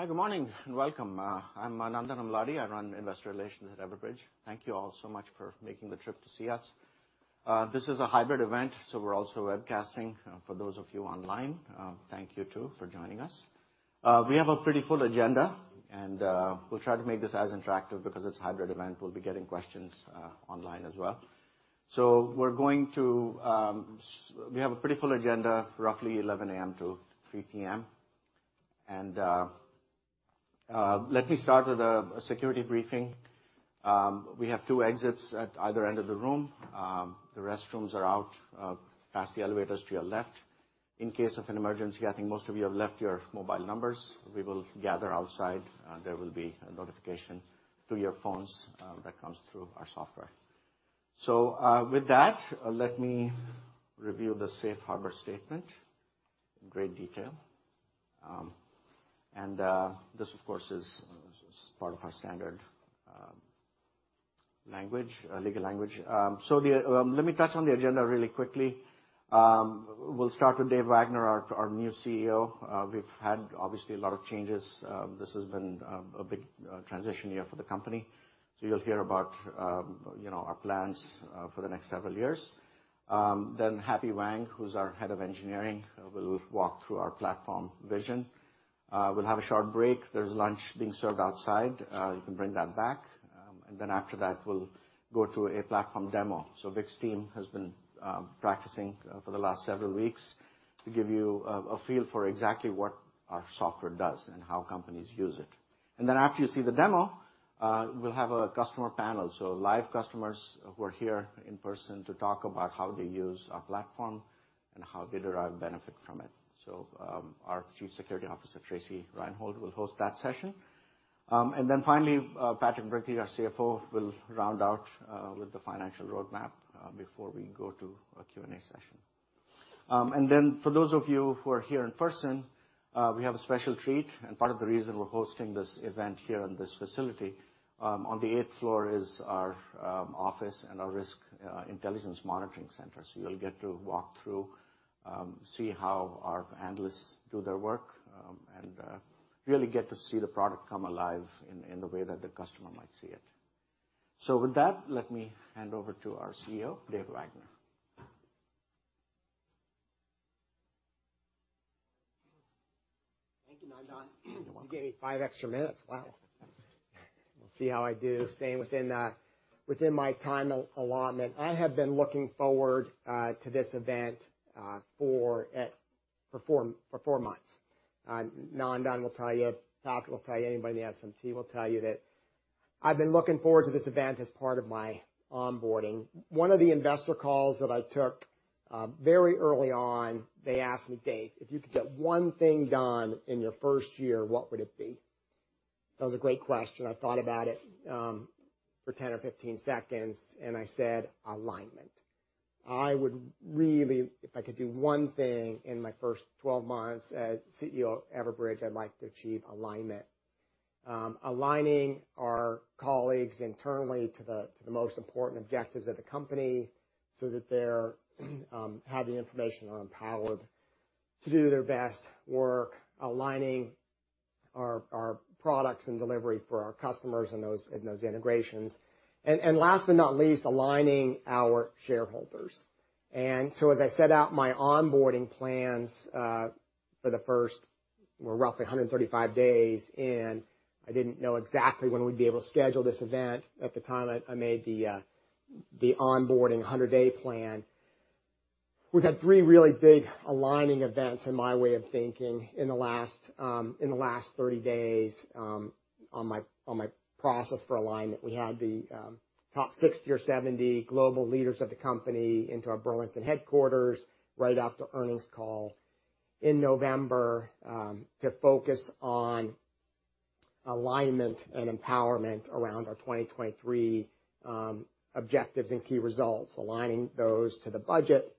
Hi, good morning and welcome. I'm Nandan Amladi. I run Investor Relations at Everbridge. Thank you all so much for making the trip to see us. This is a hybrid event, so we're also webcasting for those of you online. Thank you too for joining us. We have a pretty full agenda, and we'll try to make this as interactive because it's a hybrid event. We'll be getting questions online as well. We have a pretty full agenda, roughly 11:00 A.M. to 3:00 P.M. Let me start with a security briefing. We have two exits at either end of the room. The restrooms are out past the elevators to your left. In case of an emergency, I think most of you have left your mobile numbers. We will gather outside. There will be a notification to your phones that comes through our software. With that, let me review the safe harbor statement in great detail. This, of course, is part of our standard language, legal language. Let me touch on the agenda really quickly. We'll start with Dave Wagner, our new CEO. We've had obviously a lot of changes. This has been a big transition year for the company. You'll hear about, you know, our plans for the next several years. Happy Wang, who's our Head of Engineering, will walk through our platform vision. We'll have a short break. There's lunch being served outside. You can bring that back. After that, we'll go to a platform demo. Vick's team has been practicing for the last several weeks to give you a feel for exactly what our software does and how companies use it. After you see the demo, we'll have a customer panel, so live customers who are here in person to talk about how they use our platform and how they derive benefit from it. Our Chief Security Officer, Tracy Reinhold, will host that session. Finally, Patrick Murphy, our CFO, will round out with the financial roadmap before we go to a Q&A session. For those of you who are here in person, we have a special treat, and part of the reason we're hosting this event here in this facility, on the eighth floor is our office and our Risk Intelligence Monitoring Center. You'll get to walk through, see how our analysts do their work, and really get to see the product come alive in the way that the customer might see it. With that, let me hand over to our CEO, Dave Wagner. Thank you, Nandan. You're welcome. You gave me five extra minutes. Wow. We'll see how I do staying within my time allotment. I have been looking forward to this event for four months. Nandan will tell you, Pat will tell you, anybody in the SMT will tell you that I've been looking forward to this event as part of my onboarding. One of the investor calls that I took very early on, they asked me, "Dave, if you could get one thing done in your first year, what would it be?" That was a great question. I thought about it for 10 or 15 seconds, and I said, "Alignment." I would really, if I could do one thing in my first 12 months as CEO of Everbridge, I'd like to achieve alignment. Aligning our colleagues internally to the most important objectives of the company so that they're have the information and are empowered to do their best work, aligning our products and delivery for our customers in those integrations. Last but not least, aligning our shareholders. As I set out my onboarding plans for the first roughly 135 days in, I didn't know exactly when we'd be able to schedule this event. At the time I made the onboarding 100-day plan. We've had three really big aligning events in my way of thinking in the last in the last 30 days on my process for alignment. We had the top 60 or 70 global leaders of the company into our Burlington headquarters right after earnings call in November to focus on alignment and empowerment around our 2023 objectives and key results, aligning those to the budget.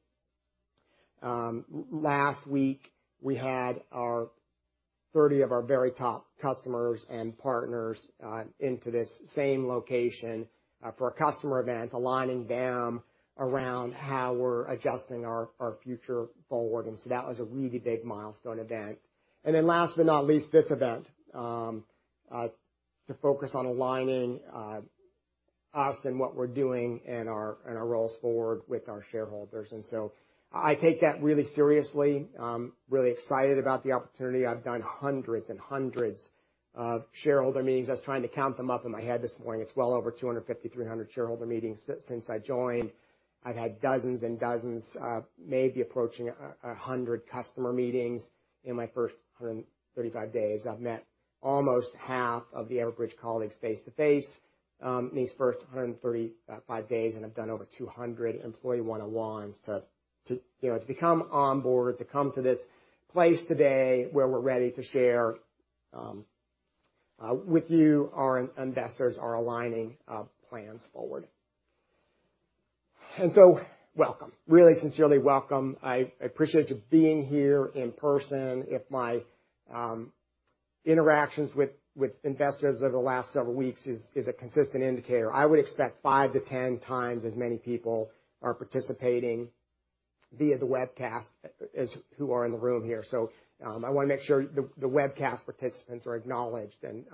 Last week, we had 30 of our very top customers and partners into this same location for a customer event, aligning them around how we're adjusting our future forward. That was a really big milestone event. Last but not least, this event to focus on aligning us and what we're doing and our roles forward with our shareholders. I take that really seriously. I'm really excited about the opportunity. I've done hundreds and hundreds of shareholder meetings. I was trying to count them up in my head this morning. It's well over 250, 300 shareholder meetings since I joined. I've had dozens and dozens, maybe approaching a 100 customer meetings in my first 135 days. I've met almost half of the Everbridge colleagues face-to-face in these first 135 days, and I've done over 200 employee one-on-ones to, you know, to become onboard, to come to this place today where we're ready to share with you, our investors, our aligning of plans forward. Welcome. Really sincerely welcome. I appreciate you being here in person. If my Interactions with investors over the last several weeks is a consistent indicator. I would expect 5 to 10 times as many people are participating via the webcast as who are in the room here. I wanna make sure the webcast participants are acknowledged and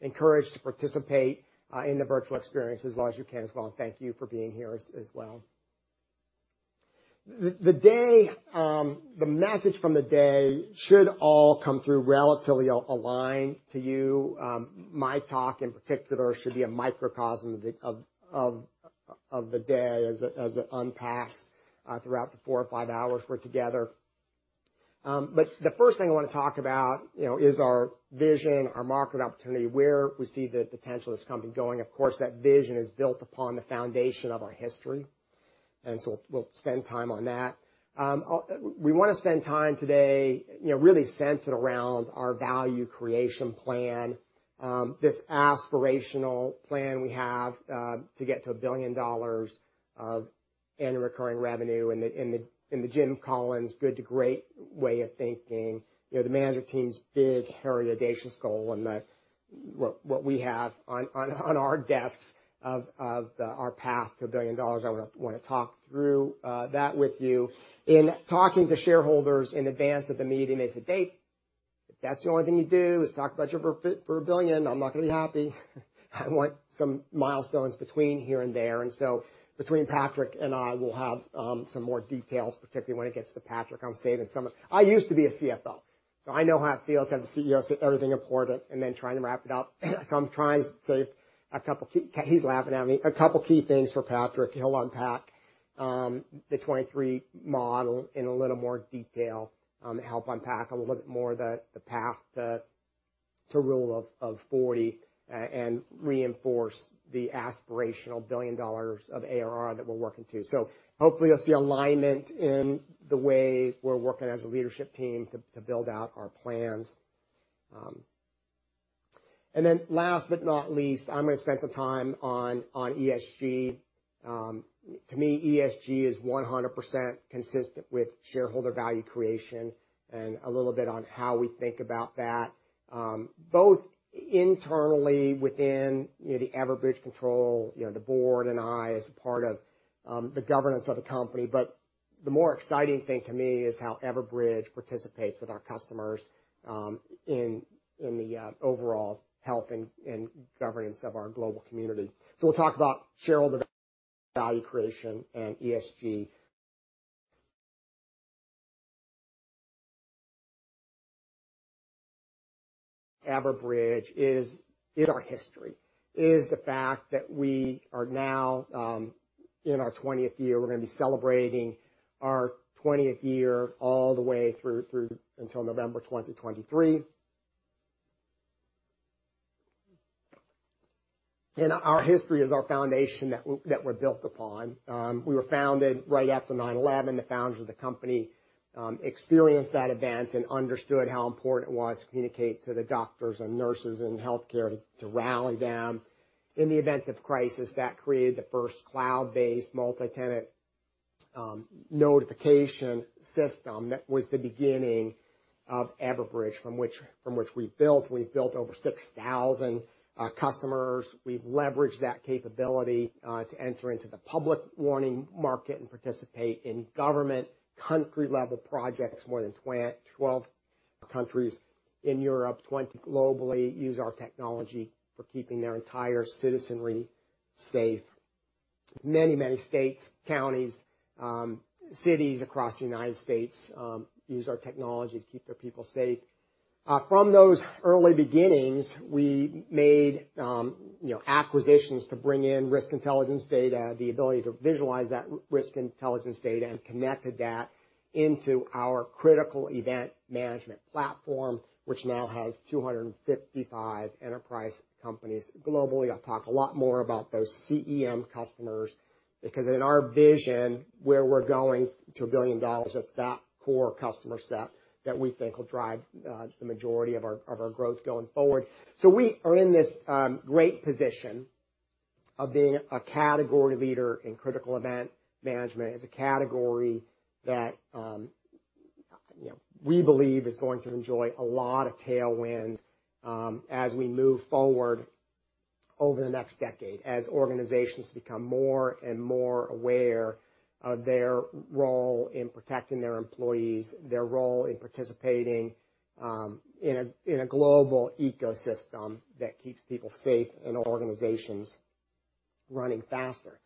encouraged to participate in the virtual experience as well as you can as well. Thank you for being here as well. The day, the message from the day should all come through relatively aligned to you. My talk, in particular, should be a microcosm of the day as it unpacks throughout the four or five hours we're together. The first thing I wanna talk about, you know, is our vision, our market opportunity, where we see the potential of this company going. Of course, that vision is built upon the foundation of our history. We'll spend time on that. We wanna spend time today, you know, really centered around our value creation plan, this aspirational plan we have to get to $1 billion of annual recurring revenue in the Jim Collins Good to Great way of thinking. You know, the management team's big, hairy, audacious goal and what we have on our desks of our path to $1 billion. I wanna talk through that with you. In talking to shareholders in advance of the meeting, they said, "Dave, if that's the only thing you do is talk about your vermillion, I'm not gonna be happy. I want some milestones between here and there." Between Patrick and I, we'll have some more details, particularly when it gets to Patrick. I'm saving some of... I used to be a CFO. I know how it feels to have the CEO say everything important and then trying to wrap it up. I'm trying to save a couple key... He's laughing at me. A couple key things for Patrick. He'll unpack the 23 model in a little more detail, help unpack a little bit more the path to Rule of 40, and reinforce the aspirational $1 billion of ARR that we're working to. Hopefully, you'll see alignment in the way we're working as a leadership team to build out our plans. Last but not least, I'm gonna spend some time on ESG. To me, ESG is 100% consistent with shareholder value creation. A little bit on how we think about that, both internally within, you know, the Everbridge control, you know, the board and I as a part of the governance of the company. The more exciting thing to me is how Everbridge participates with our customers, in the overall health and governance of our global community. We'll talk about shareholder value creation and ESG. Everbridge is in our history. Is the fact that we are now in our 20th year. We're gonna be celebrating our 20th year all the way through until November 2023. Our history is our foundation that we're built upon. We were founded right after 9/11. The founders of the company experienced that event and understood how important it was to communicate to the doctors and nurses in healthcare to rally them in the event of crisis. That created the first cloud-based multi-tenant notification system that was the beginning of Everbridge from which we built. We've built over 6,000 customers. We've leveraged that capability to enter into the public warning market and participate in government country-level projects. More than 12 countries in Europe, 20 globally use our technology for keeping their entire citizenry safe. Many states, counties, cities across the U.S., use our technology to keep their people safe. From those early beginnings, we made, you know, acquisitions to bring in risk intelligence data, the ability to visualize that risk intelligence data and connected that into our critical event management platform, which now has 255 enterprise companies globally. I'll talk a lot more about those CEM customers, because in our vision, where we're going to $1 billion, it's that core customer set that we think will drive the majority of our, of our growth going forward. we are in this great position of being a category leader in critical event management. It's a category that, you know, we believe is going to enjoy a lot of tailwind, as we move forward over the next decade, as organizations become more and more aware of their role in protecting their employees, their role in participating, in a, in a global ecosystem that keeps people safe and organizations running faster.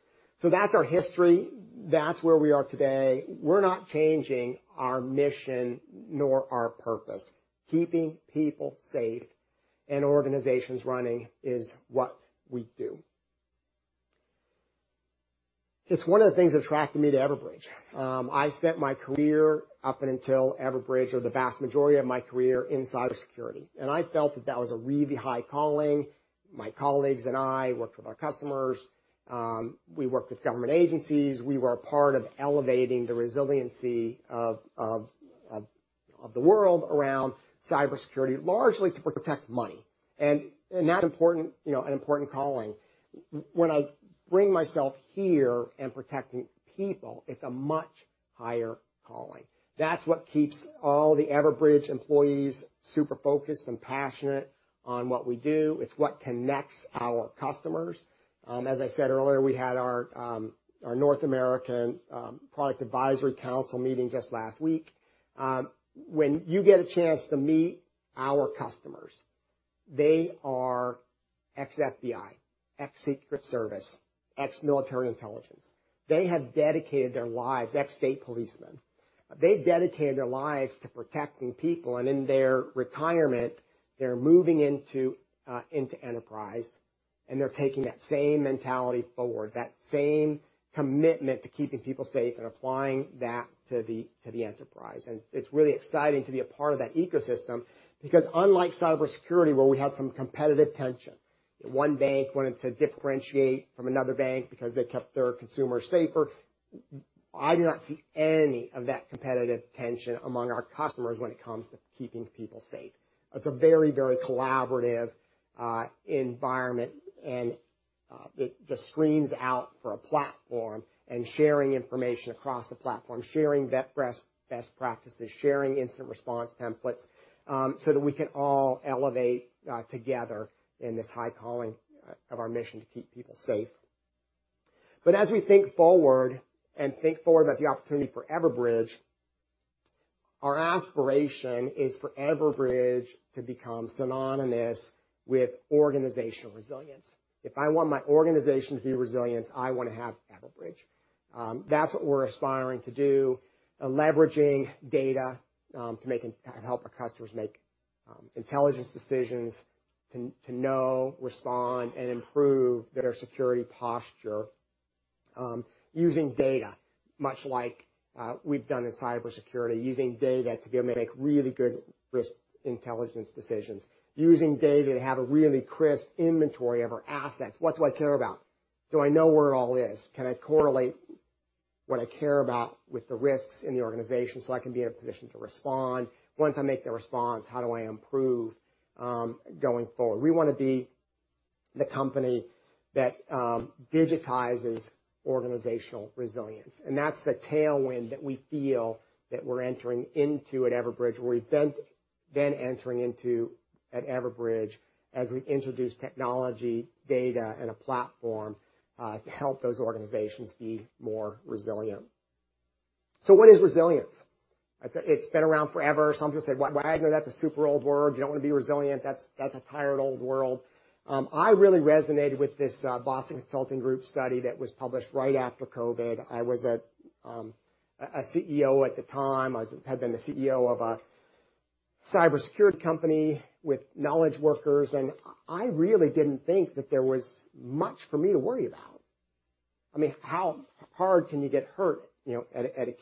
That's our history. That's where we are today. We're not changing our mission nor our purpose. Keeping people safe and organizations running is what we do. It's one of the things that attracted me to Everbridge. I spent my career up and until Everbridge or the vast majority of my career in cybersecurity, and I felt that that was a really high calling. My colleagues and I worked with our customers. We worked with government agencies. We were a part of elevating the resiliency of the world around cybersecurity, largely to protect money. That's important, you know, an important calling. When I bring myself here in protecting people, it's a much higher calling. That's what keeps all the Everbridge employees super focused and passionate on what we do. It's what connects our customers. As I said earlier, we had our North American Product Advisory Council meeting just last week. When you get a chance to meet our customers, they are ex-FBI, ex-Secret Service, ex-military intelligence. They have dedicated their lives... Ex-state policemen. They've dedicated their lives to protecting people, and in their retirement, they're moving into enterprise, and they're taking that same mentality forward, that same commitment to keeping people safe and applying that to the enterprise. It's really exciting to be a part of that ecosystem, because unlike cybersecurity, where we had some competitive tension, one bank wanted to differentiate from another bank because they kept their consumers safer, I do not see any of that competitive tension among our customers when it comes to keeping people safe. It's a very, very collaborative environment, and the screams out for a platform and sharing information across the platform, sharing best practices, sharing instant response templates, so that we can all elevate together in this high calling of our mission to keep people safe. As we think forward and think forward about the opportunity for Everbridge, our aspiration is for Everbridge to become synonymous with organizational resilience. If I want my organization to be resilient, I wanna have Everbridge. That's what we're aspiring to do, leveraging data, help our customers make intelligence decisions to know, respond, and improve their security posture, using data, much like we've done in cybersecurity, using data to be able to make really good risk intelligence decisions. Using data to have a really crisp inventory of our assets. What do I care about? Do I know where it all is? Can I correlate what I care about with the risks in the organization so I can be in a position to respond? Once I make the response, how do I improve going forward? We wanna be the company that digitizes organizational resilience, and that's the tailwind that we feel that we're entering into at Everbridge. We're then entering into at Everbridge as we introduce technology, data, and a platform to help those organizations be more resilient. What is resilience? It's been around forever. Some people say, "Well, I know that's a super old word. You don't wanna be resilient. That's a tired, old world." I really resonated with this Boston Consulting Group study that was published right after COVID. I was at a CEO at the time. I had been the CEO of a cybersecurity company with knowledge workers, and I really didn't think that there was much for me to worry about. I mean, how hard can you get hurt, you know, at a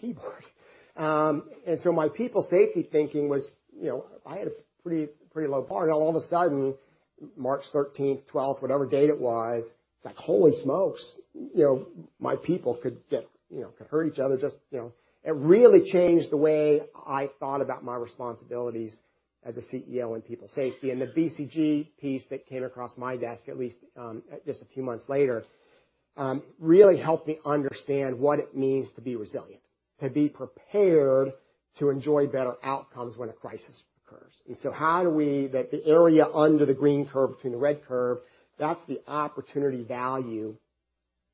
keyboard? My people safety thinking was, you know, I had a pretty low bar. Now all of a sudden, March thirteenth, twelfth, whatever date it was, it's like, holy smokes, you know, my people could get, you know, could hurt each other just, you know. It really changed the way I thought about my responsibilities as a CEO in people safety. The BCG piece that came across my desk, at least, just a few months later, really helped me understand what it means to be resilient, to be prepared to enjoy better outcomes when a crisis occurs. That the area under the green curve between the red curve, that's the opportunity value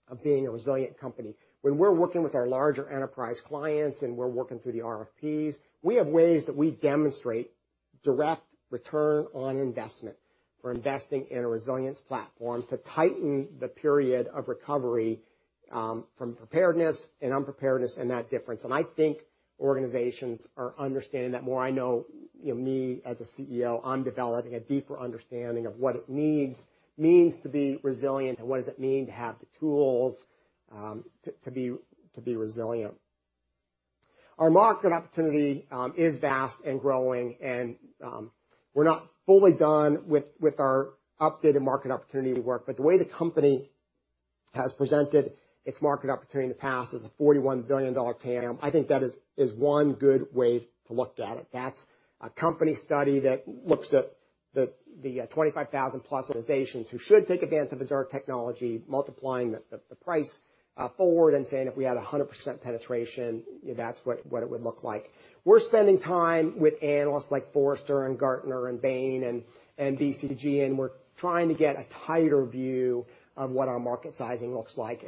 of being a resilient company. When we're working with our larger enterprise clients and we're working through the RFPs, we have ways that we demonstrate direct return on investment for investing in a resilience platform to tighten the period of recovery from preparedness and unpreparedness and that difference. I think organizations are understanding that more. I know, you know me, as a CEO, I'm developing a deeper understanding of what it means to be resilient and what does it mean to have the tools to be resilient. Our market opportunity is vast and growing and we're not fully done with our updated market opportunity work, but the way the company has presented its market opportunity in the past is a $41 billion TAM. I think that is one good way to look at it. That's a company study that looks at the 25,000 plus organizations who should take advantage of our technology, multiplying the price forward and saying, if we had 100% penetration, that's what it would look like. We're spending time with analysts like Forrester and Gartner and Bain and BCG, and we're trying to get a tighter view of what our market sizing looks like.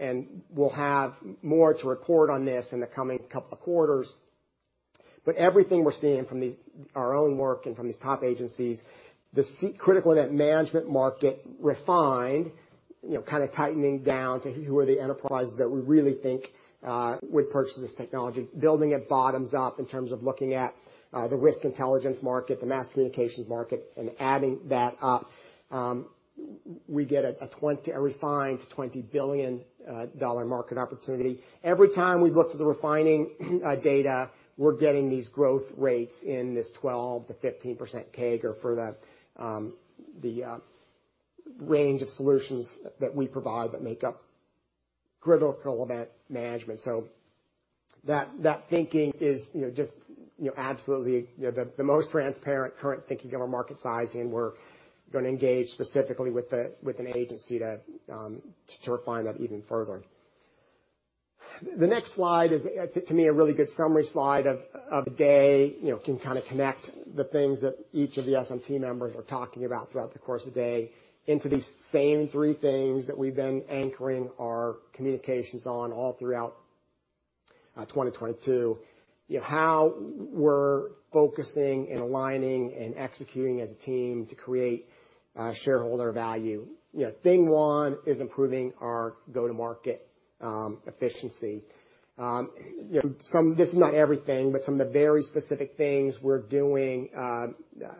We'll have more to report on this in the coming couple of quarters. Everything we're seeing from our own work and from these top agencies, the critical event management market refined, you know, kinda tightening down to who are the enterprises that we really think would purchase this technology. Building it bottoms up in terms of looking at the risk intelligence market, the mass communications market, and adding that up. We get a refined $20 billion market opportunity. Every time we've looked at the refining data, we're getting these growth rates in this 12%-15% CAGR for the range of solutions that we provide that make up critical event management. That, that thinking is, you know, just, you know, absolutely the most transparent current thinking of our market sizing. We're gonna engage specifically with an agency to refine that even further. The next slide is to me, a really good summary slide of the day. You know, can kind of connect the things that each of the SMT members are talking about throughout the course of day into these same three things that we've been anchoring our communications on all throughout 2022. You know, how we're focusing and aligning and executing as a team to create shareholder value. You know, thing one is improving our go-to-market efficiency. You know, this is not everything, but some of the very specific things we're doing,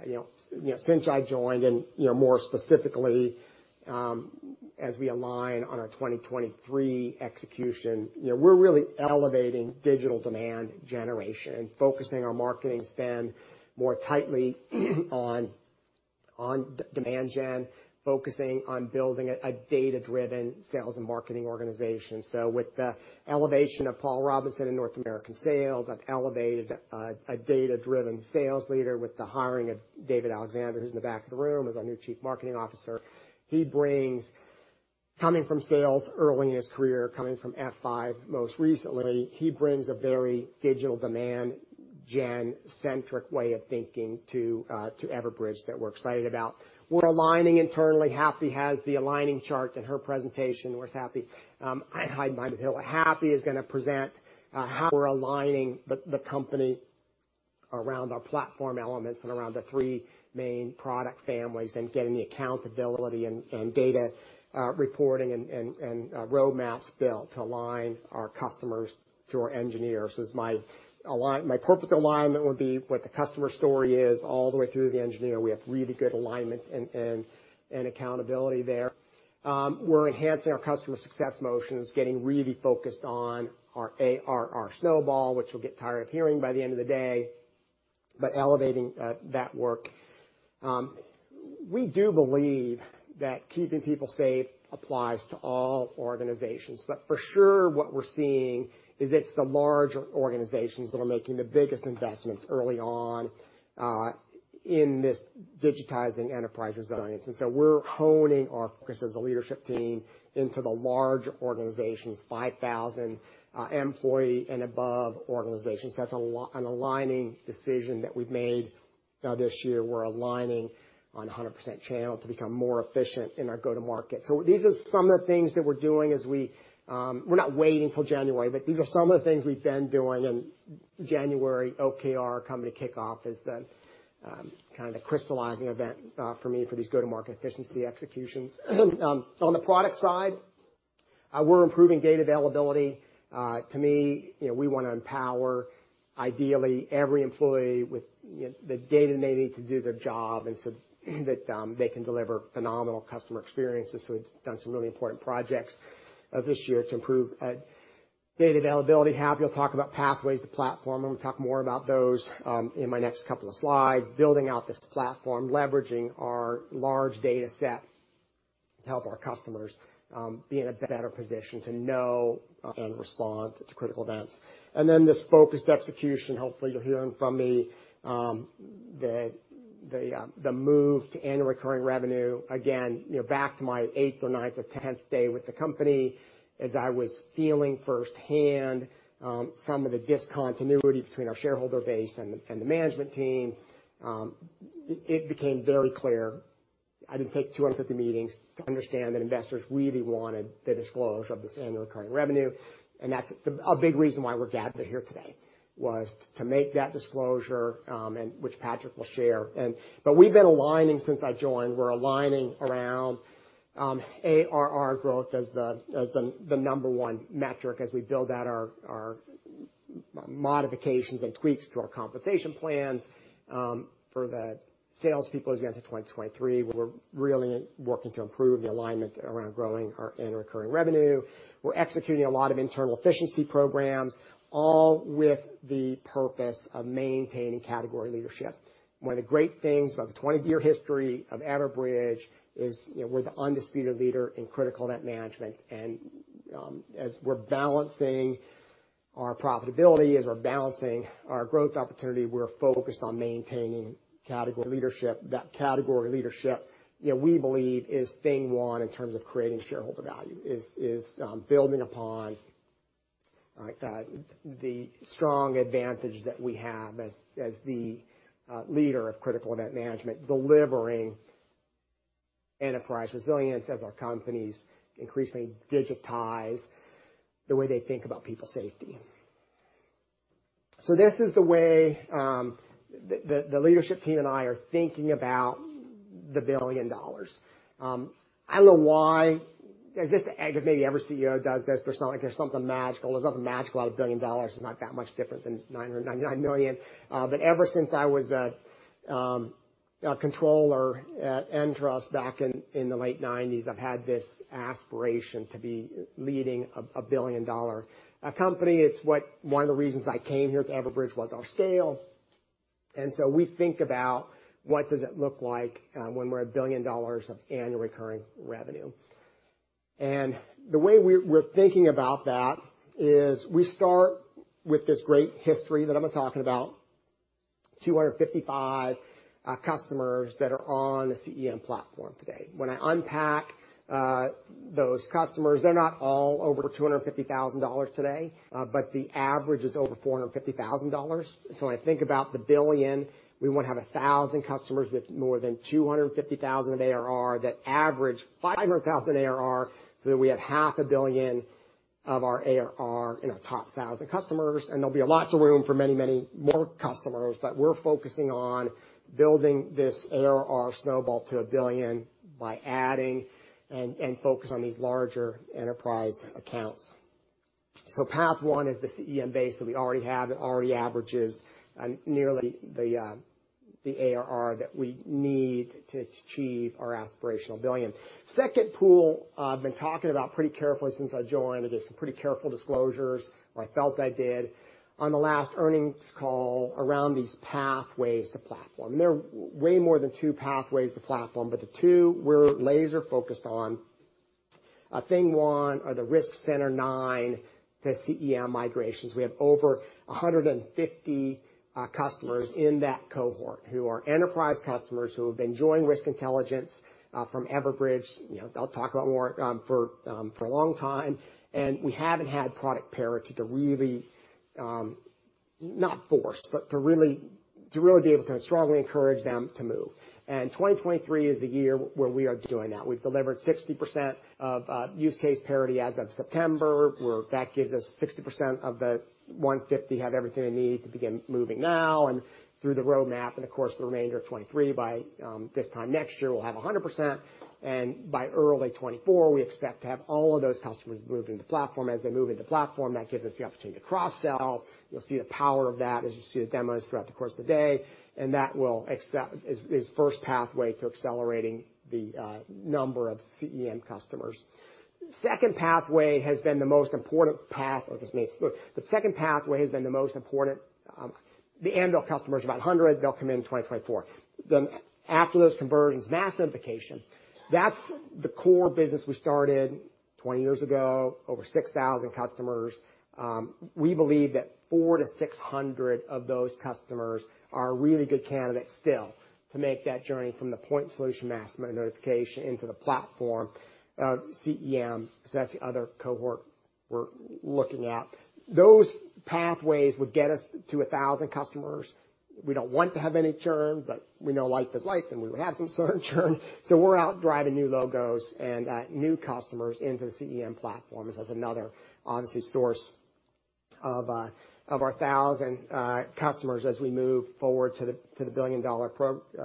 you know, since I joined and, you know, more specifically, as we align on our 2023 execution. You know, we're really elevating digital demand generation and focusing our marketing spend more tightly on demand gen, focusing on building a data-driven sales and marketing organization. With the elevation of Paul Robinson in North American sales, I've elevated a data-driven sales leader with the hiring of David Alexander, who's in the back of the room, as our new Chief Marketing Officer. He brings Coming from sales early in his career, coming from F5 most recently, he brings a very digital demand gen-centric way of thinking to Everbridge that we're excited about. We're aligning internally. Happy has the aligning chart in her presentation. Where's Happy? Behind the hill. Happy is gonna present how we're aligning the company around our platform elements and around the three main product families, and getting the accountability and data, reporting and, and, roadmaps built to align our customers to our engineers. It's my corporate alignment would be what the customer story is all the way through the engineer. We have really good alignment and, and accountability there. We're enhancing our customer success motions, getting really focused on our ARR snowball, which you'll get tired of hearing by the end of the day, but elevating that work. We do believe that keeping people safe applies to all organizations. For sure, what we're seeing is it's the larger organizations that are making the biggest investments early on in this digitizing enterprise resilience. We're honing our focus as a leadership team into the large organizations, 5,000 employee and above organizations. That's an aligning decision that we've made this year. We're aligning on 100% channel to become more efficient in our go-to-market. These are some of the things that we're doing as we. We're not waiting till January, but these are some of the things we've been doing, and January OKR company kickoff is the kind of crystallizing event for me for these go-to-market efficiency executions. On the product side, we're improving data availability. To me, you know, we wanna empower, ideally, every employee with, you know, the data they need to do their job, and so that they can deliver phenomenal customer experiences. We've done some really important projects this year to improve data availability. Happy'll talk about Pathways, the platform, and we'll talk more about those in my next couple of slides. Building out this platform, leveraging our large data set to help our customers be in a better position to know and respond to critical events. This focused execution, hopefully you're hearing from me, the move to annual recurring revenue. You know, back to my eighth or ninth or tenth day with the company, as I was feeling firsthand, some of the discontinuity between our shareholder base and the management team, it became very clear I didn't take 250 meetings to understand that investors really wanted the disclosure of this annual recurring revenue. That's a big reason why we're gathered here today, to make that disclosure, and which Patrick will share. We've been aligning since I joined. We're aligning around ARR growth as the number one metric as we build out our modifications and tweaks to our compensation plans for the salespeople as we enter 2023. We're really working to improve the alignment around growing our annual recurring revenue. We're executing a lot of internal efficiency programs, all with the purpose of maintaining category leadership. One of the great things about the 20-year history of Everbridge is, you know, we're the undisputed leader in critical event management. As we're balancing our profitability, as we're balancing our growth opportunity, we're focused on maintaining category leadership. That category leadership, you know, we believe is thing one in terms of creating shareholder value, is building upon the strong advantage that we have as the leader of critical event management, delivering enterprise resilience as our companies increasingly digitize the way they think about people safety. This is the way the leadership team and I are thinking about the $1 billion. I don't know why. Is this maybe every CEO does this. There's some, like, there's something magical. There's nothing magical about $1 billion. It's not that much different than $999 million. Ever since I was a controller at Entrust back in the late nineties, I've had this aspiration to be leading a billion-dollar company. It's one of the reasons I came here to Everbridge was our scale. We think about what does it look like when we're $1 billion of annual recurring revenue. The way we're thinking about that is we start with this great history that I've been talking about, 255 customers that are on the CEM platform today. When I unpack those customers, they're not all over $250,000 today, but the average is over $450,000. When I think about the $1 billion, we wanna have 1,000 customers with more than $250,000 of ARR that average $500,000 ARR so that we have half a billion of our ARR in our top 1,000 customers. There'll be lots of room for many, many more customers, but we're focusing on building this ARR snowball to $1 billion by adding and focus on these larger enterprise accounts. Path one is the CEM base that we already have that already averages nearly the ARR that we need to achieve our aspirational $1 billion. Second pool, I've been talking about pretty carefully since I joined. I did some pretty careful disclosures, or I felt I did, on the last earnings call around these pathways to platform. There are way more than two pathways to platform, but the two we're laser-focused on. Thing one are the Risk Center 9 to CEM migrations. We have over 150 customers in that cohort who are enterprise customers who have been joining Risk Intelligence from Everbridge. You know, they'll talk about more for a long time. We haven't had product parity to really, not forced, but to really be able to strongly encourage them to move. 2023 is the year where we are doing that. We've delivered 60% of use case parity as of September, where that gives us 60% of the 150 have everything they need to begin moving now and through the roadmap. Of course, the remainder of 2023, by this time next year, we'll have 100%. By early 2024, we expect to have all of those customers moved into platform. As they move into platform, that gives us the opportunity to cross-sell. You'll see the power of that as you see the demos throughout the course of the day, that is first pathway to accelerating the number of CEM customers. The second pathway has been the most important. The Anvil customers are about 100. They'll come in 2024. After those conversions, Mass Notification, that's the core business we started 20 years ago, over 6,000 customers. We believe that 400-600 of those customers are really good candidates still to make that journey from the point solution Mass Notification into the platform of CEM. That's the other cohort we're looking at. Those Pathways would get us to 1,000 customers. We don't want to have any churn, but we know life is life, and we would have some certain churn. We're out driving new logos and new customers into the CEM platform as another obviously source of our 1,000 customers as we move forward to the billion-dollar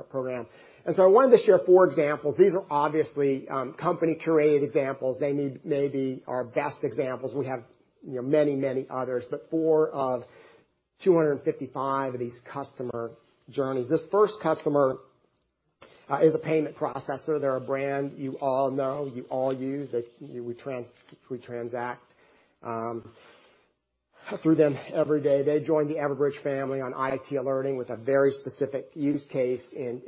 program. I wanted to share four examples. These are obviously company-curated examples. They may be our best examples. We have, you know, many, many others, but four of 255 of these customer journeys. This first customer is a payment processor. They're a brand you all know, you all use. We transact through them every day. They joined the Everbridge family on IT Alerting with a very specific use case in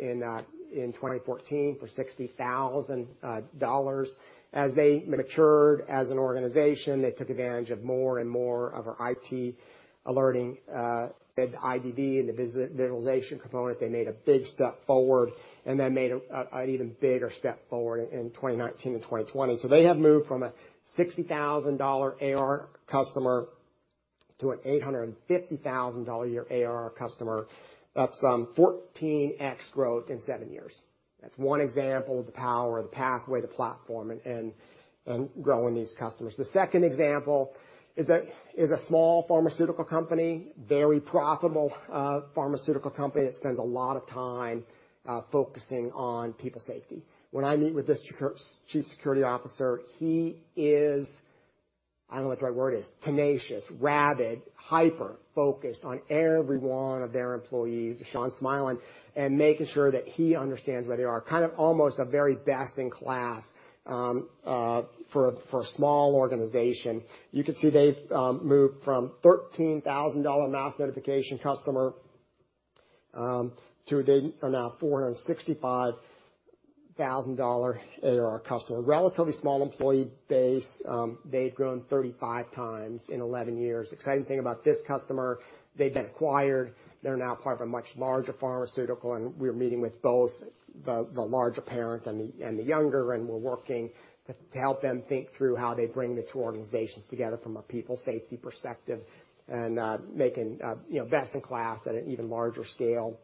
2014 for $60,000. As they matured as an organization, they took advantage of more and more of our IT Alerting, IDV and the visualization component. They made a big step forward and then made an even bigger step forward in 2019 and 2020. They have moved from a $60,000 ARR customer to an $850,000 a year ARR customer. That's 14x growth in seven years. That's oneexample of the power of the pathway to platform and growing these customers. The 2nd example is a small pharmaceutical company, very profitable pharmaceutical company that spends a lot of time focusing on people safety. When I meet with this chief security officer, he is, I don't know what the right word is, tenacious, rabid, hyper-focused on everyone of their employees, Sean Smiley, and making sure that he understands where they are, kind of almost a very best in class for a small organization. You can see they've moved from $13,000 Mass Notification customer to they are now $465,000 ARR customer. Relatively small employee base. They've grown 35 times in 11 years. Exciting thing about this customer, they've been acquired. They're now part of a much larger pharmaceutical, and we're meeting with both the larger parent and the younger, and we're working to help them think through how they bring the two organizations together from a people safety perspective and, you know, best in class at an even larger scale.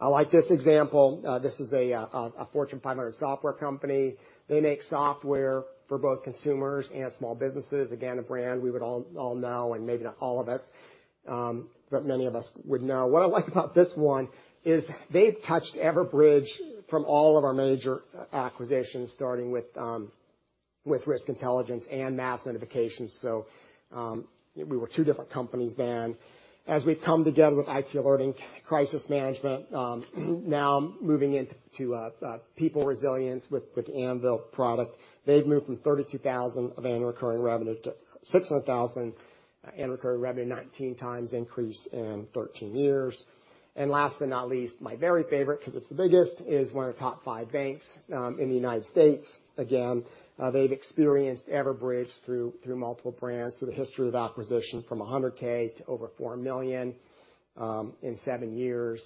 I like this example. This is a Fortune 500 software company. They make software for both consumers and small businesses. Again, a brand we would all know, and maybe not all of us, but many of us would know. What I like about this one is they've touched Everbridge from all of our major acquisitions, starting with Risk Intelligence and Mass Notification. We were two different companies then. As we've come together with IT Alerting, crisis management, now moving into people resilience with Anvil product, they've moved from $32,000 of annual recurring revenue to $600,000 annual recurring revenue 19x increase in 13 years. Last but not least, my very favorite, 'cause it's the biggest, is one of the top 5 banks in the United States. Again, they've experienced Everbridge through multiple brands, through the history of acquisition from $100K to over $4 million in seven years.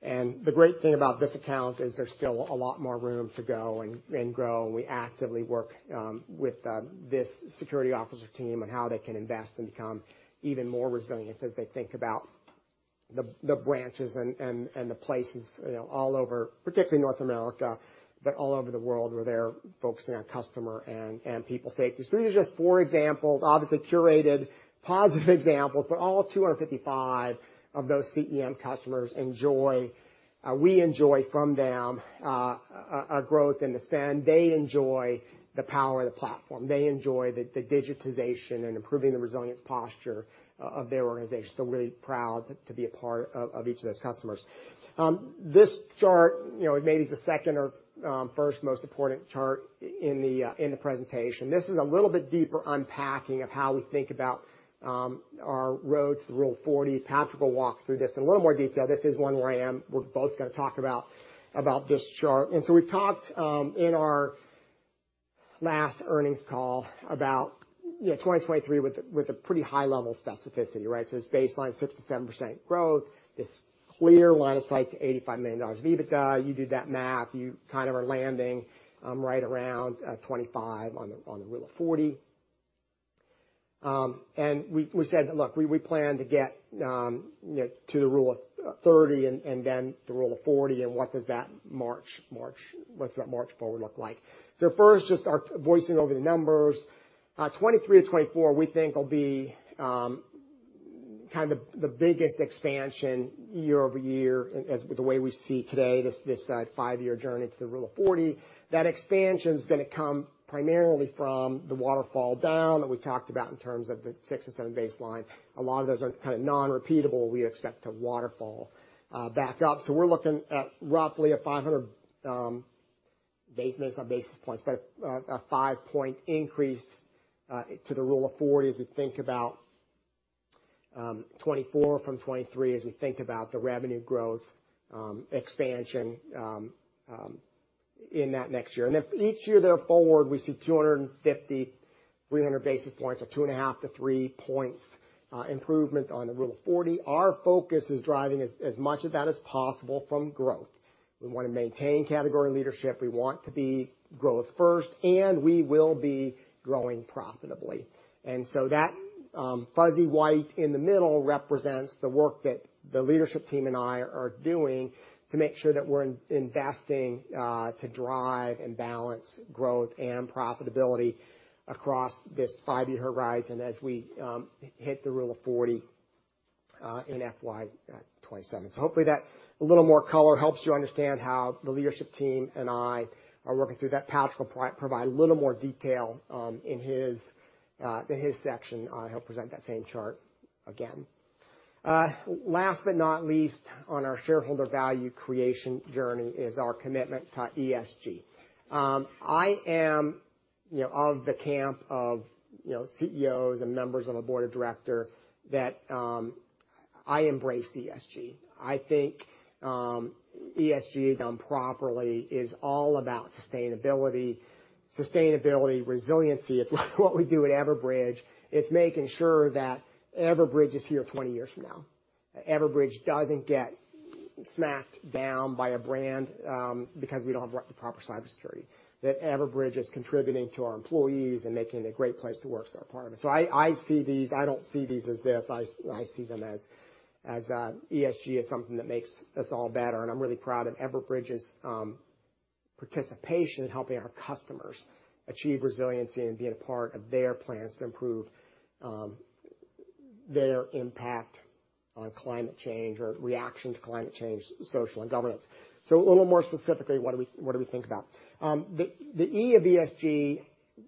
The great thing about this account is there's still a lot more room to go and grow. We actively work with this security officer team on how they can invest and become even more resilient as they think about the branches and the places, you know, all over, particularly North America, but all over the world where they're focusing on customer and people safety. These are just four examples, obviously curated, positive examples, but all 255 of those CEM customers enjoy, we enjoy from them a growth in the spend. They enjoy the power of the platform. They enjoy the digitization and improving the resilience posture of their organization. We're really proud to be a part of each of those customers. This chart, you know, it may be the second or first most important chart in the, in the presentation. This is a little bit deeper unpacking of how we think about our road to the Rule of 40. Patrick will walk through this in a little more detail. This is one where we're both gonna talk about this chart. We've talked in our last earnings call about, you know, 2023 with a pretty high-level specificity, right? It's baseline 6%-7% growth. This clear line of sight to $85 million EBITDA. You do that math, you kind of are landing right around 25 on the Rule of 40. We, we said, look, we plan to get, you know, to the rule of 30 and then the Rule of 40, and what does that march forward look like? First, just start voicing over the numbers. 2023-2024, we think will be kind of the biggest expansion year-over-year as with the way we see today, this five-year journey to the Rule of 40. That expansion is gonna come primarily from the waterfall down that we talked about in terms of the 6-7 baseline. A lot of those are kind of non-repeatable, we expect to waterfall back up. We're looking at roughly 500 basis points, but a five-point increase to the Rule of 40 as we think about 2024 from 2023, as we think about the revenue growth expansion in that next year. If each year they're forward, we see 250, 300 basis points or 2.5-3 points improvement on the Rule of 40. Our focus is driving as much of that as possible from growth. We wanna maintain category leadership, we want to be growth first, we will be growing profitably. So that fuzzy white in the middle represents the work that the leadership team and I are doing to make sure that we're investing to drive and balance growth and profitability across this five-year horizon as we hit the Rule of 40 in FY 2027. Hopefully that a little more color helps you understand how the leadership team and I are working through that. Patrick will provide a little more detail in his section. He'll present that same chart again. Last but not least on our shareholder value creation journey is our commitment to ESG. I am, you know, of the camp of, you know, CEOs and members of a board of director that I embrace ESG. I think ESG done properly is all about sustainability. Sustainability, resiliency. It's what we do at Everbridge. It's making sure that Everbridge is here 20 years from now. Everbridge doesn't get smacked down by a brand because we don't have the proper cybersecurity. That Everbridge is contributing to our employees and making it a great place to work as our part of it. I see these-- I don't see these as this. I see them as ESG as something that makes us all better. I'm really proud of Everbridge's participation in helping our customers achieve resiliency and being a part of their plans to improve their impact on climate change or reaction to climate change, social, and governance. A little more specifically, what do we think about? The E of ESG,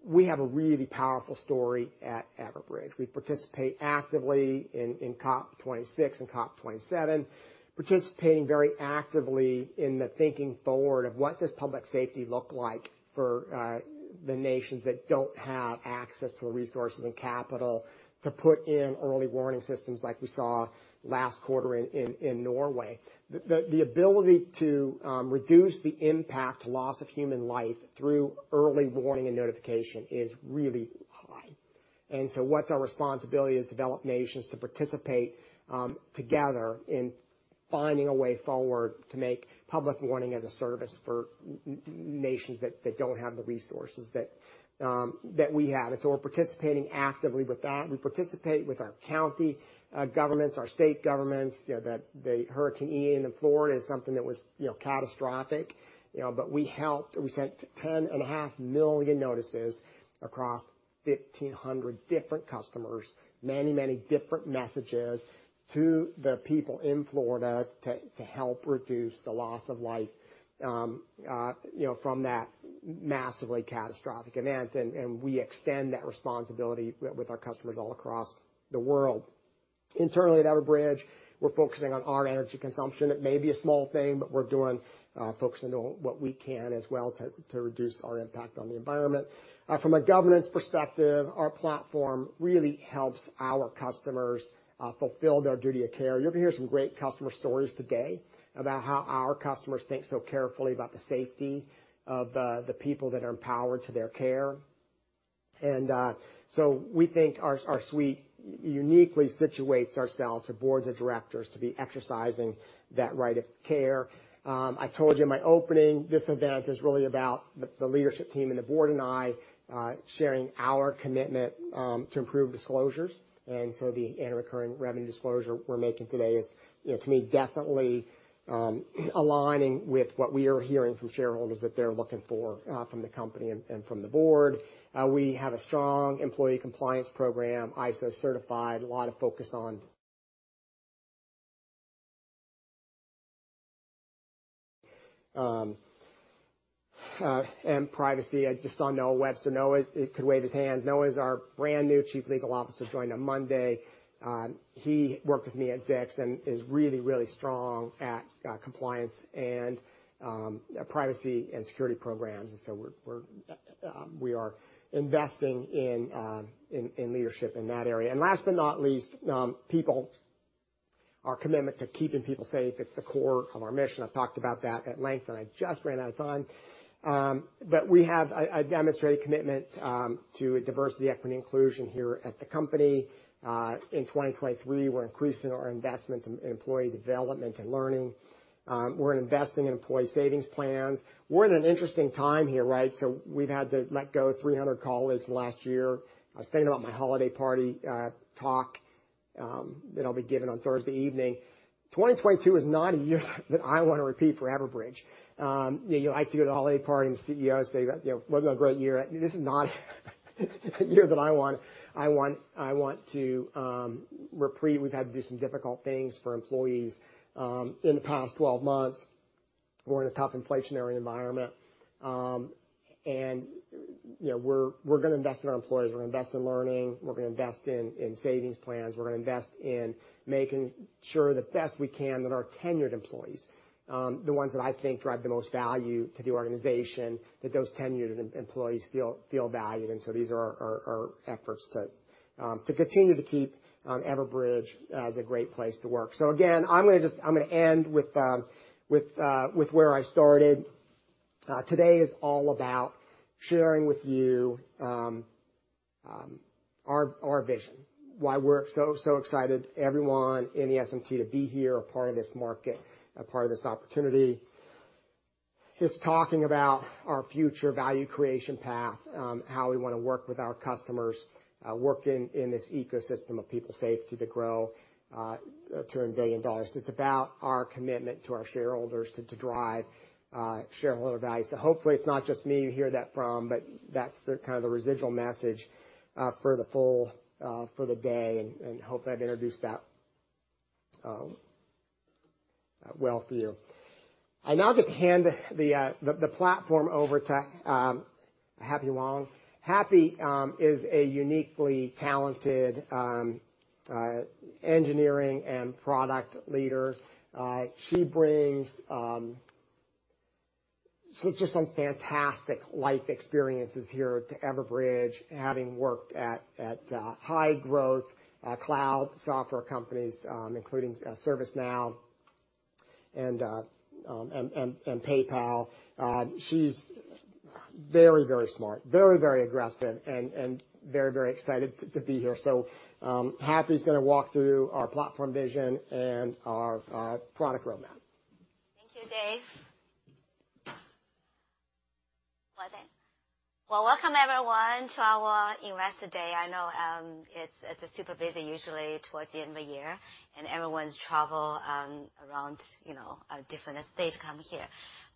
we have a really powerful story at Everbridge. We participate actively in COP26 and COP27, participating very actively in the thinking forward of what does public safety look like for the nations that don't have access to the resources and capital to put in early warning systems like we saw last quarter in Norway. The ability to reduce the impact to loss of human life through early warning and notification is really high. What's our responsibility as developed nations to participate, together in finding a way forward to make public warning as a service for nations that don't have the resources that we have. We're participating actively with that. We participate with our county governments, our state governments. You know, the Hurricane Ian in Florida is something that was, you know, catastrophic, you know, but we helped. We sent $10.5 million notices across 1,500 different customers, many, many different messages to the people in Florida to help reduce the loss of life, you know, from that massively catastrophic event. We extend that responsibility with our customers all across the world. Internally at Everbridge, we're focusing on our energy consumption. It may be a small thing, but we're doing, focusing on what we can as well to reduce our impact on the environment. From a governance perspective, our platform really helps our customers, fulfill their duty of care. You'll hear some great customer stories today about how our customers think so carefully about the safety of the people that are empowered to their care. We think our suite uniquely situates ourselves to boards of directors to be exercising that right of care. I told you in my opening, this event is really about the leadership team and the board and I, sharing our commitment, to improve disclosures. The annual recurring revenue disclosure we're making today is to me, definitely, aligning with what we are hearing from shareholders that they're looking for from the company and from the board. We have a strong employee compliance program, ISO certified, a lot of focus on and privacy. I just saw Noah Webster. Noah could wave his hands. Noah is our brand new chief legal officer, joined on Monday. He worked with me at Zix and is really strong at compliance and privacy and security programs. We are investing in leadership in that area. Last but not least, people. Our commitment to keeping people safe, it's the core of our mission. I've talked about that at length, and I just ran out of time. We have a demonstrated commitment to diversity, equity, and inclusion here at the company. In 2023, we're increasing our investment in employee development and learning. We're investing in employee savings plans. We're in an interesting time here, right? We've had to let go 300 colleagues last year. I was thinking about my holiday party talk that I'll be giving on Thursday evening. 2022 is not a year that I wanna repeat for Everbridge. You know, you like to go to the holiday party and the CEO say that, you know, it wasn't a great year. This is not a year that I want to reprieve. We've had to do some difficult things for employees in the past 12 months. We're in a tough inflationary environment. You know, we're gonna invest in our employees. We're gonna invest in learning. We're gonna invest in savings plans. We're gonna invest in making sure the best we can that our tenured employees, the ones that I think drive the most value to the organization, that those tenured employees feel valued. These are our efforts to continue to keep Everbridge as a great place to work. Again, I'm gonna end with with where I started. Today is all about sharing with you our vision. Why we're so excited everyone in the SMT to be here, a part of this market, a part of this opportunity. It's talking about our future value creation path, how we wanna work with our customers, working in this ecosystem of people safety to grow, to earn $1 billion. Hopefully it's not just me you hear that from, but that's the kind of the residual message for the full for the day, and hope I've introduced that well for you. I now hand the platform over to Happy Wang. Happy is a uniquely talented engineering and product leader. She brings, she's just some fantastic life experiences here to Everbridge, having worked at high growth cloud software companies, including ServiceNow and PayPal. She's very, very smart, very, very aggressive and very, very excited to be here. Happy is gonna walk through our platform vision and our product roadmap. Thank you, Dave. Well, welcome everyone to our Investor Day. I know, it's a super busy usually towards the end of the year, and everyone's travel, around, you know, a different state to come here.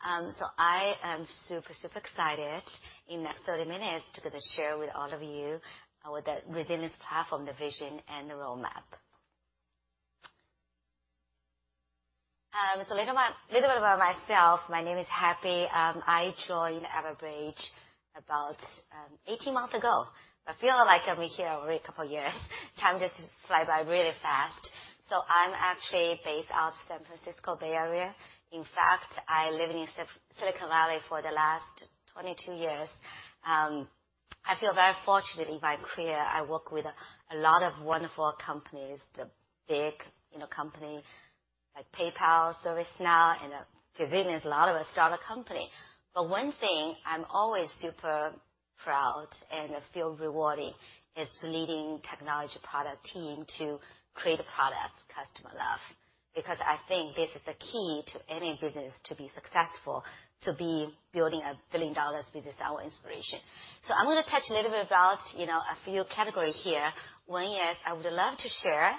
I am super excited in the next 30 minutes to kinda share with all of you, the resilience platform, the vision and the roadmap. A little bit about myself. My name is Happy. I joined Everbridge about 18 months ago. I feel like I've been here already a couple of years. Time just fly by really fast. I'm actually based out of San Francisco Bay Area. In fact, I live in Silicon Valley for the last 22 years. I feel very fortunate in my career. I work with a lot of wonderful companies, the big, you know, company like PayPal, ServiceNow, obviously there's a lot of startup company. One thing I'm always super proud and I feel rewarding is to leading technology product team to create a product customer love, because I think this is the key to any business to be successful, to be building a billion-dollar business, our inspiration. I'm going to touch a little bit about, you know, a few categories here. One is I would love to share,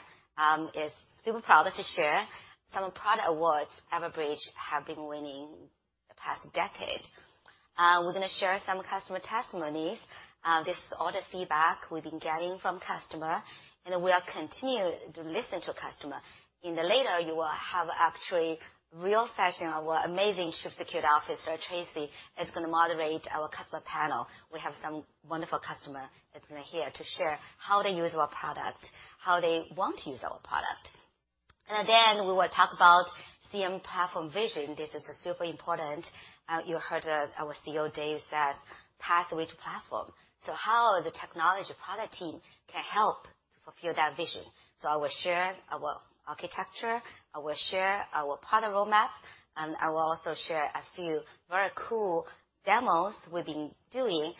is super proud to share some product awards Everbridge have been winning the past decade. We're going to share some customer testimonies. This is all the feedback we've been getting from customers, and we are continue to listen to customers. In the later, you will have actually real session, our amazing Chief Security Officer, Tracy, is gonna moderate our customer panel. We have some wonderful customer that's gonna here to share how they use our product, how they want to use our product. We will talk about CEM platform vision. This is super important. You heard our CEO, Dave, says pathway to platform. How the technology product team can help to fulfill that vision. I will share our architecture, I will share our product roadmap, and I will share a few very cool demos we've been doing.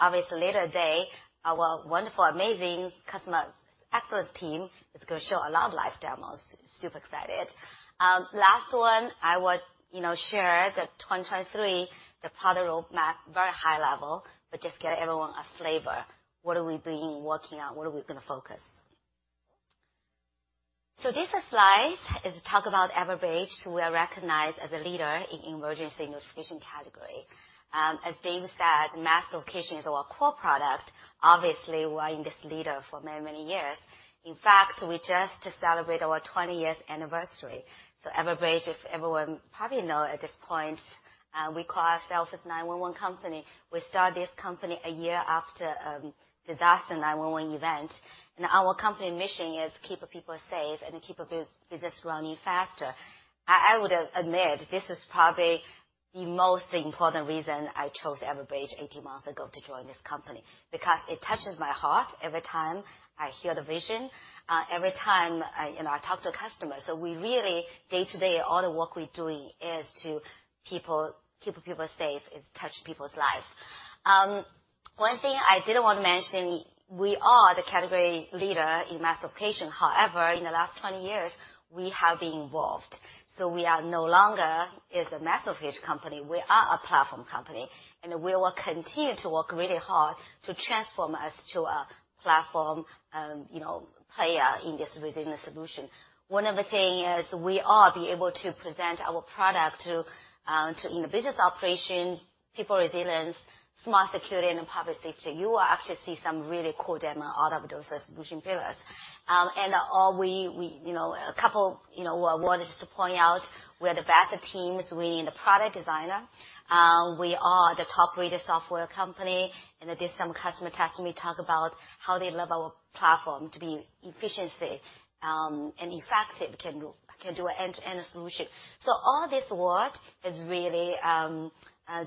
Obviously, later day, our wonderful, amazing customer expert team is gonna show a lot of live demos. Super excited. Last one, I would, you know, share the 23, the product roadmap, very high level, but just get everyone a flavor. What have we been working on? What are we gonna focus? This slide is to talk about Everbridge, who we are recognized as a leader in emergency notification category. As Dave said, Mass Notification is our core product. Obviously, we're in this leader for many, many years. In fact, we just celebrate our 20 years anniversary. Everbridge, as everyone probably know at this point, we call ourselves as 911 company. We start this company a year after disaster 911 event. Our company mission is keeping people safe and keeping business running faster. I would admit, this is probably the most important reason I chose Everbridge 18 months ago to join this company, because it touches my heart every time I hear the vision, every time I, you know, talk to a customer. We really, day to day, all the work we're doing is to people, keeping people safe. It's touched people's lives. One thing I didn't want to mention, we are the category leader in Mass Notification. However, in the last 20 years, we have evolved. We are no longer is a Mass Notification company, we are a platform company. We will continue to work really hard to transform us to a platform, you know, player in this resilience solution. One of the thing is we are be able to present our product to in a business operation, people resilience, Smart Security, and public safety. You will actually see some really cool demo, all of those solution pillars. All you know, a couple, you know, awards just to point out, we're the best teams winning the product designer. We are the top rated software company, and there's some customer testimony talk about how they love our platform to be efficiency and effective. Can do end-to-end solution. All this work is really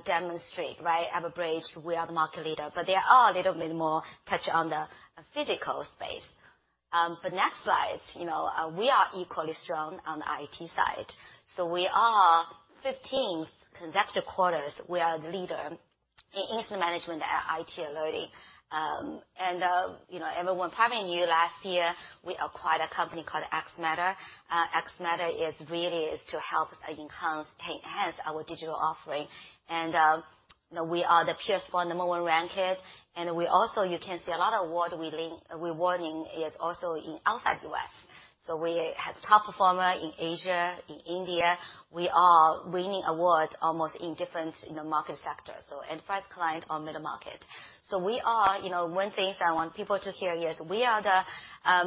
demonstrate, right? Everbridge, we are the market leader, but there are little bit more touch on the physical space. The next slide, you know, we are equally strong on the IT side. We are 15 consecutive quarters, we are the leader in incident management at IT Alerting. You know, everyone probably knew last year we acquired a company called xMatters. xMatters is really to help us enhance our digital offering. We are the PeerSpot number one ranked. We also, you can see a lot of award-winning is also in outside U.S. We have top performer in Asia, in India. We are winning awards almost in different, you know, market sectors. Enterprise client or middle market. We are, you know, one thing I want people to hear is we are the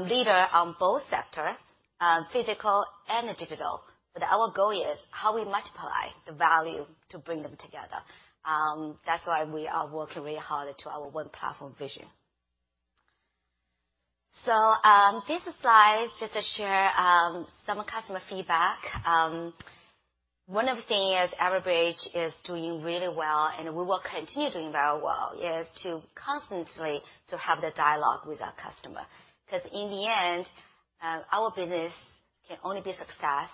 leader on both sector, physical and the digital. Our goal is how we multiply the value to bring them together. That's why we are working really hard to our one platform vision. This slide just to share some customer feedback. One of the thing is Everbridge is doing really well, and we will continue doing very well, is to constantly to have the dialogue with our customer. In the end, our business can only be a success,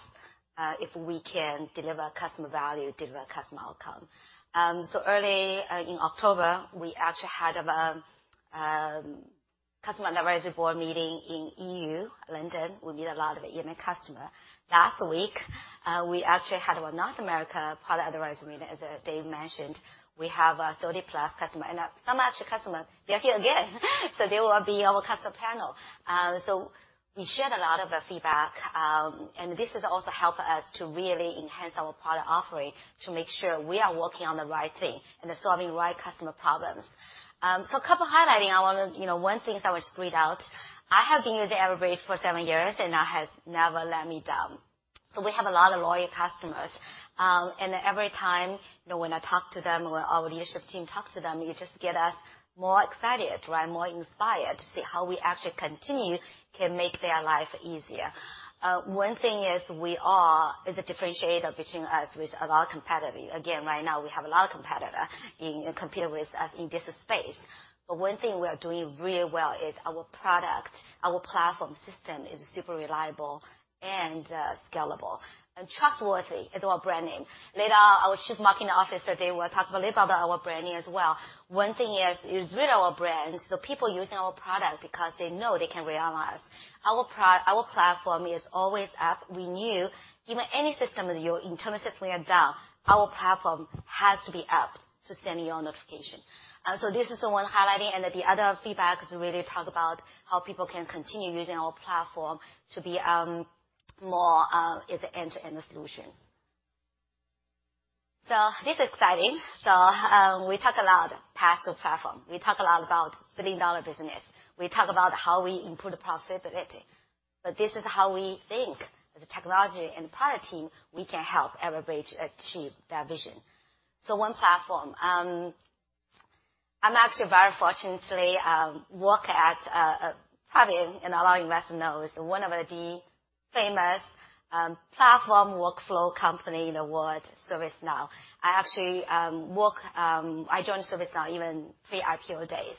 if we can deliver customer value, deliver customer outcome. Early in October, we actually had customer advisory board meeting in EU, London. We meet a lot of EMEA customer. Last week, we actually had our North America product advisory meeting, as Dave mentioned. We have 30-plus customer. Some actual customer, they're here again. They will be our customer panel. We shared a lot of feedback, and this has also helped us to really enhance our product offering to make sure we are working on the right thing and solving right customer problems. A couple highlighting. I wanna, you know, one thing I wanna read out. "I have been with Everbridge for seven years, and it has never let me down." We have a lot of loyal customers. Every time, you know, when I talk to them or our leadership team talks to them, you just get us more excited, right? More inspired to see how we actually continue to make their life easier. One thing is we are as a differentiator between us with a lot of competitor. Again, right now we have a lot of competitor in, competing with us in this space. One thing we are doing really well is our product, our platform system is super reliable and scalable. Trustworthy is our brand name. Later, our Chief Marketing Officer, Dave, will talk a little about our branding as well. One thing is with our brand, so people using our product because they know they can realize our platform is always up. We knew even any system of your internal system are down, our platform has to be up to send you a notification. This is the one highlighting. The other feedback is really talk about how people can continue using our platform to be more as an end-to-end solution. This exciting. We talk a lot path to platform. We talk a lot about billion-dollar business. We talk about how we improve profitability, but this is how we think as a technology and product team, we can help Everbridge achieve their vision. One platform. I'm actually very fortunately work at probably and allowing investment knows one of the famous platform workflow company in the world, ServiceNow. I actually work. I joined ServiceNow even pre-IPO days.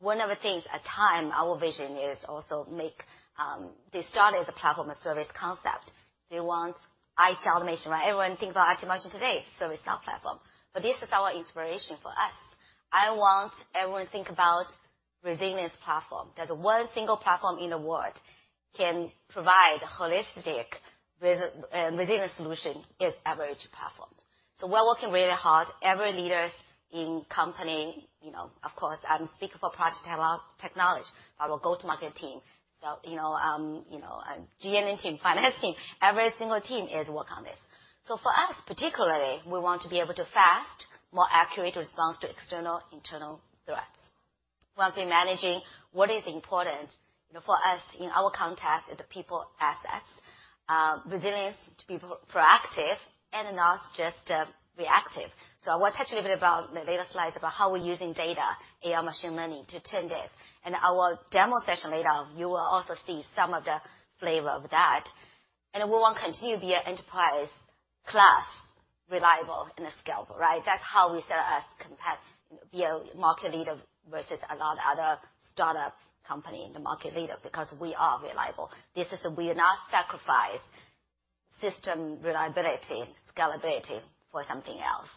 One of the things at time our vision is also make, they started the platform as service concept. They want IT automation, right? Everyone think about IT automation today, ServiceNow platform. This is our inspiration for us. I want everyone think about resilience platform. There's one single platform in the world can provide holistic resilience solution is Everbridge platform. We're working really hard. Every leaders in company, of course, I'm speaking for project technology, but our go-to-market team. GNN team, finance team, every single team is work on this. For us particularly, we want to be able to fast, more accurate response to external, internal threats. While we're managing what is important, for us in our context is the people assets. Resilience to be proactive and not just reactive. I will touch a bit about the later slides about how we're using data, AI machine learning to tend this. Our demo session later, you will also see some of the flavor of that. We want to continue be an enterprise class, reliable, and scalable, right? That's how we sell us compared, you know, be a market leader versus a lot of other startup company in the market leader because we are reliable. We are not sacrifice system reliability, scalability for something else.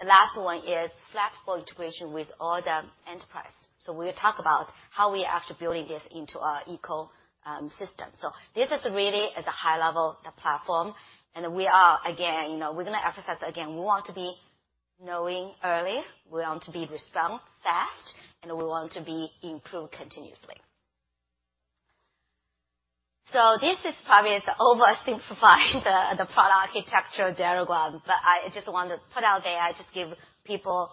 The last one is flexible integration with all the enterprise. We'll talk about how we're actually building this into our ecosystem. This is really at the high level the platform, and we are again, you know, we're gonna emphasize again, we want to be knowing early, we want to be respond fast, and we want to be improved continuously. This is probably to oversimplify the product architecture diagram, but I just want to put out there. I just give people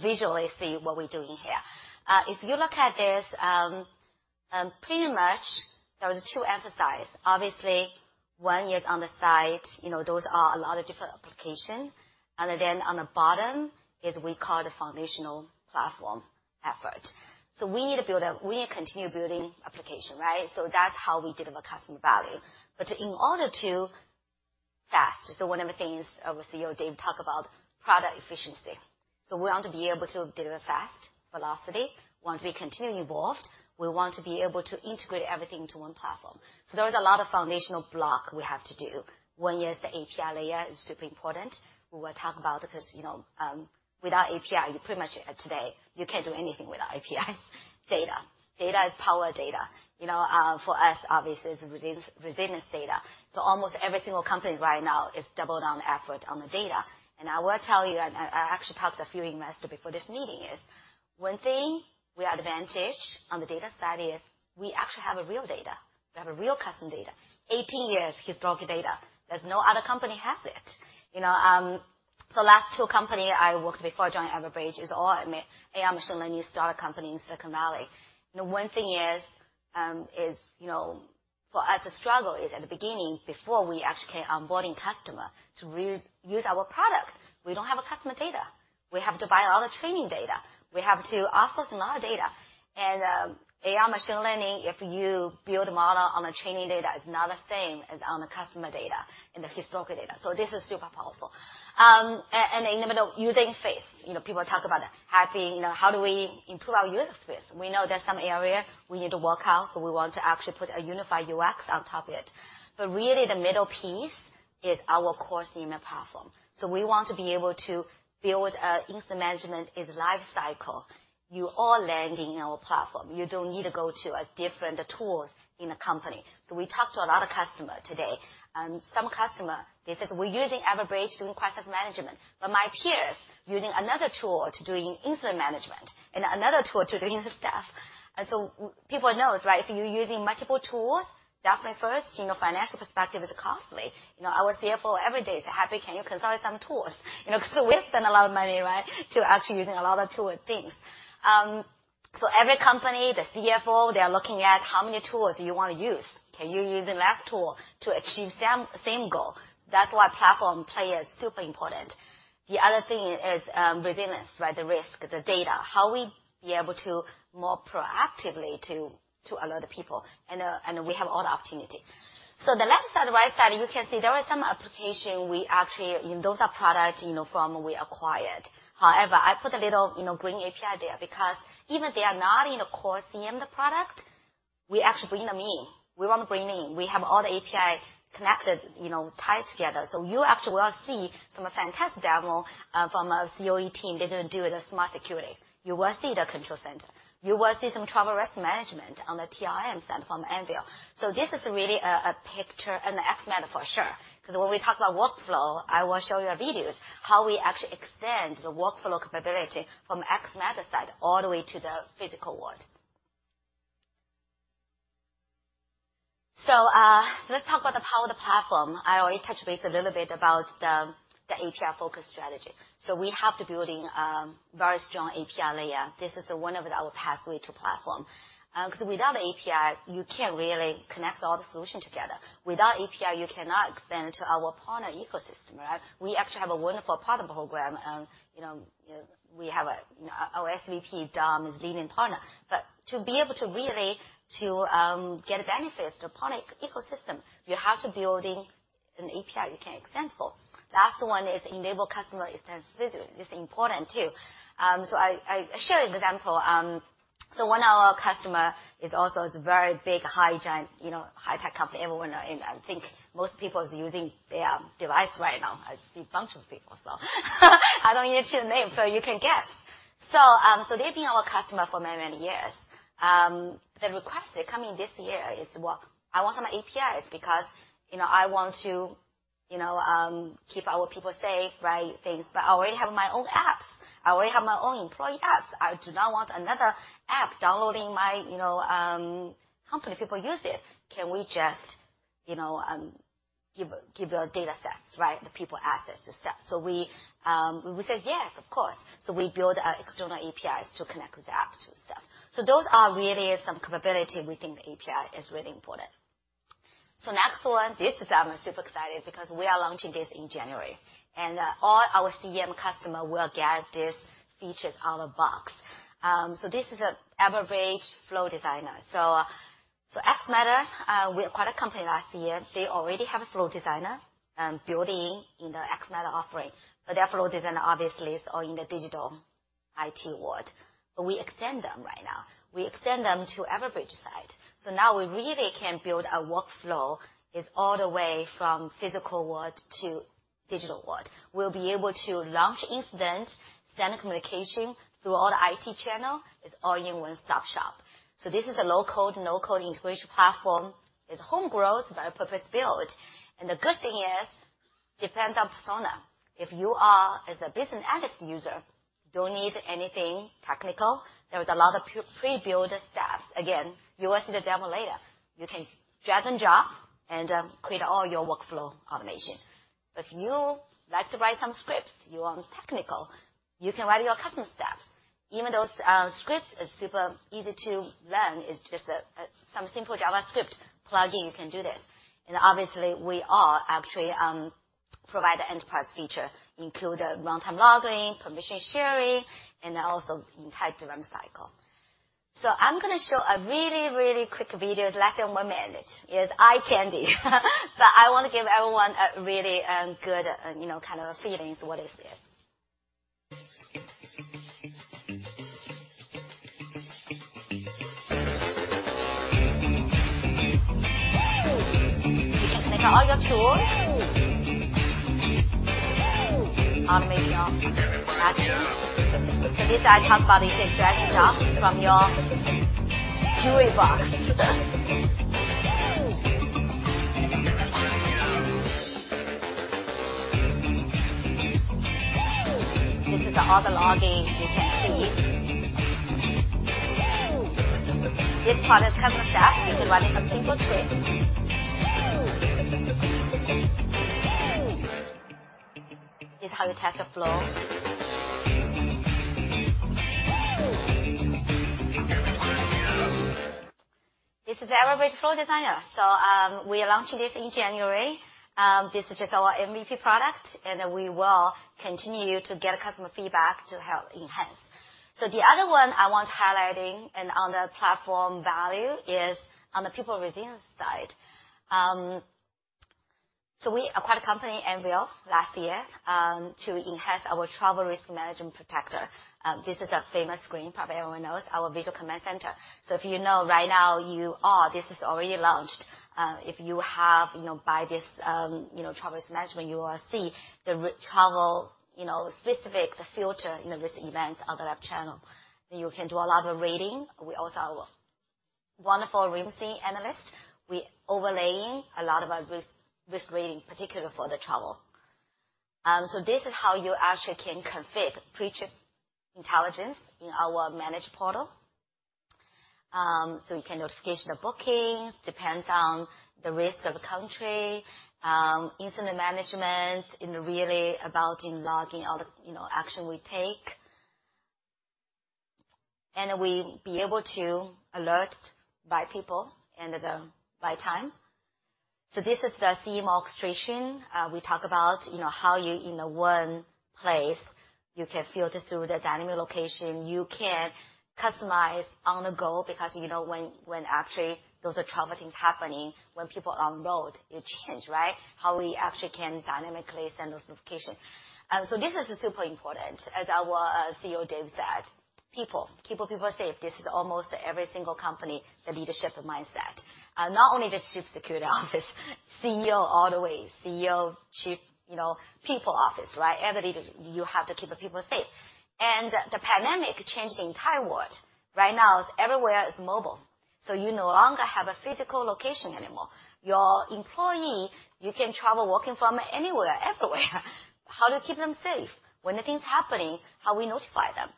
visually see what we're doing here. If you look at this, pretty much there was two emphases. Obviously, one is on the side, you know, those are a lot of different applications. Then on the bottom is we call the foundational platform effort. We need to build. We continue building applications, right? That's how we deliver customer value. In order to fast, one of the things our CEO Dave Wagner talks about product efficiency. We want to be able to deliver fast velocity. We want to be continually evolved. We want to be able to integrate everything into one platform. There is a lot of foundational blocks we have to do. One is the API layer is super important. We will talk about it 'cause, you know, without API, you pretty much today, you can't do anything without API. Data. Data is power data. You know, for us obviously is resilience data. Almost every single company right now is double down effort on the data. I will tell you, and I actually talked to a few investor before this meeting is, one thing we are advantage on the data side is we actually have a real data. We have a real customer data. 18 years historical data. There's no other company has it. You know, the last two company I worked before joining Everbridge is all AI machine learning startup company in Silicon Valley. You know, one thing is, you know, for us the struggle is at the beginning before we actually get onboarding customer to reuse our product, we don't have a customer data. We have to buy all the training data. We have to outsource a lot of data. AI machine learning, if you build a model on the training data is not the same as on the customer data and the historical data. This is super powerful. And in the middle, using phase. You know, people talk about how to, you know, how do we improve our user experience? We know there's some area we need to work out, so we want to actually put a unified UX on top of it. Really the middle piece is our core SIEM platform. We want to be able to build incident management is lifecycle. You all landing in our platform. You don't need to go to a different tools in a company. We talked to a lot of customer today. Some customer they says, "We're using Everbridge doing crisis management. My peers using another tool to doing incident management. Another tool to doing other stuff." People know, right, if you're using multiple tools, definitely first, you know, financial perspective is costly. You know, our CFO every day say, "Happy, can you consolidate some tools?" We spend a lot of money, right, to actually using a lot of tool and things. Every company, the CFO, they are looking at how many tools do you wanna use. Can you use the less tool to achieve same goal? That's why platform play is super important. The other thing is, resilience, right? The risk, the data. How we be able to more proactively to alert the people, and we have all the opportunity. The left side, right side, you can see there is some application. Those are products, you know, from we acquired. However, I put a little, you know, green API there because even they are not in a core SIEM the product, we actually bring them in. We wanna bring in. We have all the API connected, you know, tied together. You actually will see from a fantastic demo from our COE team, they're gonna do it as Smart Security. You will see the control center. You will see some travel risk management on the TRM side from Anvil. This is really a picture on the xMatters for sure, 'cause when we talk about workflow, I will show you a videos how we actually extend the workflow capability from xMatters side all the way to the physical world. Let's talk about the power of the platform. I already touched base a little bit about the API-focused strategy. We have to building very strong API layer. This is the one of our pathway to platform. 'Cause without API, you can't really connect all the solution together. Without API, you cannot expand to our partner ecosystem, right? We actually have a wonderful partner program, you know, our SVP, Dom, is leading partner. To be able to really to get a benefit of partner ecosystem, you have to building an API you can extend for. Last one is enable customer extensibility. This important too. I share an example. One our customer is also very big, high giant, you know, high-tech company everyone know. I think most people is using their device right now. I see bunch of people, so I don't need to name, so you can guess. They've been our customer for many, many years. The request they come in this year is, "Well, I want some APIs because, you know, I want to, you know, keep our people safe, right? Things. But I already have my own apps. I already have my own employee apps. I do not want another app downloading my, you know, company, people use it. Can we just, you know, give your data sets, right, the people access to stuff?" We said, "Yes, of course." We build our external APIs to connect with the app to stuff. Those are really some capability we think the API is really important. Next one, this is I'm super excited because we are launching this in January. All our CEM customer will get this features out-of-box. This is a Everbridge Flow Designer. xMatters, we acquired a company last year. They already have a Flow Designer building in the xMatters offering. Their Flow Designer obviously is all in the digital IT world. We extend them right now. We extend them to Everbridge side. Now we really can build a workflow is all the way from physical world to digital world. We'll be able to launch incident, send a communication through all the IT channel. It's all in one-stop shop. This is a low-code, no-code integration platform. It's home growth by purpose-built. The good thing is, depends on persona. If you are as a business analyst user, don't need anything technical, there is a lot of pre-built steps. Again, you will see the demo later. You can drag and drop and create all your workflow automation. If you like to write some scripts, you are technical, you can write your custom steps. Even those scripts is super easy to learn. It's just some simple JavaScript plugin, you can do this. Obviously we are actually provide an enterprise feature, include runtime logging, permission sharing, and also entire dev cycle. I'm gonna show a really, really quick video. It's less than 1 minute. It's eye candy. I wanna give everyone a really, you know, kind of feelings what is this. These are all your tools. Automation action. This I talk about is a drag and drop from your jewelry box. This is all the logging you can see. This part is custom step. You can run a simple script. This is how you test a flow. This is Everbridge Flow Designer. We are launching this in January. This is just our MVP product, and then we will continue to get customer feedback to help enhance. The other one I want highlighting and on the platform value is on the people resilience side. We acquired a company, Anvil, last year, to enhance our travel risk management protector. This is a famous screen, probably everyone knows, our Visual Command Center. If you know right now, this is already launched. If you have, you know, buy this, you know, travel risk management, you will see the travel, you know, specific, the filter, you know, risk events on the left channel. You can do a lot of reading. We also have wonderful RMSE analyst. We overlaying a lot of our risk rating, particularly for the travel. This is how you actually can config PreCheck intelligence in our managed portal. We can notification the bookings, depends on the risk of country, incident management, and really about logging all the, you know, action we take. We be able to alert by people and by time. This is the SIEM orchestration. We talk about, you know, how you in the one place, you can filter through the dynamic location. You can customize on the go because you know when actually those are travel things happening, when people are on the road, it change, right? How we actually can dynamically send those notifications. So this is super important. As our CEO Dave said, "People, keeping people safe." This is almost every single company, the leadership mindset. Not only the Chief Security Office, CEO all the way, CEO. Chief, you know, people office, right? Every leader, you have to keep the people safe. The pandemic changed the entire world. Right now it's everywhere is mobile, so you no longer have a physical location anymore. Your employee, you can travel working from anywhere, everywhere. How to keep them safe? When the things happening, how we notify them?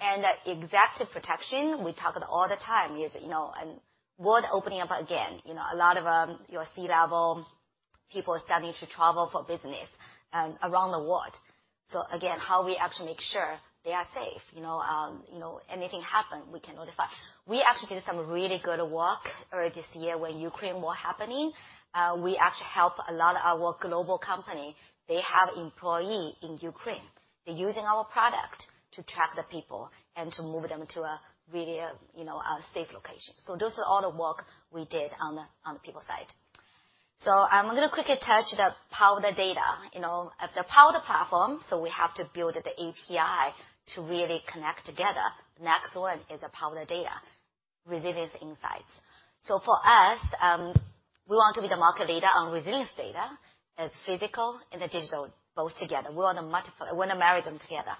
The executive protection, we talk about all the time is, you know, world opening up again, you know. A lot of your C-level people are starting to travel for business around the world. Again, how we actually make sure they are safe, you know. You know, anything happen, we can notify. We actually did some really good work early this year when Ukraine war happening. We actually help a lot of our global company, they have employee in Ukraine. They're using our product to track the people and to move them to a really, you know, a safe location. Those are all the work we did on the people side. I'm gonna quickly touch the power of the data. You know, at the power of the platform, we have to build the API to really connect together. Next one is the power of the data, resilience insights. For us, we want to be the market leader on resilience data, as physical and the digital, both together. We wanna marry them together.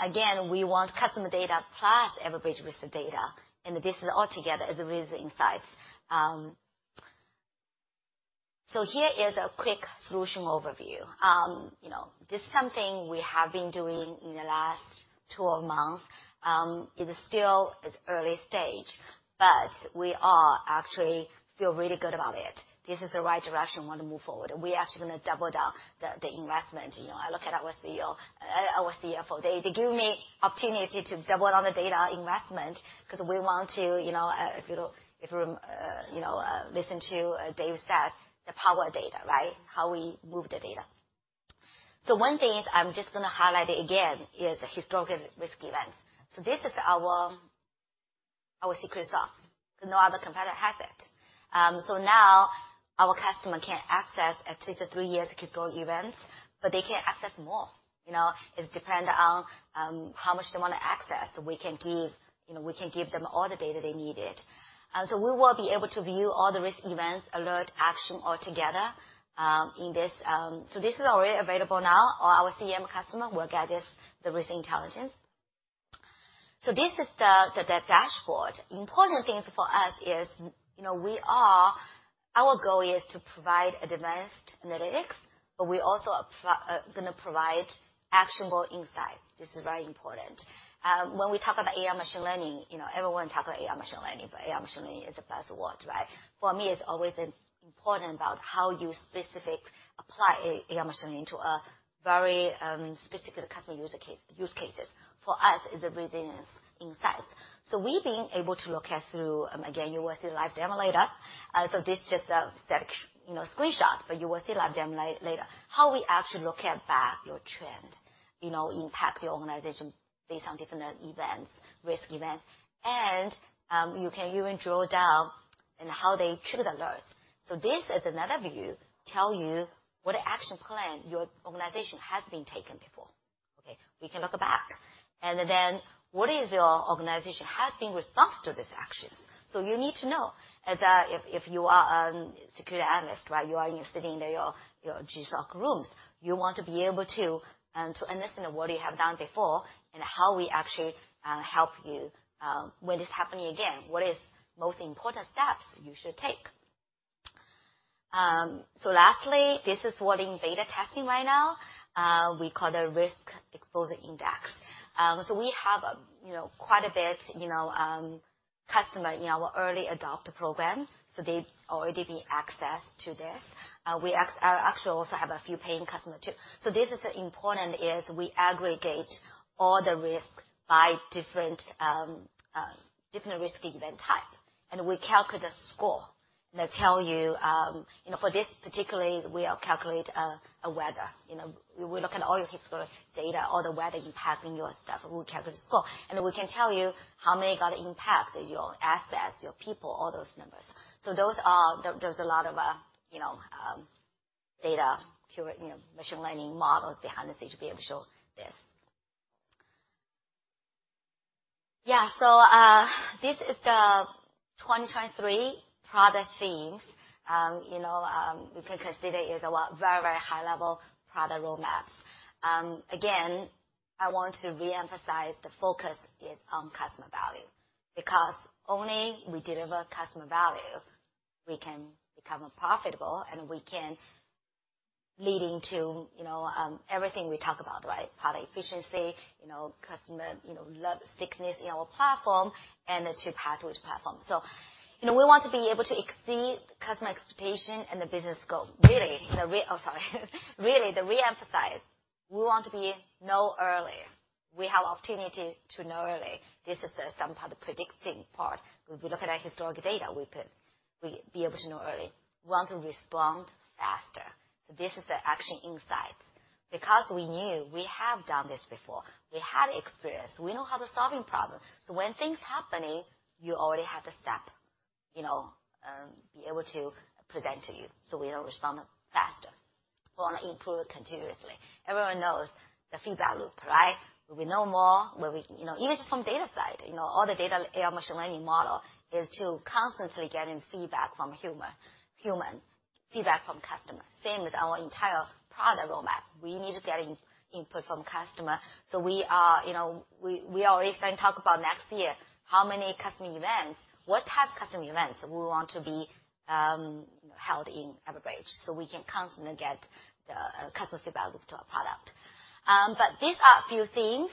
Again, we want customer data plus Everbridge risk data, and this is all together as resilience insights. Here is a quick solution overview. You know, this is something we have been doing in the last 12 months. It is still it's early stage, but we are actually feel really good about it. This is the right direction we wanna move forward, and we're actually gonna double down the investment. You know, I look at our CEO, our CFO, they give me opportunity to double down the data investment 'cause we want to, you know, if you don't, if we're, you know, listen to David Sacks, the power of data, right? How we move the data. One thing is I'm just gonna highlight it again, is historical risk events. This is our secret sauce. No other competitor has it. Now our customer can access at least three years historical events, but they can access more, you know. It depend on how much they wanna access. We can give, you know, we can give them all the data they needed. We will be able to view all the risk events, alert, action all together in this. This is already available now. Our CEM customer will get this, the risk intelligence. This is the dashboard. Important things for us is, you know, our goal is to provide advanced analytics, but we also gonna provide actionable insights. This is very important. When we talk about AI machine learning, you know, everyone talk about AI machine learning, but AI machine learning is a buzzword, right? For me, it's always important about how you specific apply AI machine learning to a very specific customer user case, use cases. For us is resilience insights. We've been able to look at through, again, you will see live demo later. This just a static, you know, screenshot, but you will see live demo later. How we actually look at back your trend, you know, impact your organization based on different events, risk events. You can even drill down in how they trigger the alerts. This is another view tell you what action plan your organization has been taken before. We can look back, and then what is your organization has been response to these actions. You need to know is that if you are security analyst, right? You are sitting there, your GSOC rules, you want to be able to understand what you have done before and how we actually help you when it's happening again. What is most important steps you should take. Lastly, this is what in beta testing right now, we call the risk exposure index. We have, you know, quite a bit, you know, customer in our early adopter program, so they've already been accessed to this. We actually also have a few paying customer too. This is important is we aggregate all the risk by different risk event type, and we calculate a score that tell you know, for this particularly, we calculate, a weather. You know, we look at all your historical data, all the weather you have in your stuff, and we calculate the score. We can tell you how many got impact, your assets, your people, all those numbers. Those are. There's a lot of, you know, data, you know, machine learning models behind the scene to be able to show this. This is the 2023 product themes. You know, you can consider is a very, very high-level product roadmaps. Again, I want to re-emphasize the focus is on customer value. Only we deliver customer value, we can become profitable, and we can leading to, you know, everything we talk about, right? Product efficiency, you know, customer, you know, love, stickiness in our platform, and the true pathway to platform. You know, we want to be able to exceed customer expectation and the business goal. Really, the re-emphasize, we want to be know earlier. We have opportunity to know early. This is some of the predicting part. If we look at our historic data, we could be able to know early. We want to respond faster. This is the action insights. Because we knew we have done this before, we have experience, we know how to solving problems. When things happening, you already have the step, you know, be able to present to you, so we'll respond faster. We wanna improve continuously. Everyone knows the feedback loop, right? We know more, where we... You know, even from data side. You know, all the data AI machine learning model is to constantly getting feedback from humor, human. Feedback from customers. Same with our entire product roadmap. We need to get input from customer. We are, you know, we already starting to talk about next year, how many customer events, what type of customer events we want to be, you know, held in Everbridge, so we can constantly get the customer feedback loop to our product. These are a few things.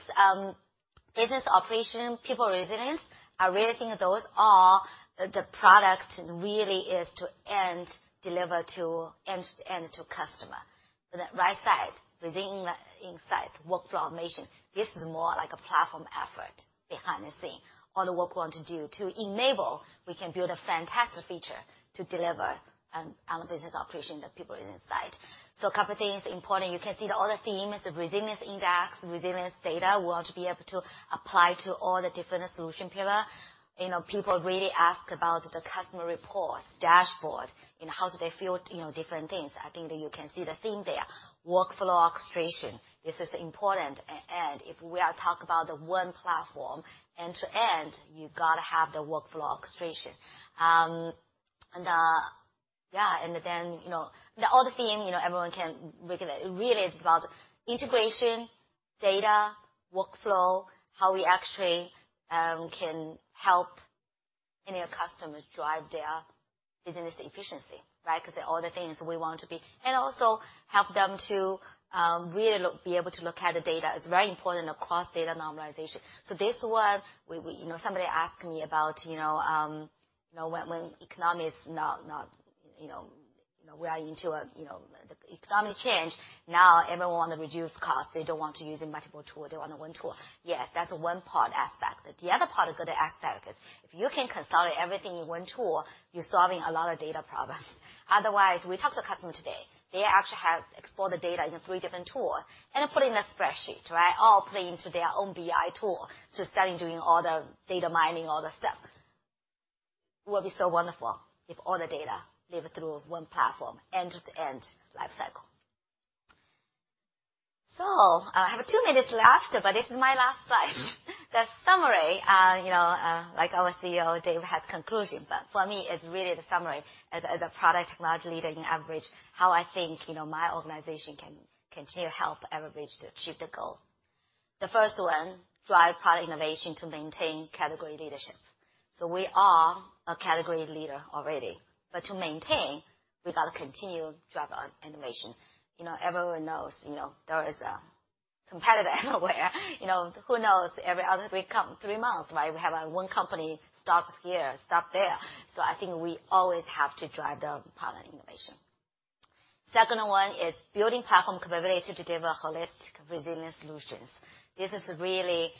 Business operation, people resilience. I really think those are the product really is to end deliver to end to customer. The right side, resilience insight, workflow automation. This is more like a platform effort behind the scene. All the work we want to do to enable we can build a fantastic feature to deliver on the business operation, the people insight. A couple things important. You can see that all the themes, the Resilience Index, resilience data, we want to be able to apply to all the different solution pillar. You know, people really ask about the customer reports, dashboard, and how do they feel, you know, different things. I think that you can see the theme there. Workflow orchestration, this is important. If we are talk about the one platform end to end, you've got to have the workflow orchestration. Yeah. Then, you know, the other theme, you know, everyone can look at it. Really it's about integration, data, workflow, how we actually can help any customers drive their business efficiency, right? Because all the things we want to be. Also help them to really be able to look at the data. It's very important across data normalization. This was we... You know, somebody asked me about, you know, when economy is not, you know, we are into a, you know, the economic change. Now everyone want to reduce costs. They don't want to use multiple tool. They want the one tool. Yes, that's one part aspect. The other part of good aspect is if you can consolidate everything in one tool, you're solving a lot of data problems. Otherwise, we talked to a customer today, they actually have explored the data in three different tool and put in a spreadsheet, right. All play into their own BI tool to starting doing all the data mining, all the stuff. Will be so wonderful if all the data live through one platform, end to end life cycle. I have two minutes left, but this is my last slide. The summary, you know, like our CEO Dave has conclusion, but for me, it's really the summary. As a, as a product large leading average, how I think, you know, my organization can continue help Everbridge to achieve the goal. The first one, drive product innovation to maintain category leadership. We are a category leader already. To maintain, we got to continue drive innovation. You know, everyone knows, you know, there is a competitor anywhere, you know. Who knows? Every other week, come three months, right, we have one company stops here, stop there. I think we always have to drive the product innovation. Second one is building platform capability to deliver holistic resilience solutions. This is really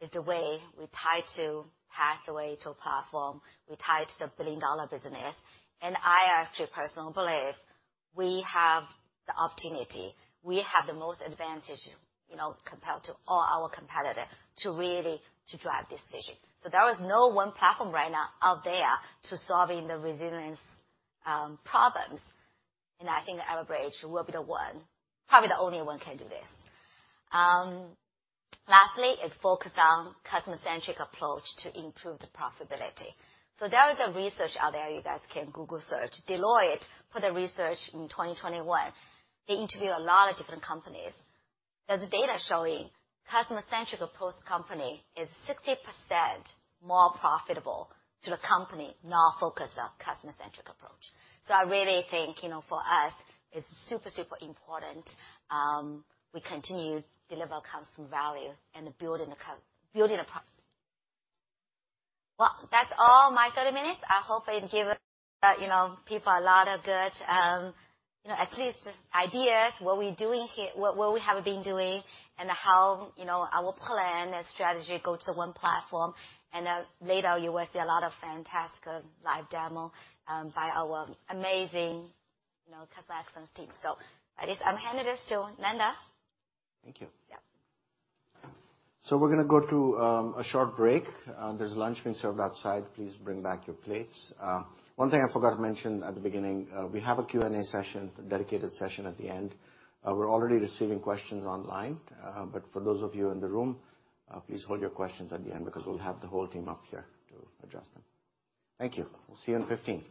is the way we tie to pathway to a platform. We tie to the billion-dollar business. I actually personally believe we have the opportunity. We have the most advantage, you know, compared to all our competitors, to really to drive this vision. There is no one platform right now out there to solving the resilience, problems. I think that Everbridge will be the one, probably the only one can do this. Lastly is focus on customer-centric approach to improve the profitability. There is a research out there, you guys can Google search. Deloitte put a research in 2021. They interviewed a lot of different companies. The data showing customer-centric approach company is 60% more profitable to the company now focused on customer-centric approach. I really think, you know, for us, it's super important, we continue deliver customer value and building a pro... Well, that's all my 30 minutes. I hope I give, you know, people a lot of good, you know, at least ideas what we're doing here, what we have been doing and how, you know, our plan and strategy go to one platform. Later you will see a lot of fantastic live demo by our amazing, you know, customer excellence team. That is. I'm handing this to Nanda. Thank you. Yeah. We're going to a short break. There's lunch being served outside. Please bring back your plates. One thing I forgot to mention at the beginning, we have a Q&A session, dedicated session at the end. We're already receiving questions online. For those of you in the room, please hold your questions at the end, because we'll have the whole team up here to address them. Thank you. We'll see you in 15.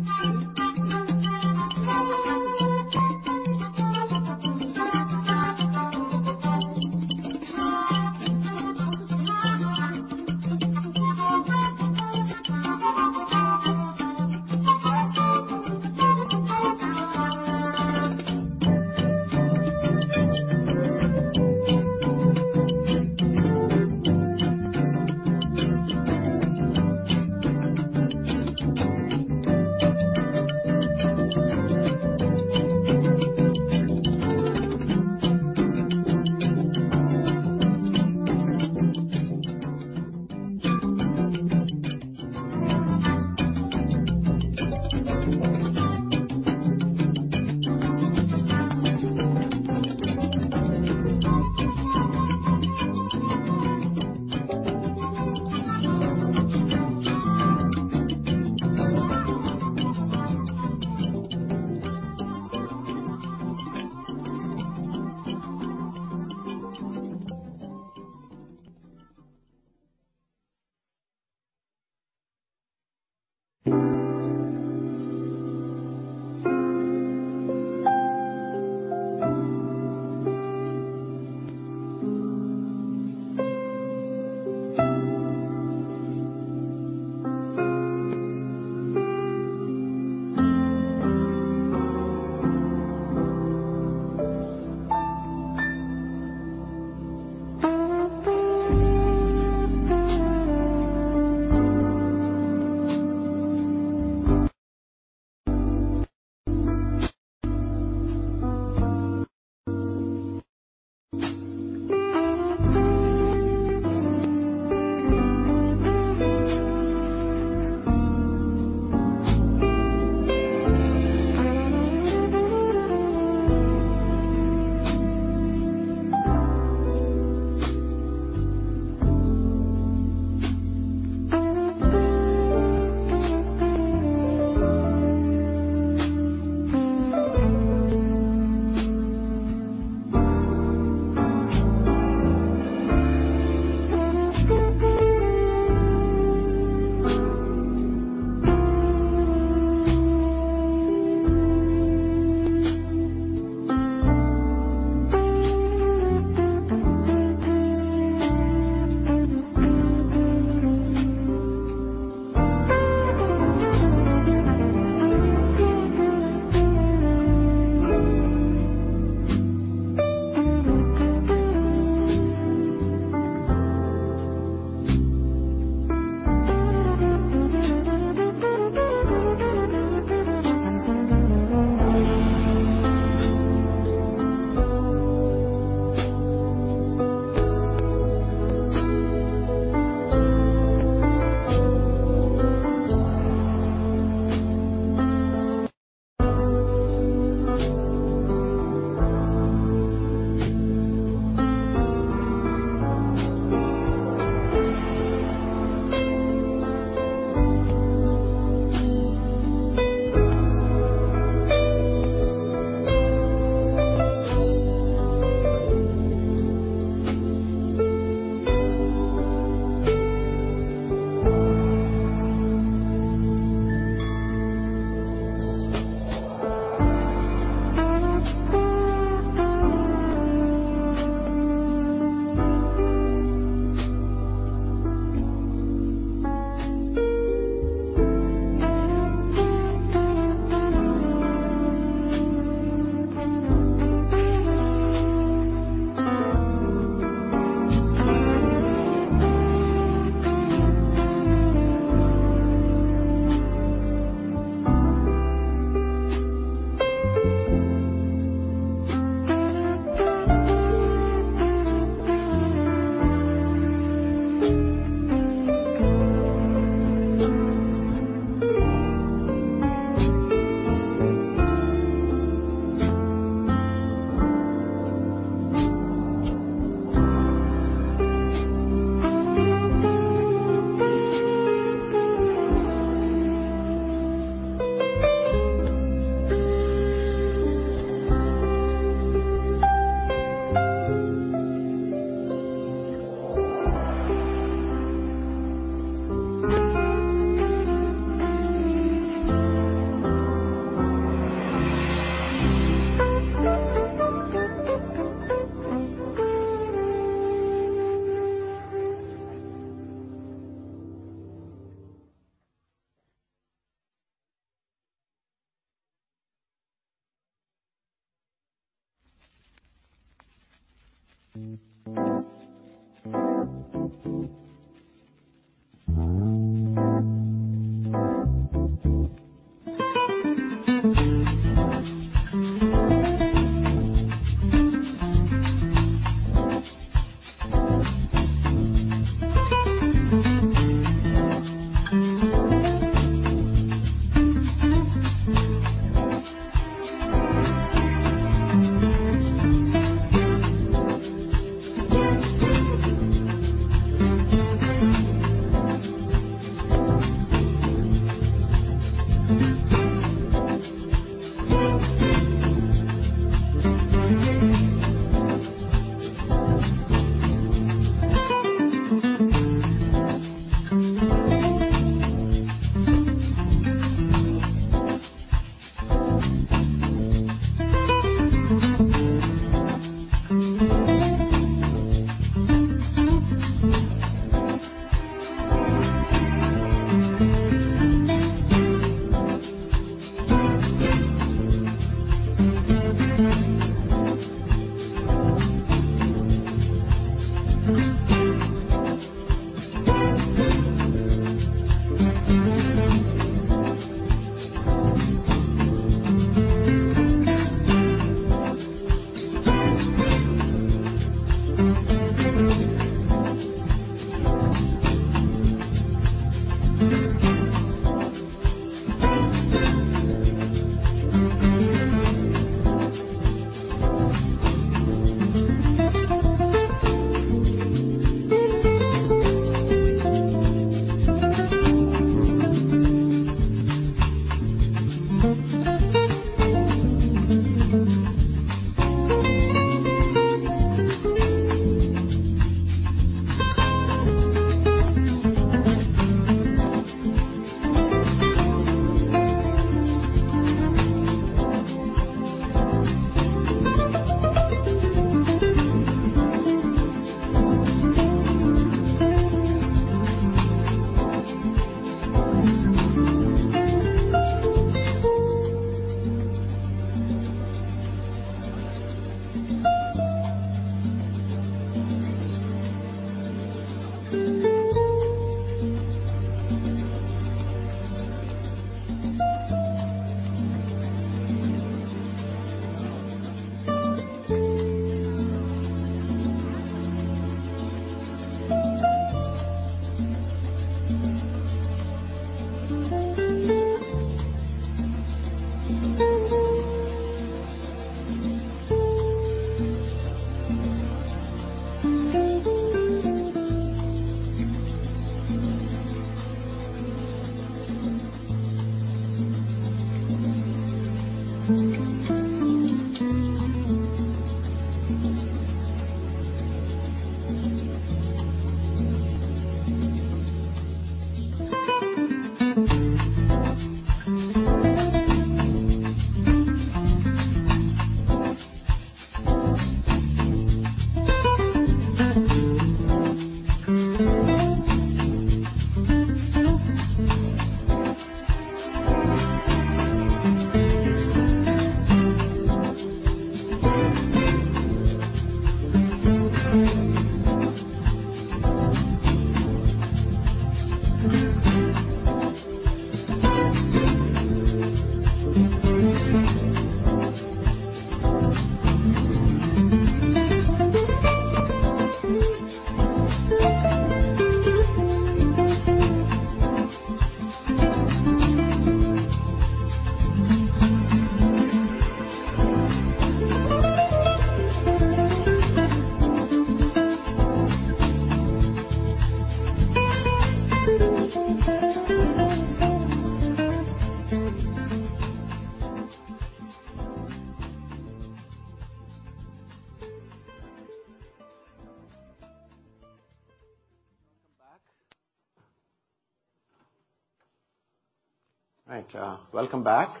Welcome back.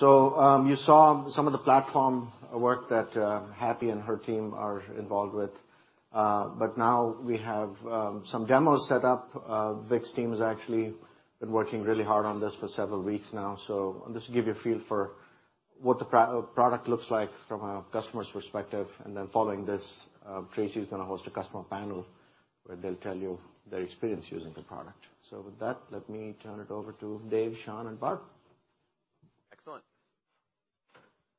You saw some of the platform work that Happy and her team are involved with. Now we have some demos set up. Vick's team has actually been working really hard on this for several weeks now. Just to give you a feel for what the product looks like from a customer's perspective, and then following this, Tracy is gonna host a customer panel where they'll tell you their experience using the product. With that, let me turn it over to Dave, Sean, and Bart. Excellent.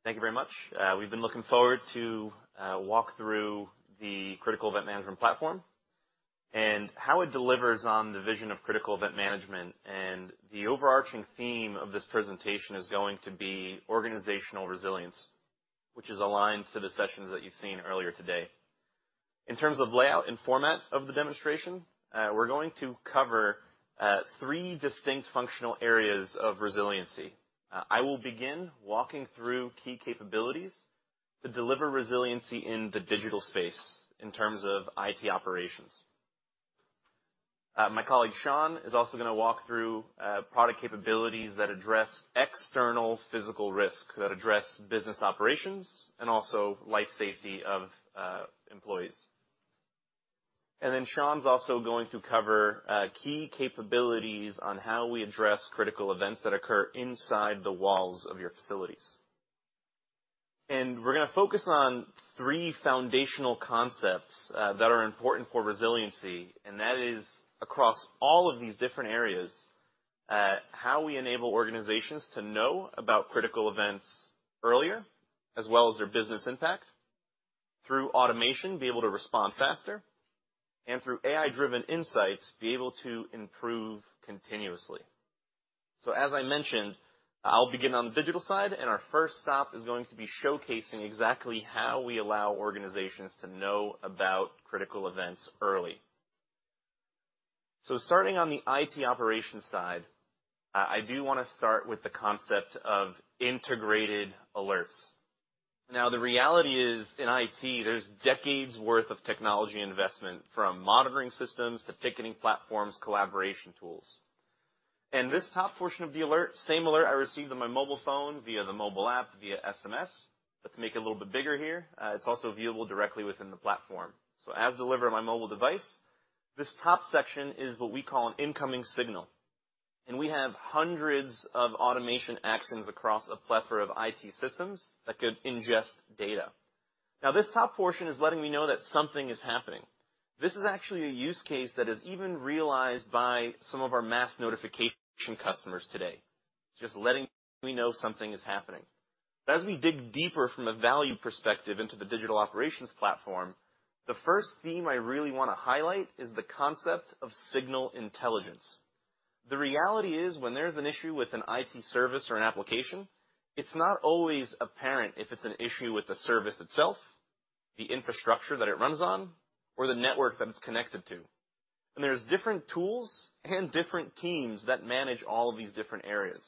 Thank you very much. We've been looking forward to walk through the critical event management platform and how it delivers on the vision of critical event management. The overarching theme of this presentation is going to be organizational resilience, which is aligned to the sessions that you've seen earlier today. In terms of layout and format of the demonstration, we're going to cover three distinct functional areas of resiliency. I will begin walking through key capabilities to deliver resiliency in the digital space in terms of IT operations. My colleague, Sean, is also gonna walk through product capabilities that address external physical risk, that address business operations, and also life safety of employees. Then Sean's also going to cover key capabilities on how we address critical events that occur inside the walls of your facilities. We're gonna focus on three foundational concepts that are important for resiliency, and that is across all of these different areas. How we enable organizations to know about critical events earlier, as well as their business impact. Through automation, be able to respond faster, and through AI-driven insights, be able to improve continuously. As I mentioned, I do wanna start on the digital side, and our first stop is going to be showcasing exactly how we allow organizations to know about critical events early. Starting on the IT operations side, I do wanna start with the concept of integrated alerts. Now, the reality is, in IT, there's decades worth of technology investment from monitoring systems to ticketing platforms, collaboration tools. This top portion of the alert, same alert I received on my mobile phone via the mobile app via SMS. Let's make it a little bit bigger here. It's also viewable directly within the platform. As delivered on my mobile device, this top section is what we call an incoming signal. We have hundreds of automation actions across a plethora of IT systems that could ingest data. Now, this top portion is letting me know that something is happening. This is actually a use case that is even realized by some of our Mass Notification customers today, just letting me know something is happening. As we dig deeper from a value perspective into the Digital Operations Platform, the first theme I really wanna highlight is the concept of signal intelligence. The reality is when there's an issue with an IT service or an application, it's not always apparent if it's an issue with the service itself, the infrastructure that it runs on, or the network that it's connected to. There's different tools and different teams that manage all these different areas.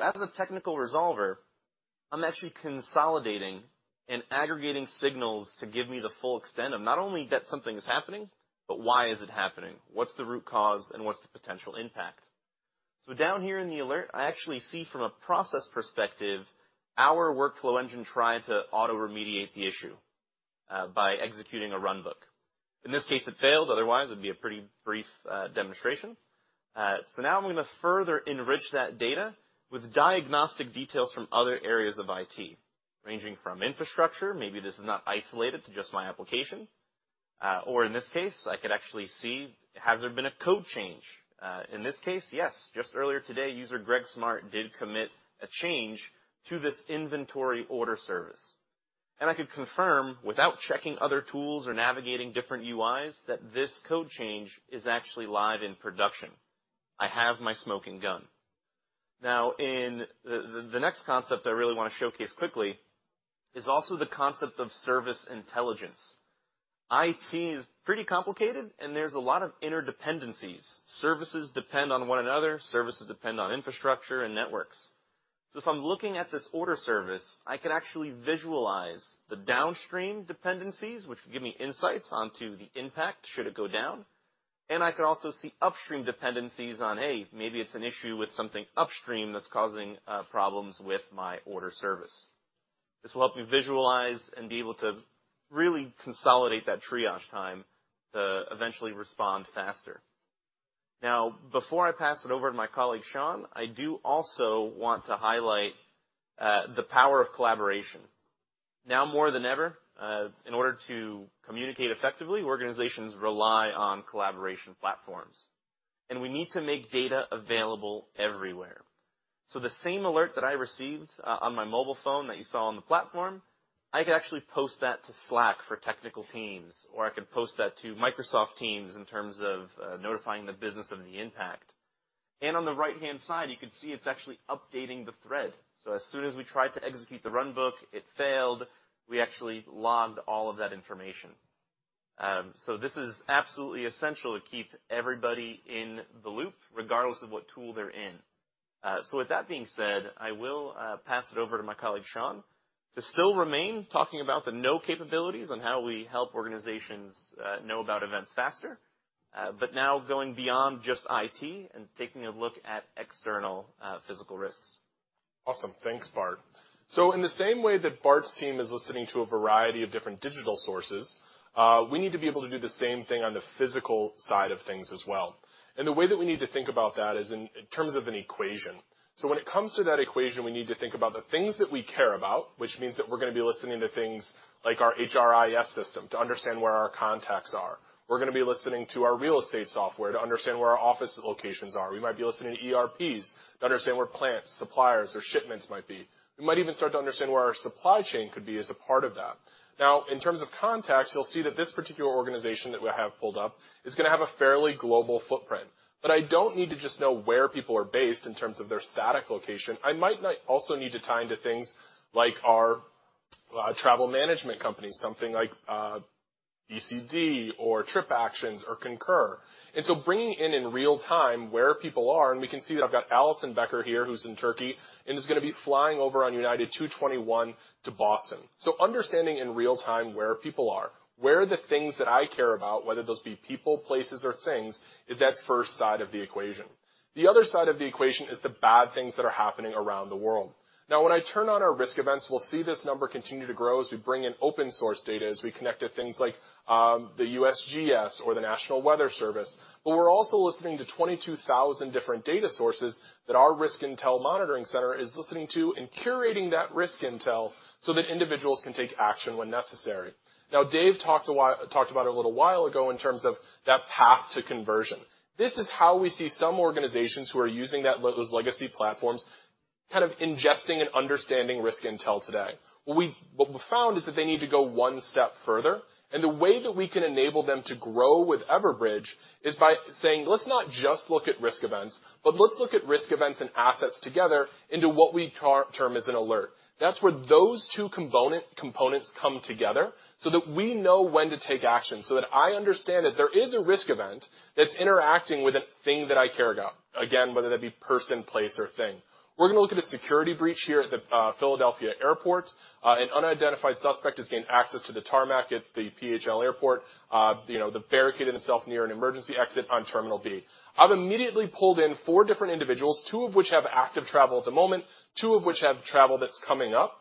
As a technical resolver, I'm actually consolidating and aggregating signals to give me the full extent of not only that something is happening, but why is it happening? What's the root cause, and what's the potential impact? Down here in the alert, I actually see from a process perspective, our workflow engine tried to auto-remediate the issue by executing a runbook. In this case, it failed. Otherwise, it'd be a pretty brief demonstration. Now I'm gonna further enrich that data with diagnostic details from other areas of IT, ranging from infrastructure, maybe this is not isolated to just my application. In this case, I could actually see has there been a code change. In this case, yes. Just earlier today, user Greg Smart did commit a change to this inventory order service. I could confirm, without checking other tools or navigating different UIs, that this code change is actually live in production. I have my smoking gun. The next concept I really wanna showcase quickly is also the concept of service intelligence. IT is pretty complicated, there's a lot of interdependencies. Services depend on one another. Services depend on infrastructure and networks. If I'm looking at this order service, I can actually visualize the downstream dependencies, which give me insights onto the impact should it go down. I can also see upstream dependencies on, hey, maybe it's an issue with something upstream that's causing problems with my order service. This will help me visualize and be able to really consolidate that triage time to eventually respond faster. Before I pass it over to my colleague, Sean, I do also want to highlight the power of collaboration. Now more than ever, in order to communicate effectively, organizations rely on collaboration platforms. We need to make data available everywhere. The same alert that I received on my mobile phone that you saw on the platform, I could actually post that to Slack for technical teams, or I could post that to Microsoft Teams in terms of notifying the business of the impact. On the right-hand side, you can see it's actually updating the thread. As soon as we try to execute the runbook, it failed. We actually logged all of that information. This is absolutely essential to keep everybody in the loop regardless of what tool they're in. With that being said, I will pass it over to my colleague, Sean, to still remain talking about the capabilities on how we help organizations know about events faster, but now going beyond just IT and taking a look at external physical risks. Awesome. Thanks, Bart. In the same way that Bart's team is listening to a variety of different digital sources, we need to be able to do the same thing on the physical side of things as well. The way that we need to think about that is in terms of an equation. When it comes to that equation, we need to think about the things that we care about, which means that we're gonna be listening to things like our HRIS system to understand where our contacts are. We're gonna be listening to our real estate software to understand where our office locations are. We might be listening to ERPs to understand where plants, suppliers, or shipments might be. We might even start to understand where our supply chain could be as a part of that. In terms of contacts, you'll see that this particular organization that we have pulled up is going to have a fairly global footprint. I don't need to just know where people are based in terms of their static location. I might also need to tie into things like our travel management company, something like BCD or TripActions or Concur. Bringing in in real time where people are, and we can see that I've got Allison Becker here, who's in Turkey, and is going to be flying over on United 221 to Boston. Understanding in real time where people are. Where are the things that I care about, whether those be people, places, or things, is that first side of the equation. The other side of the equation is the bad things that are happening around the world. When I turn on our risk events, we'll see this number continue to grow as we bring in open source data, as we connect to things like the U.S.GS or the National Weather Service. We're also listening to 22,000 different data sources that our Risk Intelligence Monitoring Center is listening to and curating that risk intel so that individuals can take action when necessary. Dave talked about it a little while ago in terms of that path to conversion. This is how we see some organizations who are using those legacy platforms Kind of ingesting and understanding risk intel today. What we found is that they need to go one step further. The way that we can enable them to grow with Everbridge is by saying, "Let's not just look at risk events, but let's look at risk events and assets together into what we term as an alert." That's where those two components come together so that we know when to take action, so that I understand that there is a risk event that's interacting with a thing that I care about, again, whether that be person, place, or thing. We're gonna look at a security breach here at the Philadelphia Airport. An unidentified suspect has gained access to the tarmac at the PHL airport. You know, barricaded himself near an emergency exit on Terminal B. I've immediately pulled in four different individuals, two of which have active travel at the moment, two of which have travel that's coming up.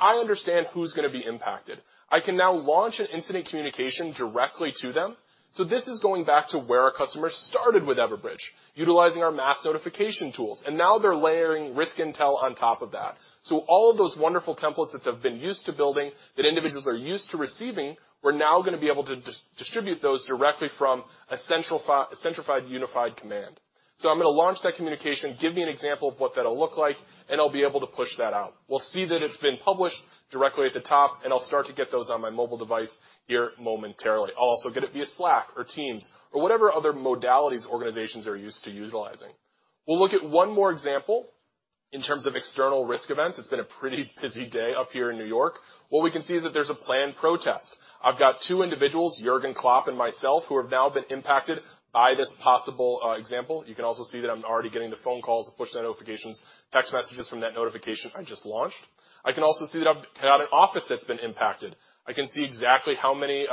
I understand who's gonna be impacted. I can now launch an incident communication directly to them. This is going back to where our customers started with Everbridge, utilizing our Mass Notification tools. Now they're layering risk intel on top of that. All of those wonderful templates that they've been used to building, that individuals are used to receiving, we're now gonna be able to distribute those directly from a centralized, unified command. I'm gonna launch that communication, give me an example of what that'll look like, and I'll be able to push that out. We'll see that it's been published directly at the top, and I'll start to get those on my mobile device here momentarily. I'll also get it via Slack or Teams or whatever other modalities organizations are used to utilizing. We'll look at one more example in terms of external risk events. It's been a pretty busy day up here in New York. What we can see is that there's a planned protest. I've got two individuals, Jürgen Klopp and myself, who have now been impacted by this possible example. You can also see that I'm already getting the phone calls, the push notifications, text messages from that notification I just launched. I can also see that I've had an office that's been impacted. I can see exactly how many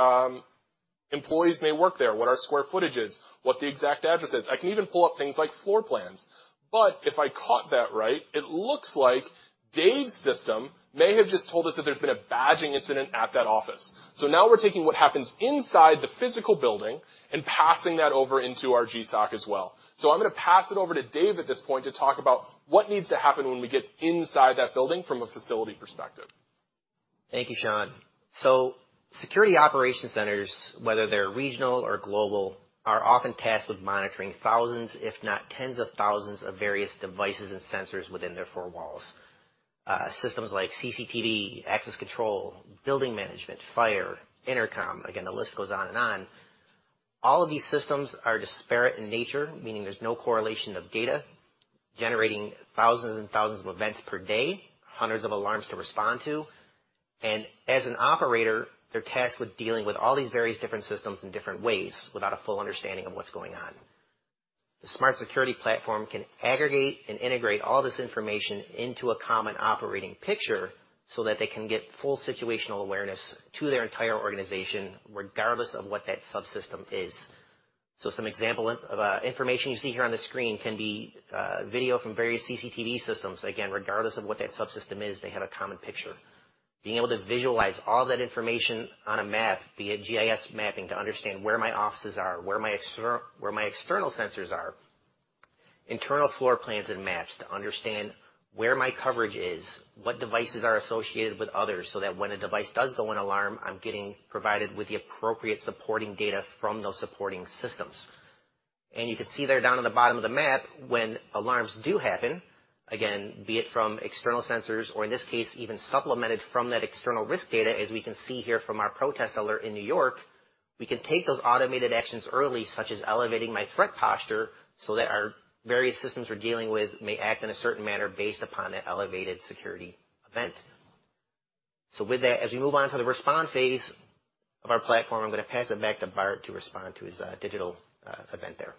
employees may work there, what our square footage is, what the exact address is. I can even pull up things like floor plans. If I caught that right, it looks like Dave's system may have just told us that there's been a badging incident at that office. Now we're taking what happens inside the physical building and passing that over into our GSOC as well. I'm gonna pass it over to Dave at this point to talk about what needs to happen when we get inside that building from a facility perspective. Thank you, Sean. Security operations centers, whether they're regional or global, are often tasked with monitoring thousands, if not tens of thousands of various devices and sensors within their four walls. Systems like CCTV, access control, building management, fire, intercom. Again, the list goes on and on. All of these systems are disparate in nature, meaning there's no correlation of data, generating thousands and thousands of events per day, hundreds of alarms to respond to. As an operator, they're tasked with dealing with all these various different systems in different ways without a full understanding of what's going on. The Smart Security Platform can aggregate and integrate all this information into a common operating picture so that they can get full situational awareness to their entire organization, regardless of what that subsystem is. Some example of information you see here on the screen can be video from various CCTV systems. Again, regardless of what that subsystem is, they have a common picture. Being able to visualize all that information on a map via GIS mapping to understand where my offices are, where my external sensors are. Internal floor plans and maps to understand where my coverage is, what devices are associated with others, so that when a device does go in alarm, I'm getting provided with the appropriate supporting data from those supporting systems. You can see there down in the bottom of the map, when alarms do happen, again, be it from external sensors or in this case even supplemented from that external risk data, as we can see here from our protest alert in New York, we can take those automated actions early, such as elevating my threat posture so that our various systems we're dealing with may act in a certain manner based upon an elevated security event. With that, as we move on to the respond phase of our platform, I'm gonna pass it back to Bart to respond to his digital event there.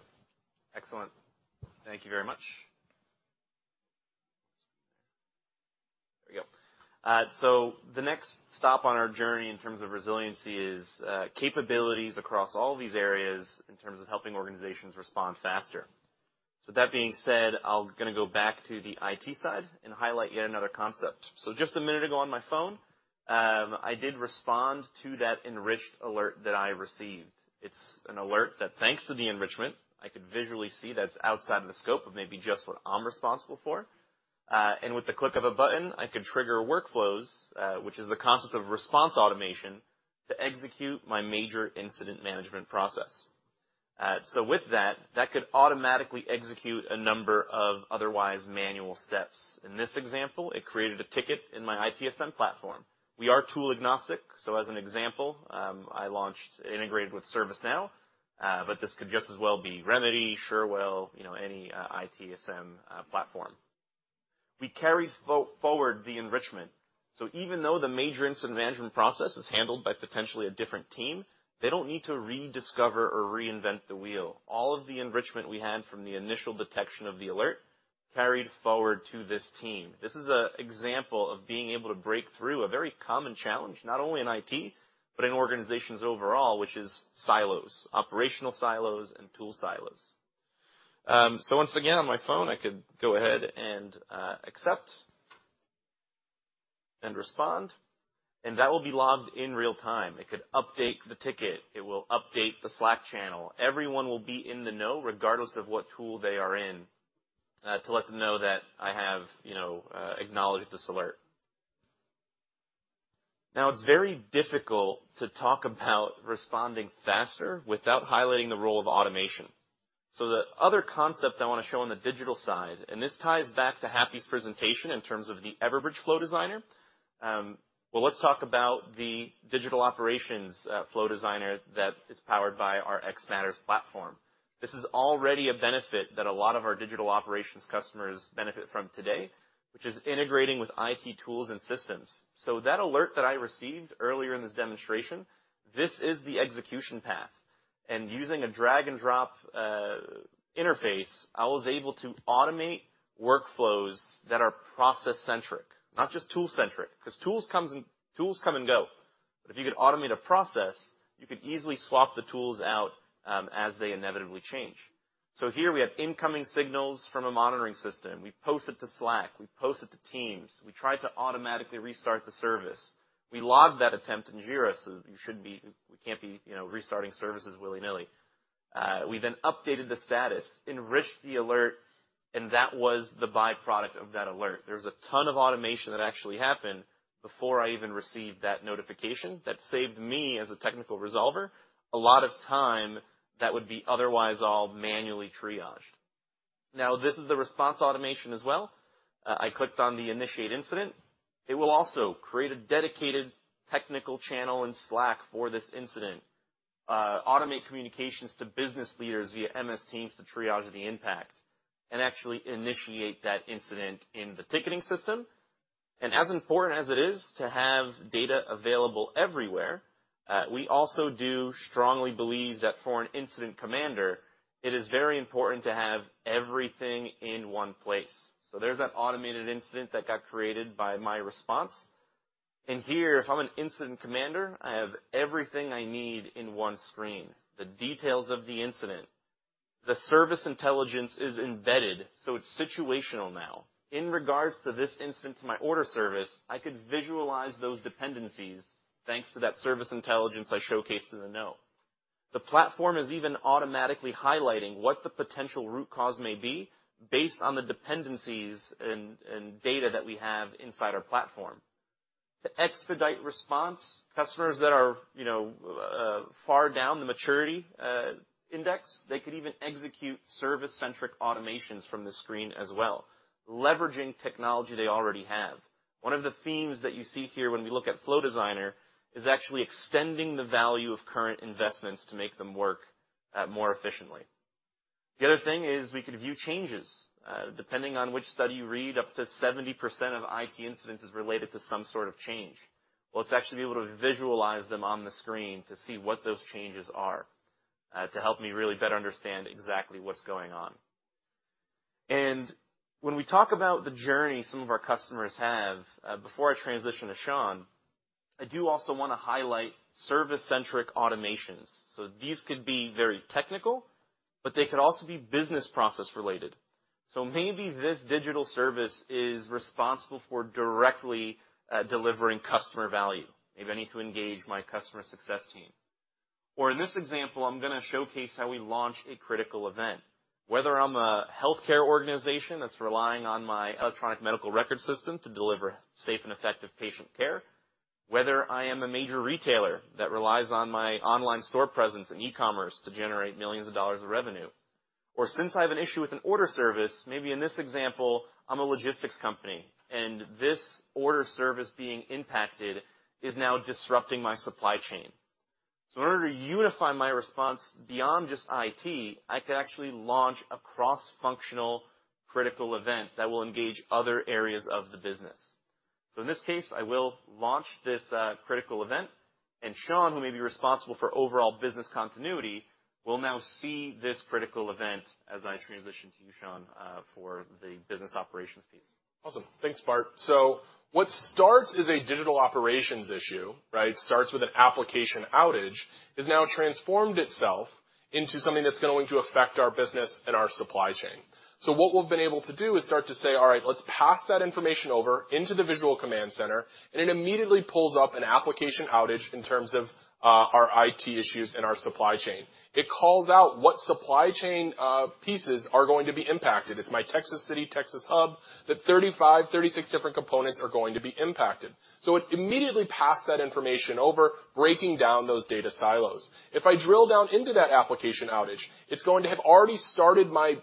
Excellent. Thank you very much. There we go. The next stop on our journey in terms of resiliency is capabilities across all these areas in terms of helping organizations respond faster. That being said, I'm gonna go back to the IT side and highlight yet another concept. Just a minute ago on my phone, I did respond to that enriched alert that I received. It's an alert that, thanks to the enrichment, I could visually see that it's outside of the scope of maybe just what I'm responsible for. And with the click of a button, I could trigger workflows, which is the concept of response automation to execute my major incident management process. With that could automatically execute a number of otherwise manual steps. In this example, it created a ticket in my ITSM platform. We are tool agnostic. As an example, I launched integrated with ServiceNow. This could just as well be Remedy, Cherwell, you know, any ITSM platform. We carry forward the enrichment. Even though the major incident management process is handled by potentially a different team, they don't need to rediscover or reinvent the wheel. All of the enrichment we had from the initial detection of the alert carried forward to this team. This is a example of being able to break through a very common challenge, not only in IT, but in organizations overall, which is silos, operational silos and tool silos. Once again, on my phone, I could go ahead and accept and respond. That will be logged in real-time. It could update the ticket. It will update the Slack channel. Everyone will be in the know regardless of what tool they are in, to let them know that I have, you know, acknowledged this alert. It's very difficult to talk about responding faster without highlighting the role of automation. The other concept I wanna show on the digital side, and this ties back to Happy's presentation in terms of the Everbridge Flow Designer, well, let's talk about the digital operations flow designer that is powered by our xMatters platform. This is already a benefit that a lot of our digital operations customers benefit from today, which is integrating with IT tools and systems. That alert that I received earlier in this demonstration, this is the execution path. Using a drag and drop interface, I was able to automate workflows that are process-centric, not just tool-centric, 'cause tools come and go. If you could automate a process, you could easily swap the tools out as they inevitably change. Here we have incoming signals from a monitoring system. We post it to Slack. We post it to Teams. We try to automatically restart the service. We logged that attempt in Jira, so you can't be, you know, restarting services willy-nilly. We updated the status, enriched the alert, and that was the byproduct of that alert. There was a ton of automation that actually happened before I even received that notification that saved me as a technical resolver a lot of time that would be otherwise all manually triaged. Now, this is the response automation as well. I clicked on the Initiate Incident. It will also create a dedicated technical channel in Slack for this incident, automate communications to business leaders via MS Teams to triage the impact, and actually initiate that incident in the ticketing system. As important as it is to have data available everywhere, we also do strongly believe that for an incident commander, it is very important to have everything in one place. There's that automated incident that got created by my response. Here, if I'm an incident commander, I have everything I need in one screen. The details of the incident. The service intelligence is embedded, so it's situational now. In regards to this instance, my order service, I could visualize those dependencies thanks to that service intelligence I showcased in the note. The platform is even automatically highlighting what the potential root cause may be based on the dependencies and data that we have inside our platform. To expedite response, customers that are, you know, far down the maturity index, they could even execute service-centric automations from this screen as well, leveraging technology they already have. One of the themes that you see here when we look at Flow Designer is actually extending the value of current investments to make them work more efficiently. The other thing is we can view changes. Depending on which study you read, up to 70% of IT incidents is related to some sort of change. Well, let's actually be able to visualize them on the screen to see what those changes are, to help me really better understand exactly what's going on. When we talk about the journey some of our customers have, before I transition to Sean, I do also wanna highlight service-centric automations. These could be very technical, but they could also be business process related. Maybe this digital service is responsible for directly delivering customer value. Maybe I need to engage my customer success team. In this example, I'm gonna showcase how we launch a critical event. Whether I'm a healthcare organization that's relying on my electronic medical record system to deliver safe and effective patient care, whether I am a major retailer that relies on my online store presence and e-commerce to generate millions of dollars of revenue, or since I have an issue with an order service, maybe in this example, I'm a logistics company, and this order service being impacted is now disrupting my supply chain. In order to unify my response beyond just IT, I could actually launch a cross-functional critical event that will engage other areas of the business. In this case, I will launch this critical event. Sean, who may be responsible for overall business continuity, will now see this critical event as I transition to you, Sean, for the business operations piece. Awesome. Thanks, Bart. What starts as a digital operations issue, right? Starts with an application outage, has now transformed itself into something that's going to affect our business and our supply chain. What we've been able to do is start to say, all right, let's pass that information over into the Visual Command Center, and it immediately pulls up an application outage in terms of our IT issues and our supply chain. It calls out what supply chain pieces are going to be impacted. It's my Texas City, Texas hub, that 35, 36 different components are going to be impacted. It immediately passed that information over, breaking down those data silos. If I drill down into that application outage, it's going to have already started my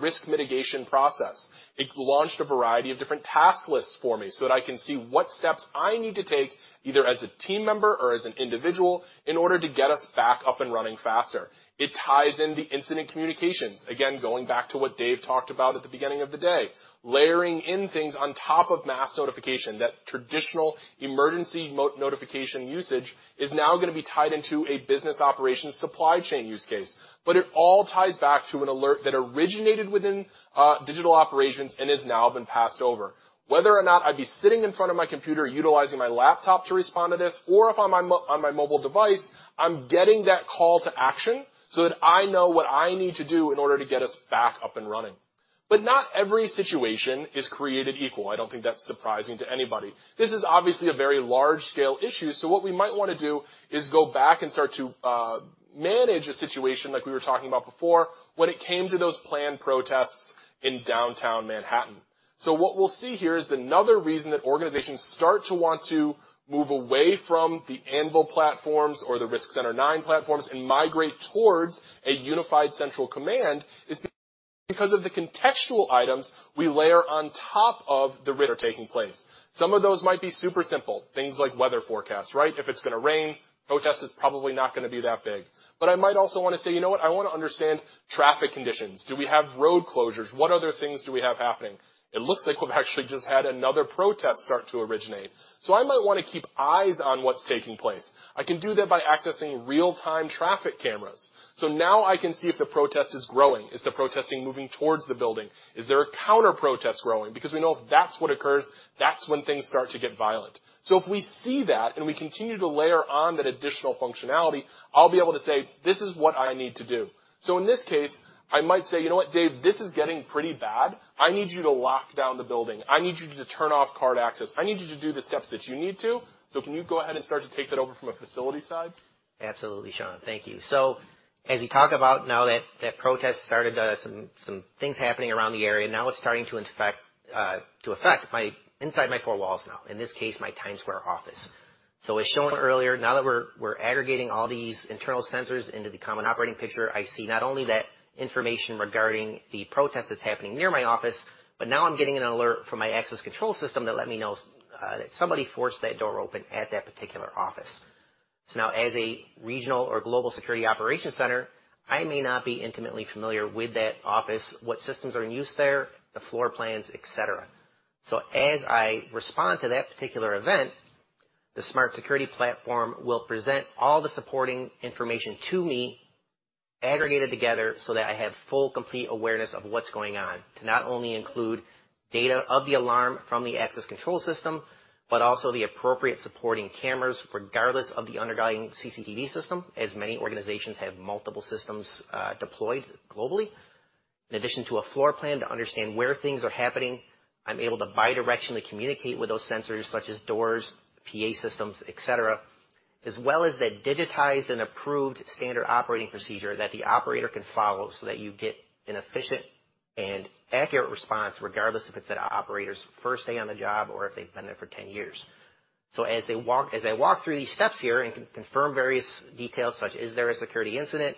risk mitigation process. It launched a variety of different task lists for me so that I can see what steps I need to take, either as a team member or as an individual, in order to get us back up and running faster. It ties in the incident communications. Again, going back to what Dave talked about at the beginning of the day. Layering in things on top of Mass Notification, that traditional emergency notification usage is now gonna be tied into a business operations supply chain use case. It all ties back to an alert that originated within Digital Operations and has now been passed over. Whether or not I'd be sitting in front of my computer, utilizing my laptop to respond to this, or if on my mobile device, I'm getting that call to action so that I know what I need to do in order to get us back up and running. Not every situation is created equal. I don't think that's surprising to anybody. This is obviously a very large-scale issue. What we might wanna do is go back and start to manage a situation like we were talking about before, when it came to those planned protests in downtown Manhattan. What we'll see here is another reason that organizations start to want to move away from the Anvil platforms or the Risk Center 9 platforms and migrate towards a unified central command is because of the contextual items we layer on top of the risk are taking place. Some of those might be super simple, things like weather forecasts, right? If it's gonna rain, protest is probably not gonna be that big. I might also wanna say, "You know what? I wanna understand traffic conditions. Do we have road closures? What other things do we have happening?" It looks like we've actually just had another protest start to originate. I might wanna keep eyes on what's taking place. I can do that by accessing real-time traffic cameras. Now I can see if the protest is growing. Is the protesting moving towards the building? Is there a counter-protest growing? We know if that's what occurs, that's when things start to get violent. If we see that and we continue to layer on that additional functionality, I'll be able to say, "This is what I need to do." In this case, I might say, "You know what, Dave? This is getting pretty bad. I need you to lock down the building. I need you to turn off card access. I need you to do the steps that you need to. Can you go ahead and start to take that over from a facility side? Absolutely, Sean. Thank you. As we talk about now that protest started, some things happening around the area, now it's starting to affect my inside my four walls now, in this case, my Times Square office. As shown earlier, now that we're aggregating all these internal sensors into the common operating picture, I see not only that information regarding the protest that's happening near my office, but now I'm getting an alert from my access control system that let me know that somebody forced that door open at that particular office. Now as a regional or Global Security Operations Center, I may not be intimately familiar with that office, what systems are in use there, the floor plans, et cetera. As I respond to that particular event, the Smart Security platform will present all the supporting information to me aggregated together so that I have full, complete awareness of what's going on to not only include data of the alarm from the access control system, but also the appropriate supporting cameras, regardless of the underlying CCTV system, as many organizations have multiple systems deployed globally. In addition to a floor plan to understand where things are happening, I'm able to bidirectionally communicate with those sensors such as doors, PA systems, et cetera, as well as the digitized and approved standard operating procedure that the operator can follow so that you get an efficient and accurate response, regardless if it's that operator's first day on the job or if they've been there for 10 years. As I walk through these steps here and confirm various details such, is there a security incident?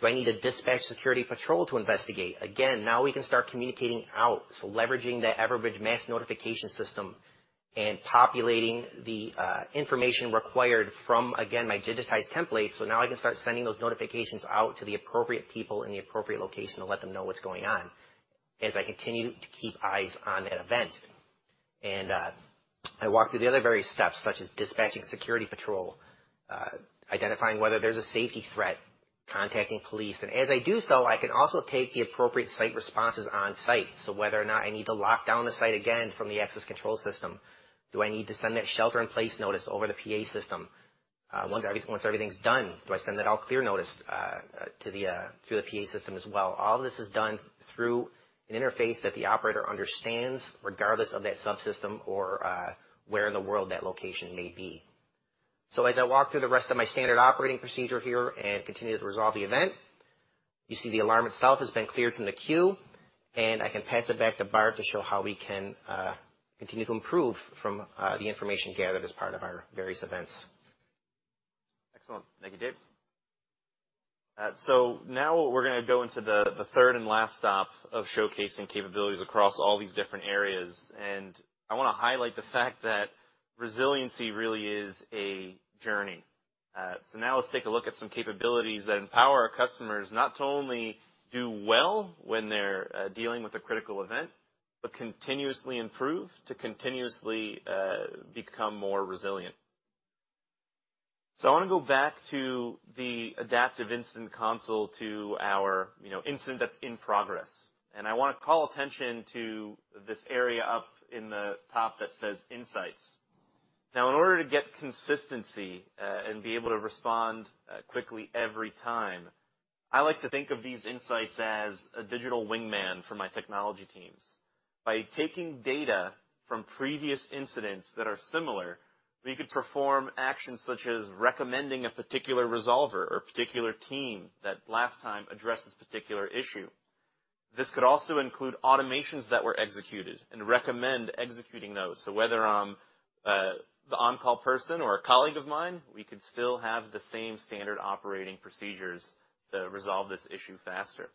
Do I need to dispatch security patrol to investigate? Again, now we can start communicating out, so leveraging that Everbridge Mass Notification system and populating the information required from, again, my digitized template. Now I can start sending those notifications out to the appropriate people in the appropriate location to let them know what's going on as I continue to keep eyes on that event. I walk through the other various steps, such as dispatching security patrol, identifying whether there's a safety threat, contacting police. As I do so, I can also take the appropriate site responses on site. Whether or not I need to lock down the site again from the access control system, do I need to send that shelter in place notice over the PA system? Once everything's done, do I send that all clear notice to the through the PA system as well? All this is done through an interface that the operator understands, regardless of that subsystem or where in the world that location may be. As I walk through the rest of my standard operating procedure here and continue to resolve the event, you see the alarm itself has been cleared from the queue, and I can pass it back to Bart to show how we can continue to improve from the information gathered as part of our various events. Excellent. Thank you, Dave. Now we're gonna go into the third and last stop of showcasing capabilities across all these different areas. I wanna highlight the fact that resiliency really is a journey. Now let's take a look at some capabilities that empower our customers not to only do well when they're dealing with a critical event, but continuously improve to continuously become more resilient. I wanna go back to the adaptive incident console to our, you know, incident that's in progress. I wanna call attention to this area up in the top that says Insights. Now, in order to get consistency and be able to respond quickly every time, I like to think of these insights as a digital wingman for my technology teams. By taking data from previous incidents that are similar, we could perform actions such as recommending a particular resolver or particular team that last time addressed this particular issue. This could also include automations that were executed and recommend executing those. Whether I'm the on-call person or a colleague of mine, we could still have the same standard operating procedures to resolve this issue faster.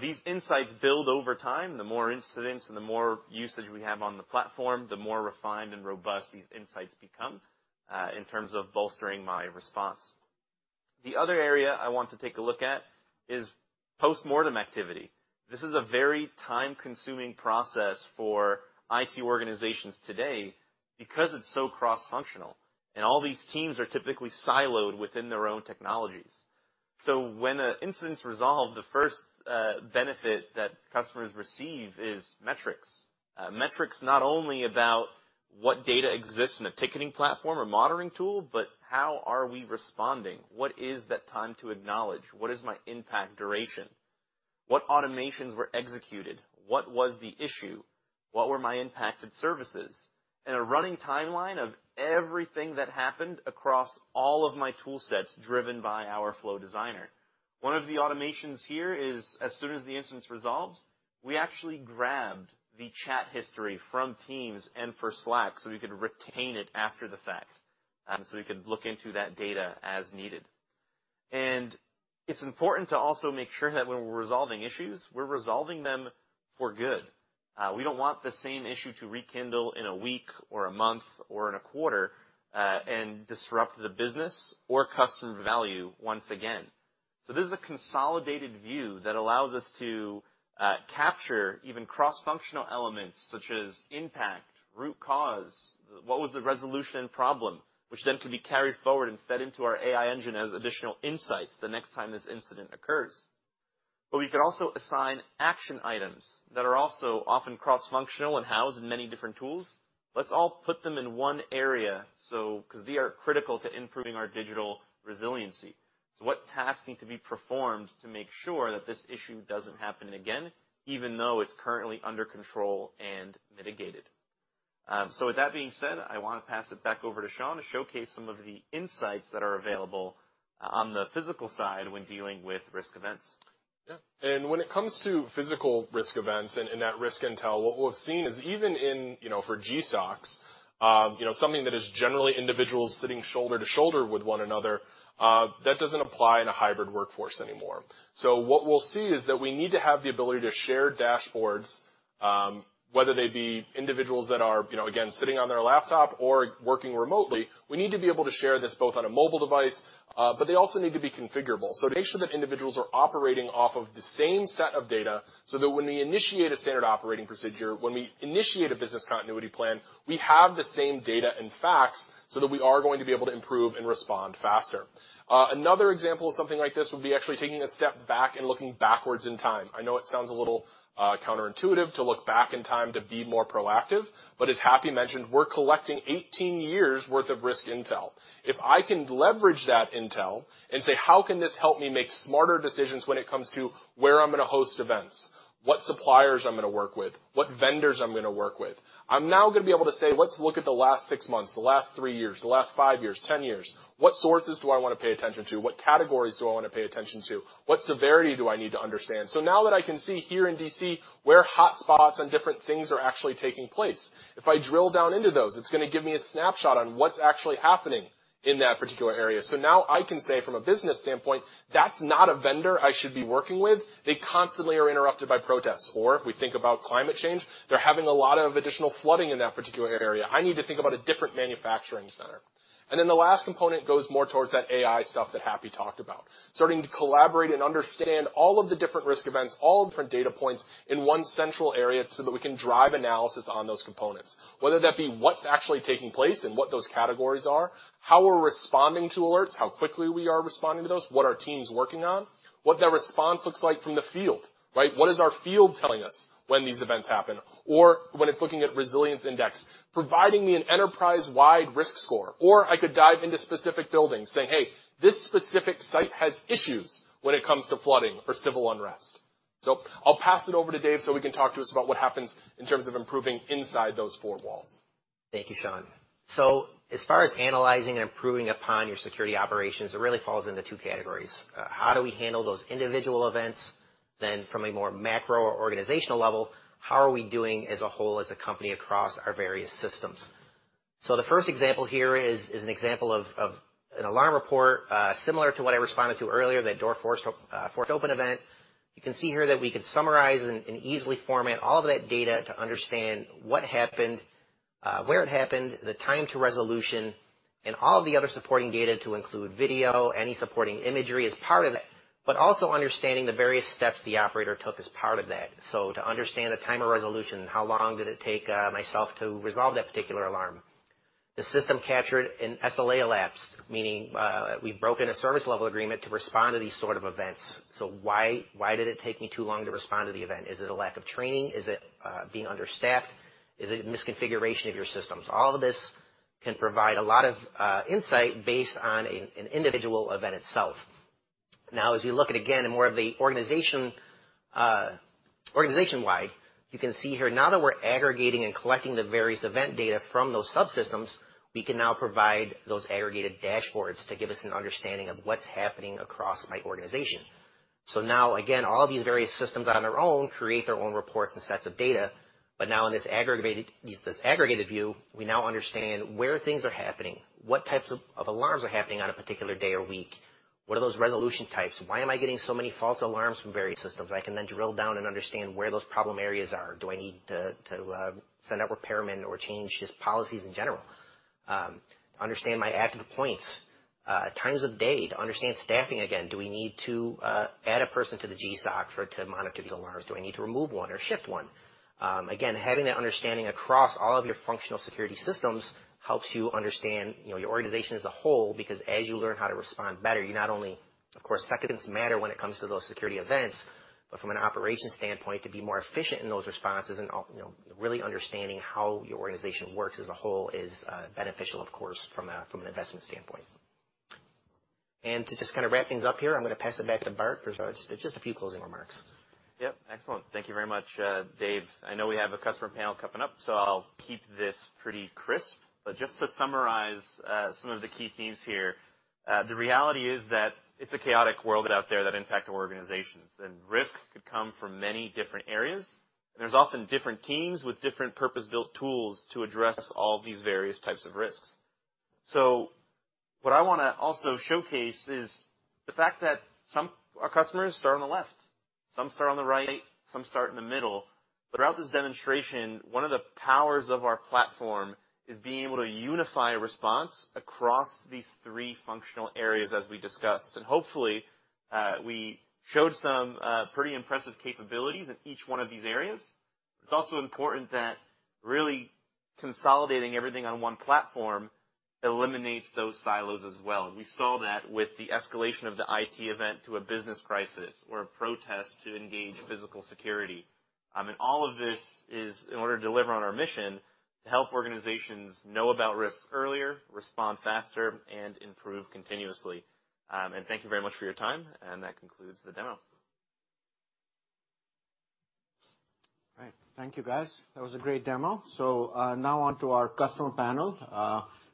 These insights build over time. The more incidents and the more usage we have on the platform, the more refined and robust these insights become in terms of bolstering my response. The other area I want to take a look at is postmortem activity. This is a very time-consuming process for IT organizations today because it's so cross-functional, and all these teams are typically siloed within their own technologies. When a incident's resolved, the first, benefit that customers receive is metrics. Metrics not only about what data exists in a ticketing platform or monitoring tool, but how are we responding? What is that time to acknowledge? What is my impact duration? What automations were executed? What was the issue? What were my impacted services? A running timeline of everything that happened across all of my tool sets driven by our Flow Designer. One of the automations here is as soon as the instance resolved, we actually grabbed the chat history from Teams and for Slack, so we could retain it after the fact, so we could look into that data as needed. It's important to also make sure that when we're resolving issues, we're resolving them for good. We don't want the same issue to rekindle in a week or a month or in a quarter, and disrupt the business or customer value once again. This is a consolidated view that allows us to capture even cross-functional elements such as impact, root cause, what was the resolution problem, which then can be carried forward and fed into our AI engine as additional insights the next time this incident occurs. We can also assign action items that are also often cross-functional and housed in many different tools. Let's all put them in one area, 'cause they are critical to improving our digital resiliency. What tasks need to be performed to make sure that this issue doesn't happen again, even though it's currently under control and mitigated. With that being said, I wanna pass it back over to Sean to showcase some of the insights that are available on the physical side when dealing with risk events. Yeah. When it comes to physical risk events and that risk intel, what we'll have seen is even in, you know, for GSOCs, you know, something that is generally individuals sitting shoulder to shoulder with one another, that doesn't apply in a hybrid workforce anymore. What we'll see is that we need to have the ability to share dashboards, whether they be individuals that are, you know, again, sitting on their laptop or working remotely. We need to be able to share this both on a mobile device, but they also need to be configurable. To make sure that individuals are operating off of the same set of data so that when we initiate a standard operating procedure, when we initiate a business continuity plan, we have the same data and facts so that we are going to be able to improve and respond faster. Another example of something like this would be actually taking a step back and looking backwards in time. I know it sounds a little counterintuitive to look back in time to be more proactive, but as Happy mentioned, we're collecting 18 years' worth of risk intel. If I can leverage that intel and say, "How can this help me make smarter decisions when it comes to where I'm gonna host events, what suppliers I'm gonna work with, what vendors I'm gonna work with?" I'm now gonna be able to say, "Let's look at the last six months, the last three years, the last five years, 10 years. What sources do I wanna pay attention to? What categories do I wanna pay attention to? What severity do I need to understand?" Now that I can see here in D.C., where hotspots and different things are actually taking place. If I drill down into those, it's gonna give me a snapshot on what's actually happening in that particular area. Now I can say from a business standpoint, that's not a vendor I should be working with. They constantly are interrupted by protests. If we think about climate change, they're having a lot of additional flooding in that particular area. I need to think about a different manufacturing center. The last component goes more towards that AI stuff that Happy talked about. Starting to collaborate and understand all of the different risk events, all different data points in one central area so that we can drive analysis on those components. Whether that be what's actually taking place and what those categories are, how we're responding to alerts, how quickly we are responding to those, what our team's working on, what that response looks like from the field, right? What is our field telling us when these events happen? When it's looking at Resilience Index, providing me an enterprise-wide risk score. I could dive into specific buildings saying, "Hey, this specific site has issues when it comes to flooding or civil unrest." I'll pass it over to Dave so he can talk to us about what happens in terms of improving inside those four walls. Thank you, Sean. As far as analyzing and improving upon your security operations, it really falls into two categories. How do we handle those individual events? From a more macro organizational level, how are we doing as a whole, as a company across our various systems? The first example here is an example of an alarm report, similar to what I responded to earlier, that door forced force open event. You can see here that we can summarize and easily format all of that data to understand what happened, where it happened, the time to resolution, and all the other supporting data to include video, any supporting imagery as part of it, but also understanding the various steps the operator took as part of that. To understand the time of resolution, how long did it take myself to resolve that particular alarm. The system captured an SLA elapsed, meaning we've broken a service level agreement to respond to these sort of events. Why did it take me too long to respond to the event? Is it a lack of training? Is it being understaffed? Is it misconfiguration of your systems? All of this can provide a lot of insight based on an individual event itself. Now, as you look at again more of the organization-wide, you can see here now that we're aggregating and collecting the various event data from those subsystems, we can now provide those aggregated dashboards to give us an understanding of what's happening across my organization. Now again, all these various systems on their own create their own reports and sets of data. Now in this aggregated view, we now understand where things are happening, what types of alarms are happening on a particular day or week. What are those resolution types? Why am I getting so many false alarms from various systems? I can then drill down and understand where those problem areas are. Do I need to send out repairmen or change just policies in general? Understand my active points, times of day to understand staffing again. Do we need to add a person to the GSOC to monitor these alarms? Do I need to remove one or shift one? Again, having that understanding across all of your functional security systems helps you understand, you know, your organization as a whole, because as you learn how to respond better, you Of course, seconds matter when it comes to those security events, but from an operations standpoint, to be more efficient in those responses and you know, really understanding how your organization works as a whole is beneficial, of course, from a, from an investment standpoint. And to just kinda wrap things up here, I'm gonna pass it back to Bart for just a few closing remarks. Yep. Excellent. Thank you very much, Dave. I know we have a customer panel coming up, so I'll keep this pretty crisp. Just to summarize, some of the key themes here, the reality is that it's a chaotic world out there that impact organizations, and risk could come from many different areas. There's often different teams with different purpose-built tools to address all these various types of risks. What I wanna also showcase is the fact that our customers start on the left, some start on the right, some start in the middle. Throughout this demonstration, one of the powers of our platform is being able to unify a response across these three functional areas as we discussed. Hopefully, we showed some pretty impressive capabilities in each one of these areas. It's also important that really consolidating everything on one platform eliminates those silos as well. We saw that with the escalation of the IT event to a business crisis or a protest to engage physical security. All of this is in order to deliver on our mission to help organizations know about risks earlier, respond faster, and improve continuously. Thank you very much for your time, and that concludes the demo. All right. Thank you, guys. That was a great demo. Now on to our customer panel.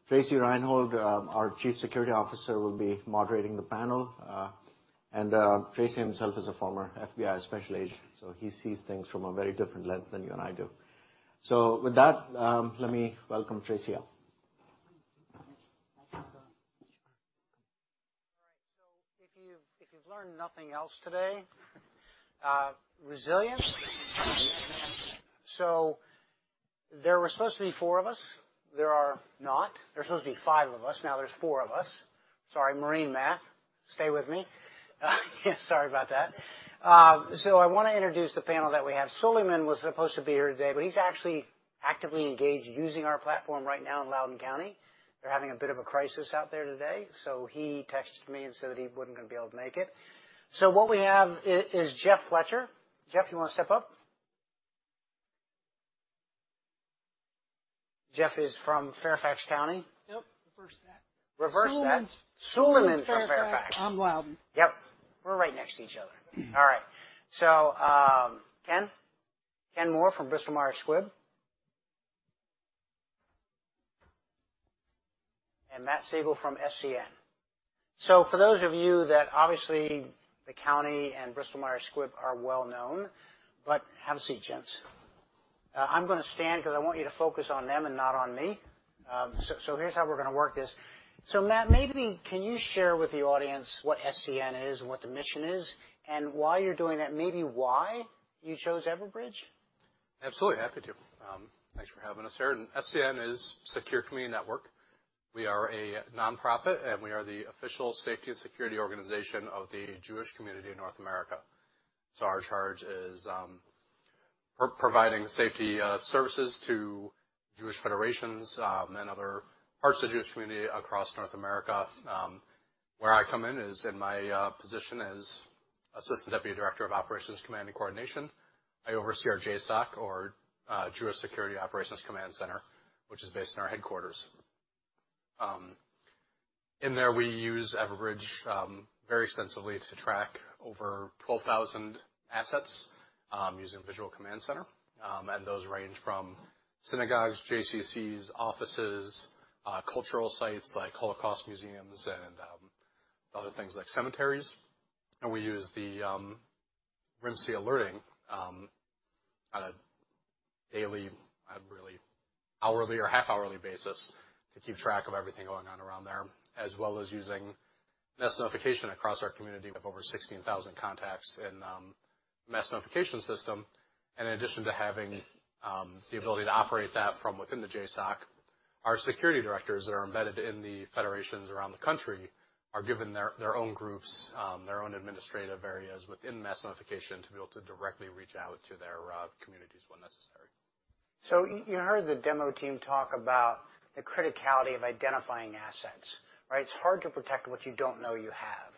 Tracy Reinhold, our Chief Security Officer, will be moderating the panel. Tracy himself is a former FBI special agent, so he sees things from a very different lens than you and I do. With that, let me welcome Tracy out. All right. If you've, if you've learned nothing else today, resilience. There were supposed to be four of us, there are not. There were supposed to be five of us, now there's four of us. Sorry, marine math. Stay with me. Sorry about that. I wanna introduce the panel that we have. Suliman was supposed to be here today, but he's actually actively engaged using our platform right now in Loudoun County. They're having a bit of a crisis out there today, so he texted me and said that he wouldn't gonna be able to make it. What we have is Jeff Fletcher. Jeff, you wanna step up? Jeff is from Fairfax County. Yep. Reverse that. Reverse that. Suliman. Suliman's from Fairfax. Suliman's Fairfax. I'm Loudoun. Yep. We're right next to each other. All right. Ken. Ken Moore from Bristol-Myers Squibb, Matt Siegel from SCN. For those of you that obviously the county and Bristol-Myers Squibb are well known, but have a seat, gents. I'm gonna stand 'cause I want you to focus on them and not on me. Here's how we're gonna work this. Matt, maybe can you share with the audience what SCN is and what the mission is and why you're doing that, maybe why you chose Everbridge? Absolutely. Happy to. Thanks for having us here. SCN is Secure Community Network. We are a nonprofit, and we are the official safety and security organization of the Jewish community in North America. Our charge is providing safety services to Jewish federations and other parts of the Jewish community across North America. Where I come in is in my position as Assistant Deputy Director of Operations Command and Coordination. I oversee our JSOC or Jewish Security Operations Command Center, which is based in our headquarters. In there, we use Everbridge very extensively to track over 12,000 assets using Visual Command Center. Those range from synagogues, JCCs, offices, cultural sites like Holocaust museums and other things like cemeteries. We use the REMS E-alerting on a daily, really hourly or half-hourly basis to keep track of everything going on around there, as well as using Mass Notification across our community. We have over 16,000 contacts in Mass Notification system. In addition to having the ability to operate that from within the JSOC, our security directors that are embedded in the federations around the country are given their own groups, their own administrative areas within Mass Notification to be able to directly reach out to their communities when necessary. You heard the demo team talk about the criticality of identifying assets, right? It's hard to protect what you don't know you have.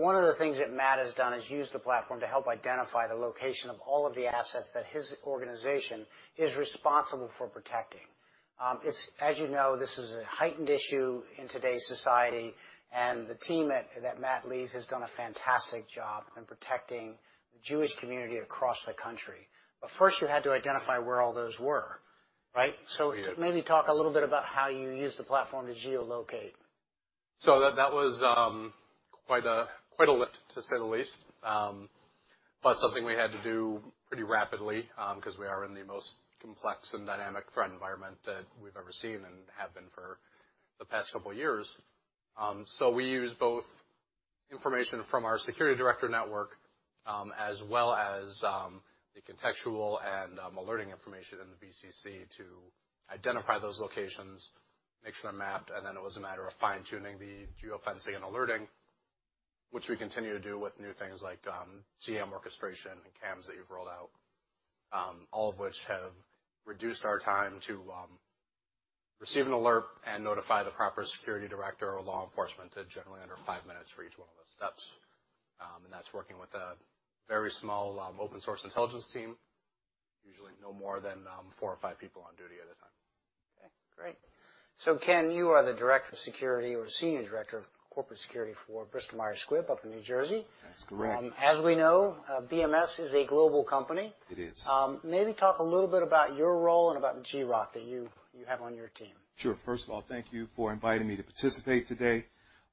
One of the things that Matt has done is use the platform to help identify the location of all of the assets that his organization is responsible for protecting. As you know, this is a heightened issue in today's society, and the team that Matt leads has done a fantastic job in protecting the Jewish community across the country. First, you had to identify where all those were, right? We did. Maybe talk a little bit about how you used the platform to geolocate? That, that was quite a, quite a lift, to say the least. But something we had to do pretty rapidly, 'cause we are in the most complex and dynamic threat environment that we've ever seen and have been for the past couple years. We use both information from our security director network, as well as the contextual and alerting information in the VCC to identify those locations, make sure they're mapped, and then it was a matter of fine-tuning the geofencing and alerting, which we continue to do with new things like CEM orchestration and cams that you've rolled out, all of which have reduced our time to receive an alert and notify the proper security director or law enforcement, generally under five minutes for each one of those steps. That's working with a very small open source intelligence team. Usually no more than four or five people on duty at a time. Okay, great. Ken, you are the Director of Security or Senior Director of Corporate security for Bristol-Myers Squibb up in New Jersey. That's correct. As we know, BMS is a global company. It is. Maybe talk a little bit about your role and about the GSOC that you have on your team. Sure. First of all, thank you for inviting me to participate today.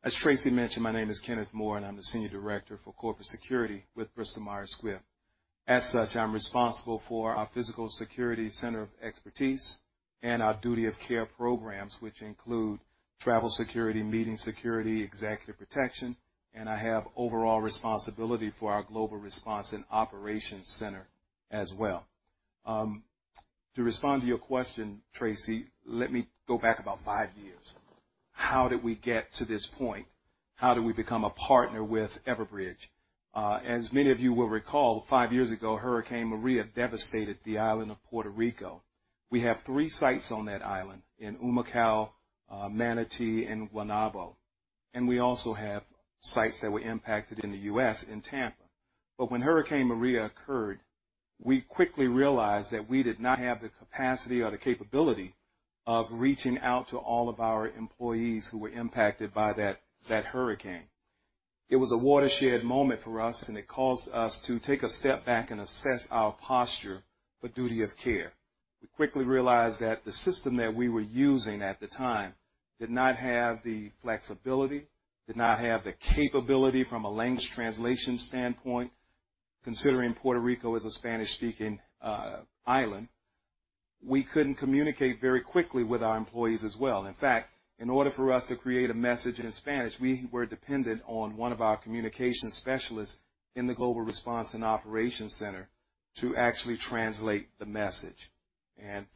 As Tracy mentioned, my name is Kenneth Moore, and I'm the Senior Director for Corporate Security with Bristol Myers Squibb. As such, I'm responsible for our physical security center of expertise and our duty of care programs, which include travel security, meeting security, executive protection, and I have overall responsibility for our Global Response and Operations Center as well. To respond to your question, Tracy, let me go back about five years. How did we get to this point? How did we become a partner with Everbridge? As many of you will recall, five years ago, Hurricane Maria devastated the island of Puerto Rico. We have three sites on that island in Humacao, Manati, and Guaynabo, and we also have sites that were impacted in the U.S. in Tampa. When Hurricane Maria occurred, we quickly realized that we did not have the capacity or the capability of reaching out to all of our employees who were impacted by that hurricane. It was a watershed moment for us, and it caused us to take a step back and assess our posture for duty of care. We quickly realized that the system that we were using at the time did not have the flexibility, did not have the capability from a language translation standpoint, considering Puerto Rico is a Spanish-speaking island. We couldn't communicate very quickly with our employees as well. In fact, in order for us to create a message in Spanish, we were dependent on one of our communication specialists in the Global Response and Operations Center to actually translate the message.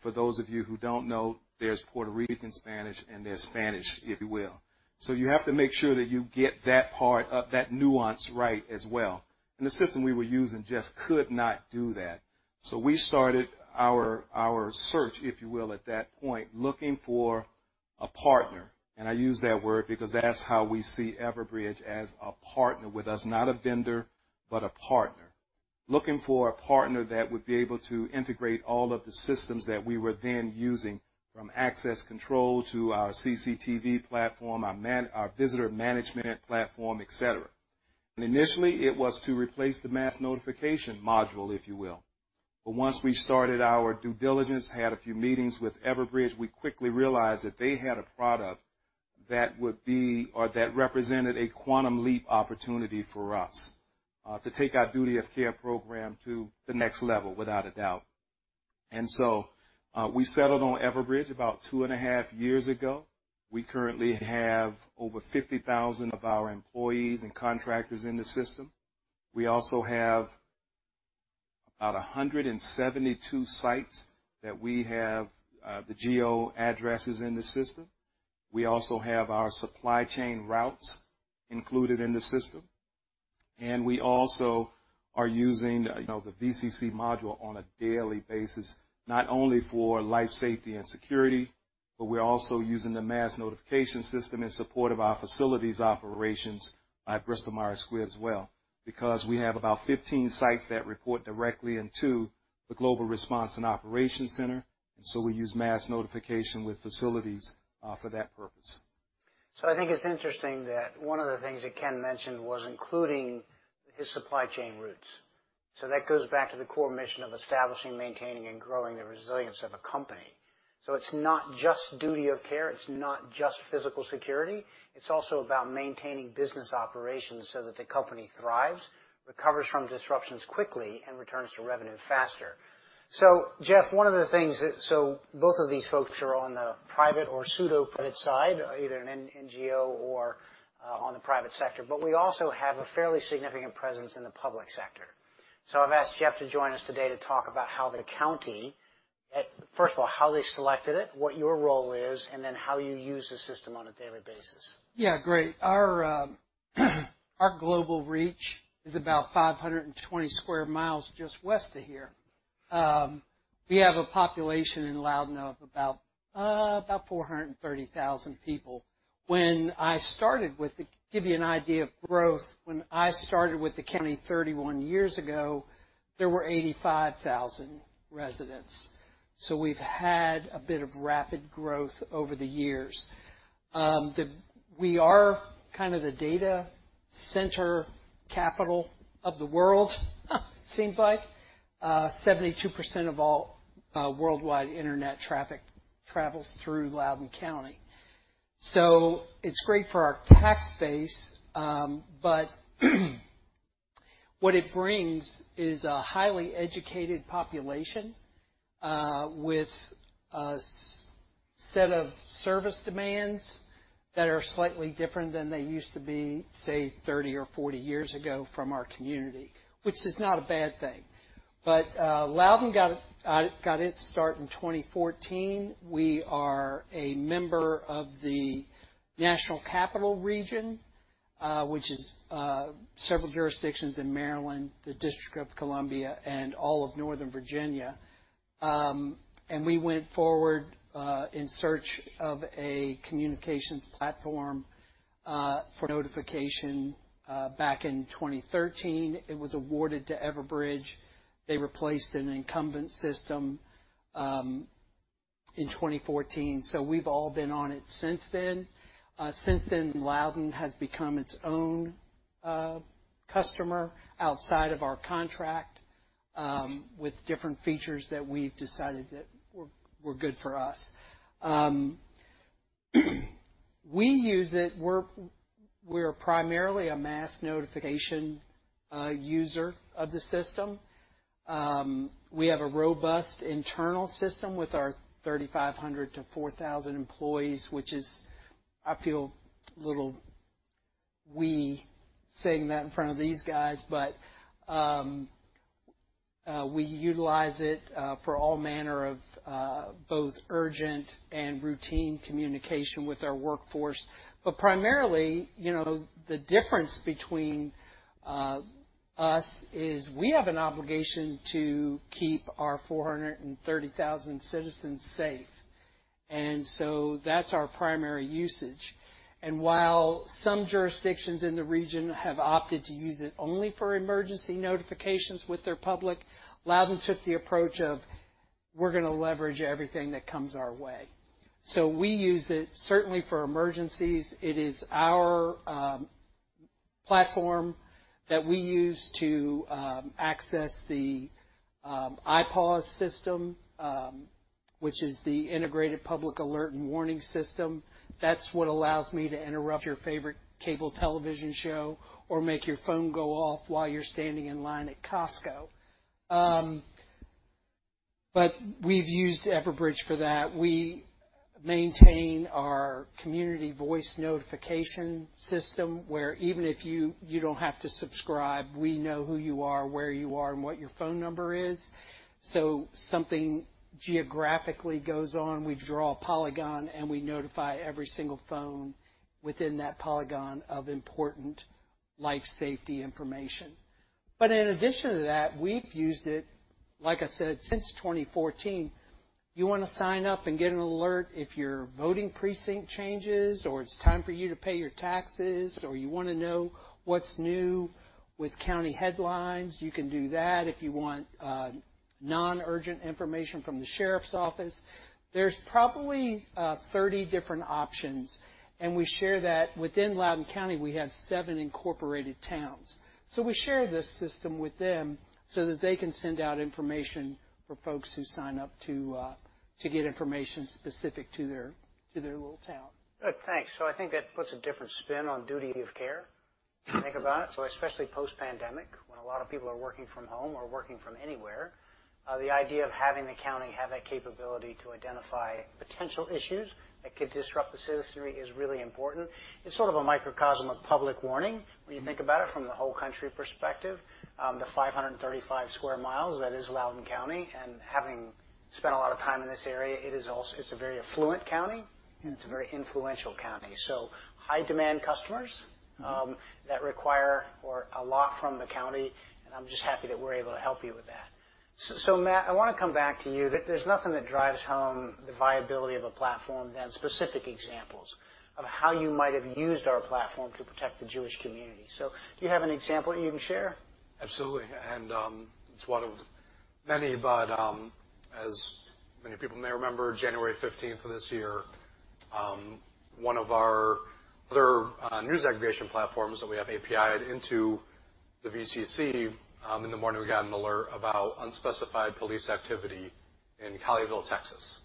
For those of you who don't know, there's Puerto Rican Spanish and there's Spanish, if you will. You have to make sure that you get that part of that nuance right as well. The system we were using just could not do that. We started our search, if you will, at that point, looking for a partner. I use that word because that's how we see Everbridge as a partner with us. Not a vendor, but a partner. Looking for a partner that would be able to integrate all of the systems that we were then using, from access control to our CCTV platform, our visitor management platform, et cetera. Initially, it was to replace the Mass Notification module, if you will. Once we started our due diligence, had a few meetings with Everbridge, we quickly realized that they had a product that would be or that represented a quantum leap opportunity for us, to take our duty of care program to the next level, without a doubt. We settled on Everbridge about two and a half years ago. We currently have over 50,000 of our employees and contractors in the system. We also have about 172 sites that we have, the geo addresses in the system. We also have our supply chain routes included in the system, and we also are using, you know, the VCC module on a daily basis, not only for life, safety, and security, but we're also using the Mass Notification system in support of our facilities operations at Bristol-Myers Squibb as well, because we have about 15 sites that report directly into the Global Response and Operations Center. We use Mass Notification with facilities for that purpose. I think it's interesting that one of the things that Ken mentioned was including his supply chain routes. That goes back to the core mission of establishing, maintaining, and growing the resilience of a company. It's not just duty of care, it's not just physical security. It's also about maintaining business operations so that the company thrives, recovers from disruptions quickly, and returns to revenue faster. Jeff, one of the things that both of these folks are on the private or pseudo private side, either an NGO or on the private sector, but we also have a fairly significant presence in the public sector. I've asked Jeff to join us today to talk about how the county, first of all, how they selected it, what your role is, and then how you use the system on a daily basis. Yeah, great. Our global reach is about 520 sq mi just west of here. We have a population in Loudoun of about 430,000 people. When I started with the give you an idea of growth, when I started with the county 31 years ago, there were 85,000 residents. We've had a bit of rapid growth over the years. We are kind of the data center capital of the world, seems like. 72% of all worldwide internet traffic travels through Loudoun County. It's great for our tax base, but what it brings is a highly educated population, with a set of service demands that are slightly different than they used to be, say, 30 or 40 years ago from our community, which is not a bad thing. Loudoun got its start in 2014. We are a member of the National Capital Region, which is several jurisdictions in Maryland, the District of Columbia, and all of Northern Virginia. We went forward in search of a communications platform for notification back in 2013. It was awarded to Everbridge. They replaced an incumbent system in 2014. We've all been on it since then. Since then, Loudoun has become its own customer outside of our contract with different features that we've decided that were good for us. We use it. We're primarily a Mass Notification user of the system. We have a robust internal system with our 3,500-4,000 employees, which is I feel a little weird saying that in front of these guys, but we utilize it for all manner of both urgent and routine communication with our workforce. Primarily, you know, the difference between us is we have an obligation to keep our 430,000 citizens safe. That's our primary usage. While some jurisdictions in the region have opted to use it only for emergency notifications with their public, Loudoun took the approach of, we're gonna leverage everything that comes our way. We use it certainly for emergencies. It is our platform that we use to access the IPAWS system, which is the Integrated Public Alert and Warning System. That's what allows me to interrupt your favorite cable television show or make your phone go off while you're standing in line at Costco. We've used Everbridge for that. We maintain our community voice notification system, where even if you don't have to subscribe, we know who you are, where you are, and what your phone number is. Something geographically goes on, we draw a polygon, and we notify every single phone within that polygon of important life safety information. In addition to that, we've used it, like I said, since 2014. You wanna sign up and get an alert if your voting precinct changes, or it's time for you to pay your taxes, or you wanna know what's new with county headlines, you can do that. If you want non-urgent information from the sheriff's office. There's probably 30 different options, and we share that. Within Loudoun County, we have seven incorporated towns. We share this system with them so that they can send out information for folks who sign up to get information specific to their, to their little town. Good. Thanks. I think that puts a different spin on duty of care if you think about it. Especially post-pandemic, when a lot of people are working from home or working from anywhere, the idea of having the county have that capability to identify potential issues that could disrupt the citizenry is really important. It's sort of a microcosm of public warning when you think about it from the whole country perspective. The 535 square miles that is Loudoun County and having spent a lot of time in this area, it's also a very affluent county, and it's a very influential county. High demand customers that require a lot from the county, and I'm just happy that we're able to help you with that. Matt, I wanna come back to you. There's nothing that drives home the viability of a platform than specific examples of how you might have used our platform to protect the Jewish community. Do you have an example you can share? Absolutely. It's one of many, but as many people may remember, January 15th of this year, one of our other news aggregation platforms that we have API'd into the VCC, in the morning, we got an alert about unspecified police activity in Colleyville, Texas.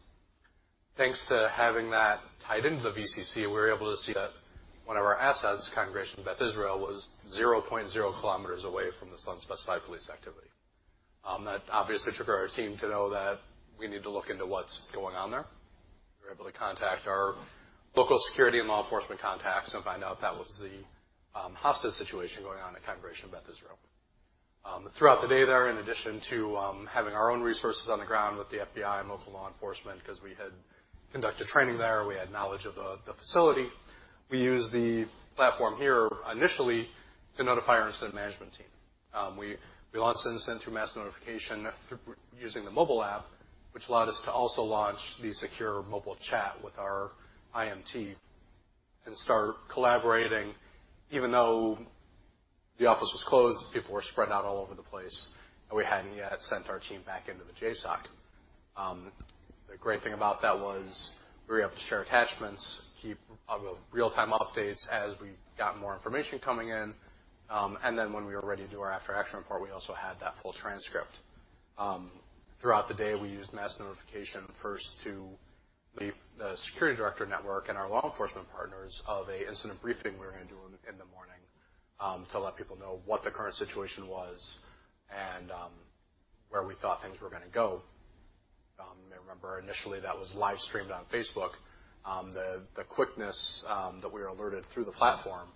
Thanks to having that tied into the VCC, we were able to see that one of our assets, Congregation Beth Israel, was 0.0 kilometers away from this unspecified police activity. That obviously triggered our team to know that we need to look into what's going on there. We were able to contact our local security and law enforcement contacts and find out that was the hostage situation going on at Congregation Beth Israel. Throughout the day there, in addition to having our own resources on the ground with the FBI and local law enforcement, 'cause we had conducted training there, we had knowledge of the facility. We used the platform here initially to notify our incident management team. We launched incident through Mass Notification using the mobile app, which allowed us to also launch the secure mobile chat with our IMT and start collaborating, even though the office was closed, people were spread out all over the place, and we hadn't yet sent our team back into the JSOC. The great thing about that was we were able to share attachments, keep real-time updates as we got more information coming in. When we were ready to do our after action report, we also had that full transcript. Throughout the day, we used Mass Notification first to brief the security director network and our law enforcement partners of a incident briefing we were going to do in the morning, to let people know what the current situation was and, where we thought things were gonna go. I remember initially that was live streamed on Facebook. The quickness that we were alerted through the platform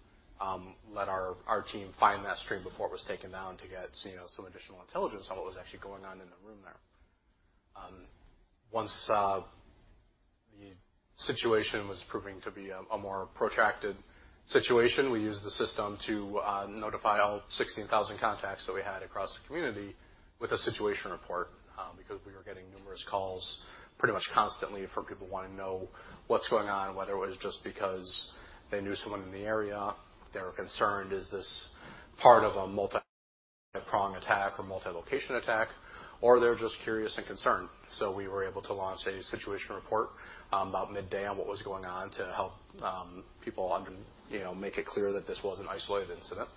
let our team find that stream before it was taken down to get, you know, some additional intelligence on what was actually going on in the room there. Once the situation was proving to be a more protracted situation, we used the system to notify all 16,000 contacts that we had across the community with a situation report, because we were getting numerous calls pretty much constantly from people wanting to know what's going on, whether it was just because they knew someone in the area, they were concerned is this part of a multi-prong attack or multi-location attack, or they're just curious and concerned. We were able to launch a situation report, about midday on what was going on to help, people you know, make it clear that this was an isolated incident.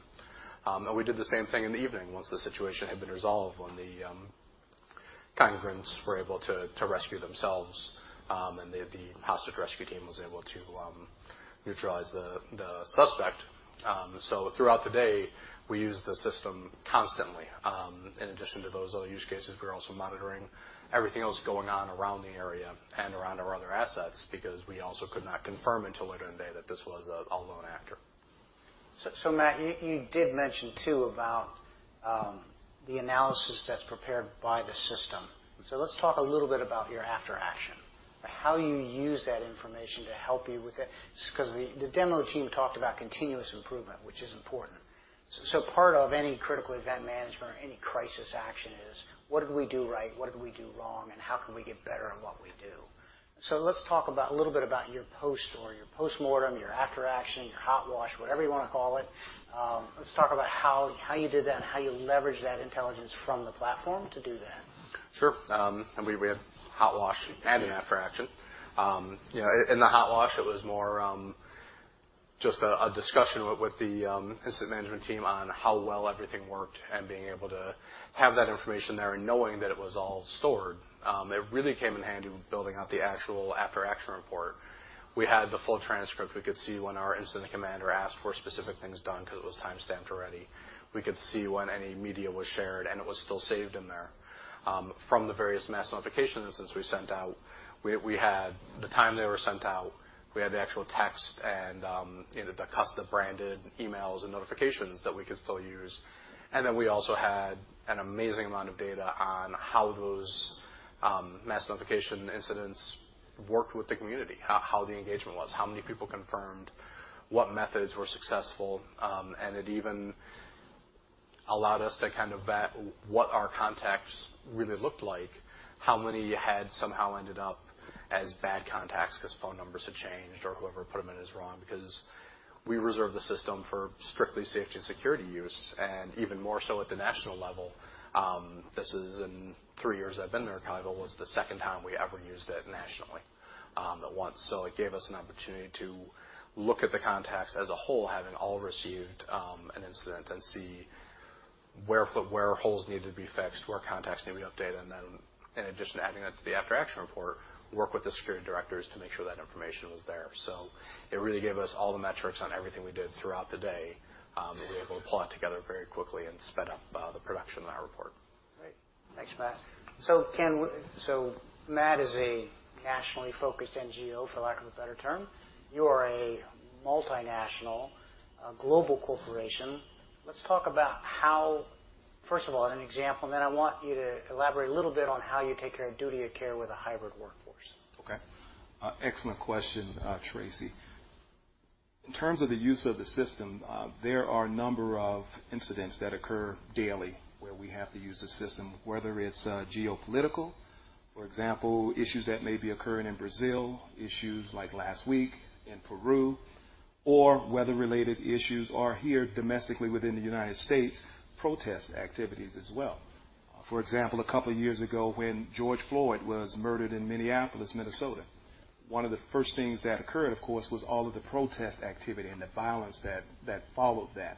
We did the same thing in the evening once the situation had been resolved, when the congregants were able to rescue themselves, and the hostage rescue team was able to neutralize the suspect. Throughout the day, we used the system constantly. In addition to those other use cases, we were also monitoring everything else going on around the area and around our other assets because we also could not confirm until later in the day that this was a lone actor. Matt, you did mention too about the analysis that's prepared by the system. Let's talk a little bit about your after action. How you use that information to help you with it, 'cause the demo team talked about continuous improvement, which is important. Part of any critical event management or any crisis action is what did we do right, what did we do wrong, and how can we get better at what we do? Let's talk about a little bit about your post or your postmortem, your after action, your hot wash, whatever you wanna call it. Let's talk about how you did that and how you leveraged that intelligence from the platform to do that. Sure. We had hot wash and an after action. you know, in the hot wash, it was more just a discussion with the incident management team on how well everything worked and being able to have that information there and knowing that it was all stored. It really came in handy with building out the actual after action report. We had the full transcript. We could see when our incident commander asked for specific things done 'cause it was timestamped already. We could see when any media was shared, and it was still saved in there. From the various mass notifications incidents we sent out, we had the time they were sent out, we had the actual text and, you know, the custom branded emails and notifications that we could still use. We also had an amazing amount of data on how those Mass Notification incidents worked with the community, how the engagement was, how many people confirmed, what methods were successful, and it even allowed us to kind of vet what our contacts really looked like, how many had somehow ended up as bad contacts 'cause phone numbers had changed or whoever put them in is wrong because we reserve the system for strictly safety and security use, and even more so at the national level. This is in three years I've been there at Caldwell, was the second time we ever used it nationally, at once. It gave us an opportunity to look at the contacts as a whole, having all received an incident and see where holes needed to be fixed, where contacts needed to be updated, and then in addition to adding that to the after action report, work with the security directors to make sure that information was there. It really gave us all the metrics on everything we did throughout the day that we were able to pull it together very quickly and sped up the production of that report. Great. Thanks, Matt. Ken, Matt is a nationally focused NGO, for lack of a better term. You are a multinational, a global corporation. Let's talk about how, first of all, as an example, and then I want you to elaborate a little bit on how you take care of duty of care with a hybrid workforce. Okay. Excellent question, Tracy. In terms of the use of the system, there are a number of incidents that occur daily where we have to use the system, whether it's geopolitical, for example, issues that may be occurring in Brazil, issues like last week in Peru, or weather-related issues are here domestically within the United States, protest activities as well. For example, two years ago, when George Floyd was murdered in Minneapolis, Minnesota, one of the first things that occurred, of course, was all of the protest activity and the violence that followed that.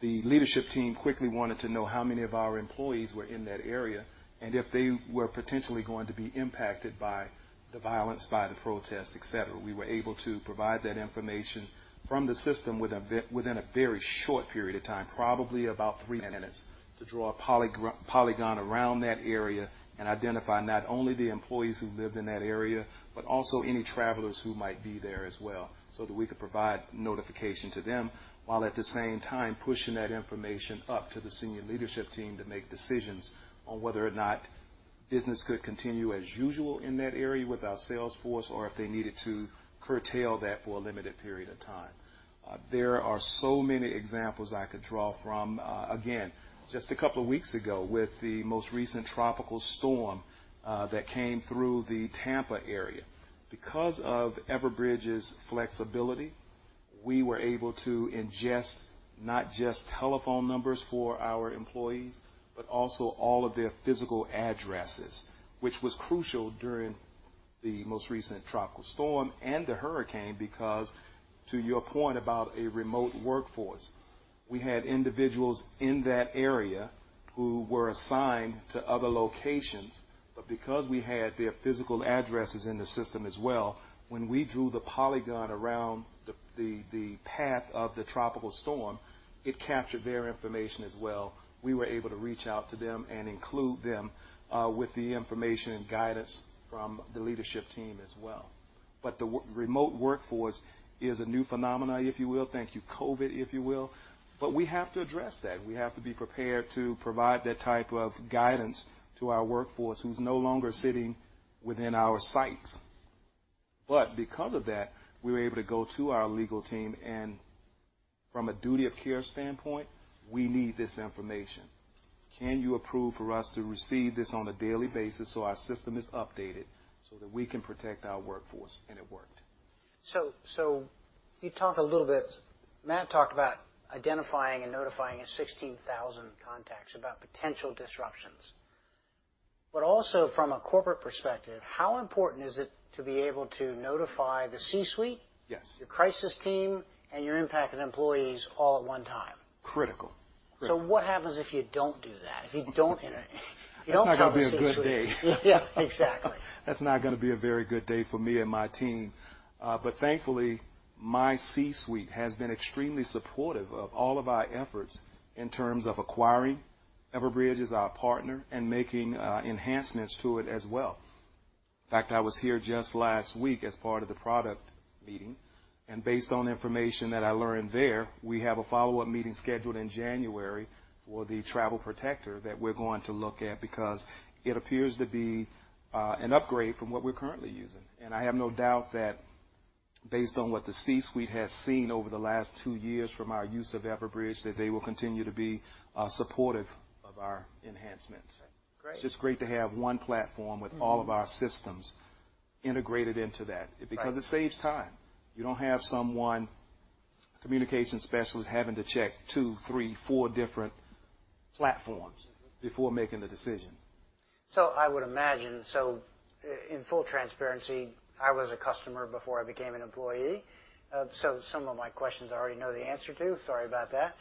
The leadership team quickly wanted to know how many of our employees were in that area, and if they were potentially going to be impacted by the violence, by the protest, et cetera. We were able to provide that information from the system within a very short period of time, probably about three minutes, to draw a polygon around that area and identify not only the employees who lived in that area, but also any travelers who might be there as well, so that we could provide notification to them, while at the same time pushing that information up to the senior leadership team to make decisions on whether or not business could continue as usual in that area with our sales force or if they needed to curtail that for a limited period of time. There are so many examples I could draw from, again, just a couple of weeks ago with the most recent tropical storm, that came through the Tampa area. Because of Everbridge's flexibility, we were able to ingest not just telephone numbers for our employees, but also all of their physical addresses, which was crucial during the most recent tropical storm and the hurricane because, to your point about a remote workforce, we had individuals in that area who were assigned to other locations, but because we had their physical addresses in the system as well, when we drew the polygon around the path of the tropical storm, it captured their information as well. We were able to reach out to them and include them with the information and guidance from the leadership team as well. The remote workforce is a new phenomena, if you will. Thank you, COVID, if you will. We have to address that. We have to be prepared to provide that type of guidance to our workforce who's no longer sitting within our sites. Because of that, we were able to go to our legal team, and from a duty of care standpoint, we need this information. Can you approve for us to receive this on a daily basis so our system is updated so that we can protect our workforce? It worked. You talked a little bit. Matt talked about identifying and notifying his 16,000 contacts about potential disruptions. Also from a corporate perspective, how important is it to be able to notify the C-suite? Yes Your crisis team, and your impacted employees all at one time? Critical. What happens if you don't do that? If you don't. That's not gonna be a good day. Yeah, exactly. That's not gonna be a very good day for me and my team. Thankfully, my C-suite has been extremely supportive of all of our efforts in terms of acquiring. Everbridge is our partner, and making enhancements to it as well. In fact, I was here just last week as part of the product meeting, and based on information that I learned there, we have a follow-up meeting scheduled in January for the Travel Protector that we're going to look at because it appears to be an upgrade from what we're currently using. I have no doubt that based on what the C-suite has seen over the last two years from our use of Everbridge, that they will continue to be supportive of our enhancements. Great. It's just great to have one platform with all of our systems integrated into that. Right. Because it saves time. You don't have someone, communication specialist, having to check two, three, four different platforms before making the decision. I would imagine. In full transparency, I was a customer before I became an employee, so some of my questions I already know the answer to. Sorry about that.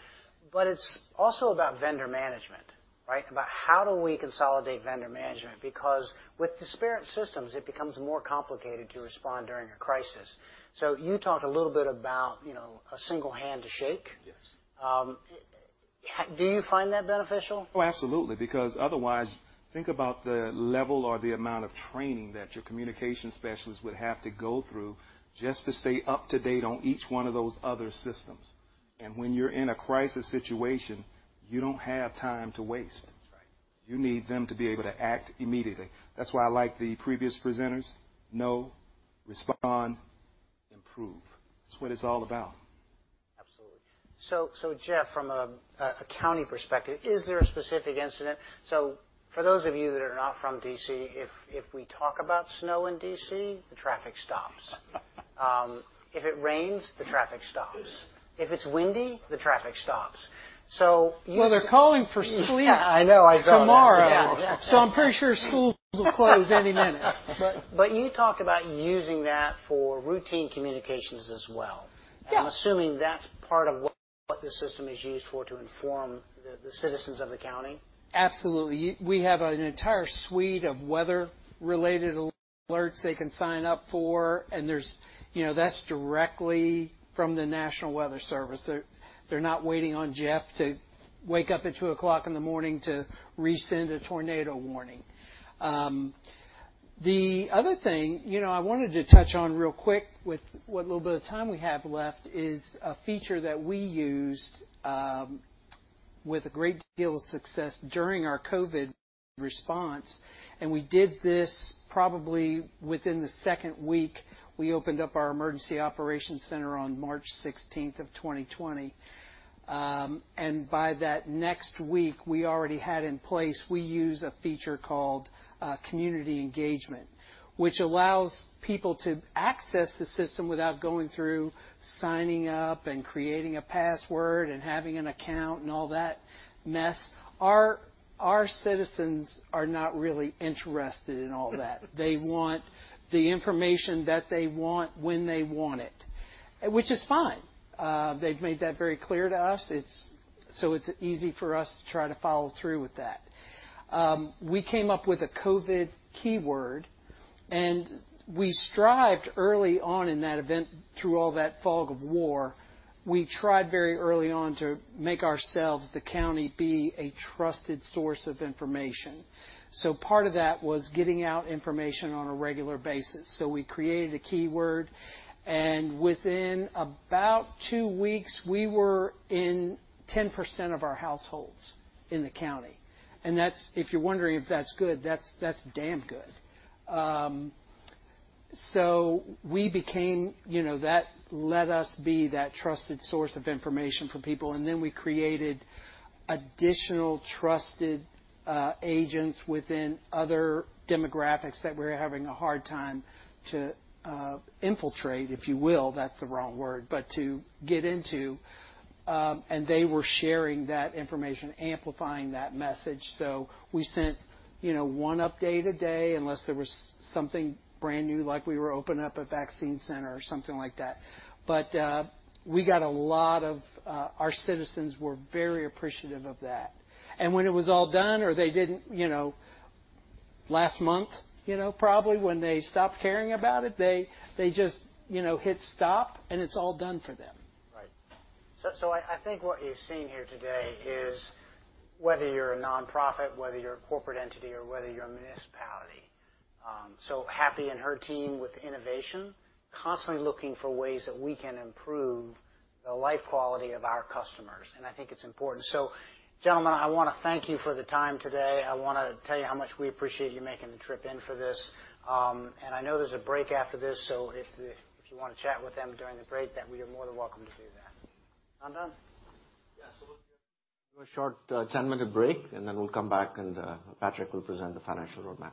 It's also about vendor management, right? About how do we consolidate vendor management? Because with disparate systems, it becomes more complicated to respond during a crisis. You talked a little bit about, you know, a single hand to shake. Yes. Do you find that beneficial? Oh, absolutely. Otherwise, think about the level or the amount of training that your communication specialist would have to go through just to stay up-to-date on each one of those other systems. When you're in a crisis situation, you don't have time to waste. That's right. You need them to be able to act immediately. That's why I like the previous presenters. Know, respond, improve. That's what it's all about. Absolutely. Jeff, from a county perspective, is there a specific incident? For those of you that are not from D.C., if we talk about snow in D.C., the traffic stops. If it rains, the traffic stops. If it's windy, the traffic stops. You Well, they're calling for snow-. I know. I know. -tomorrow. Yeah. Yeah. I'm pretty sure schools will close any minute. You talked about using that for routine communications as well. Yeah. I'm assuming that's part of what the system is used for to inform the citizens of the county. Absolutely. We have an entire suite of weather-related alerts they can sign up for, and there's, you know, that's directly from the National Weather Service. They're, they're not waiting on Jeff to wake up at 2 o'clock in the morning to resend a tornado warning. The other thing, you know, I wanted to touch on real quick with what little bit of time we have left is a feature that we used with a great deal of success during our COVID response, and we did this probably within the second week. We opened up our emergency operations center on March 16th of 2020. By that next week, we already had in place, we use a feature called Community Engagement, which allows people to access the system without going through signing up and creating a password and having an account and all that mess. Our citizens are not really interested in all that. They want the information that they want when they want it, which is fine. They've made that very clear to us. It's easy for us to try to follow through with that. We came up with a COVID keyword, and we strived early on in that event through all that fog of war, we tried very early on to make ourselves, the county, be a trusted source of information. Part of that was getting out information on a regular basis. We created a keyword, and within about 2 weeks, we were in 10% of our households in the county. If you're wondering if that's good, that's damn good. We became, you know, that let us be that trusted source of information for people. We created additional trusted agents within other demographics that were having a hard time to infiltrate, if you will. That's the wrong word, but to get into. They were sharing that information, amplifying that message. We sent, you know, 1 update a day unless there was something brand new, like we were opening up a vaccine center or something like that. We got a lot of our citizens were very appreciative of that. When it was all done or they didn't, you know, last month, you know, probably when they stopped caring about it, they just, you know, hit stop and it's all done for them. I think what you're seeing here today is whether you're a nonprofit, whether you're a corporate entity, or whether you're a municipality. Happy and her team with innovation, constantly looking for ways that we can improve the life quality of our customers, and I think it's important. Gentlemen, I wanna thank you for the time today. I wanna tell you how much we appreciate you making the trip in for this. I know there's a break after this, so if you wanna chat with them during the break, then you're more than welcome to do that. Nandan? Yeah. We'll do a short 10-minute break, and then we'll come back, and Patrick will present the financial roadmap.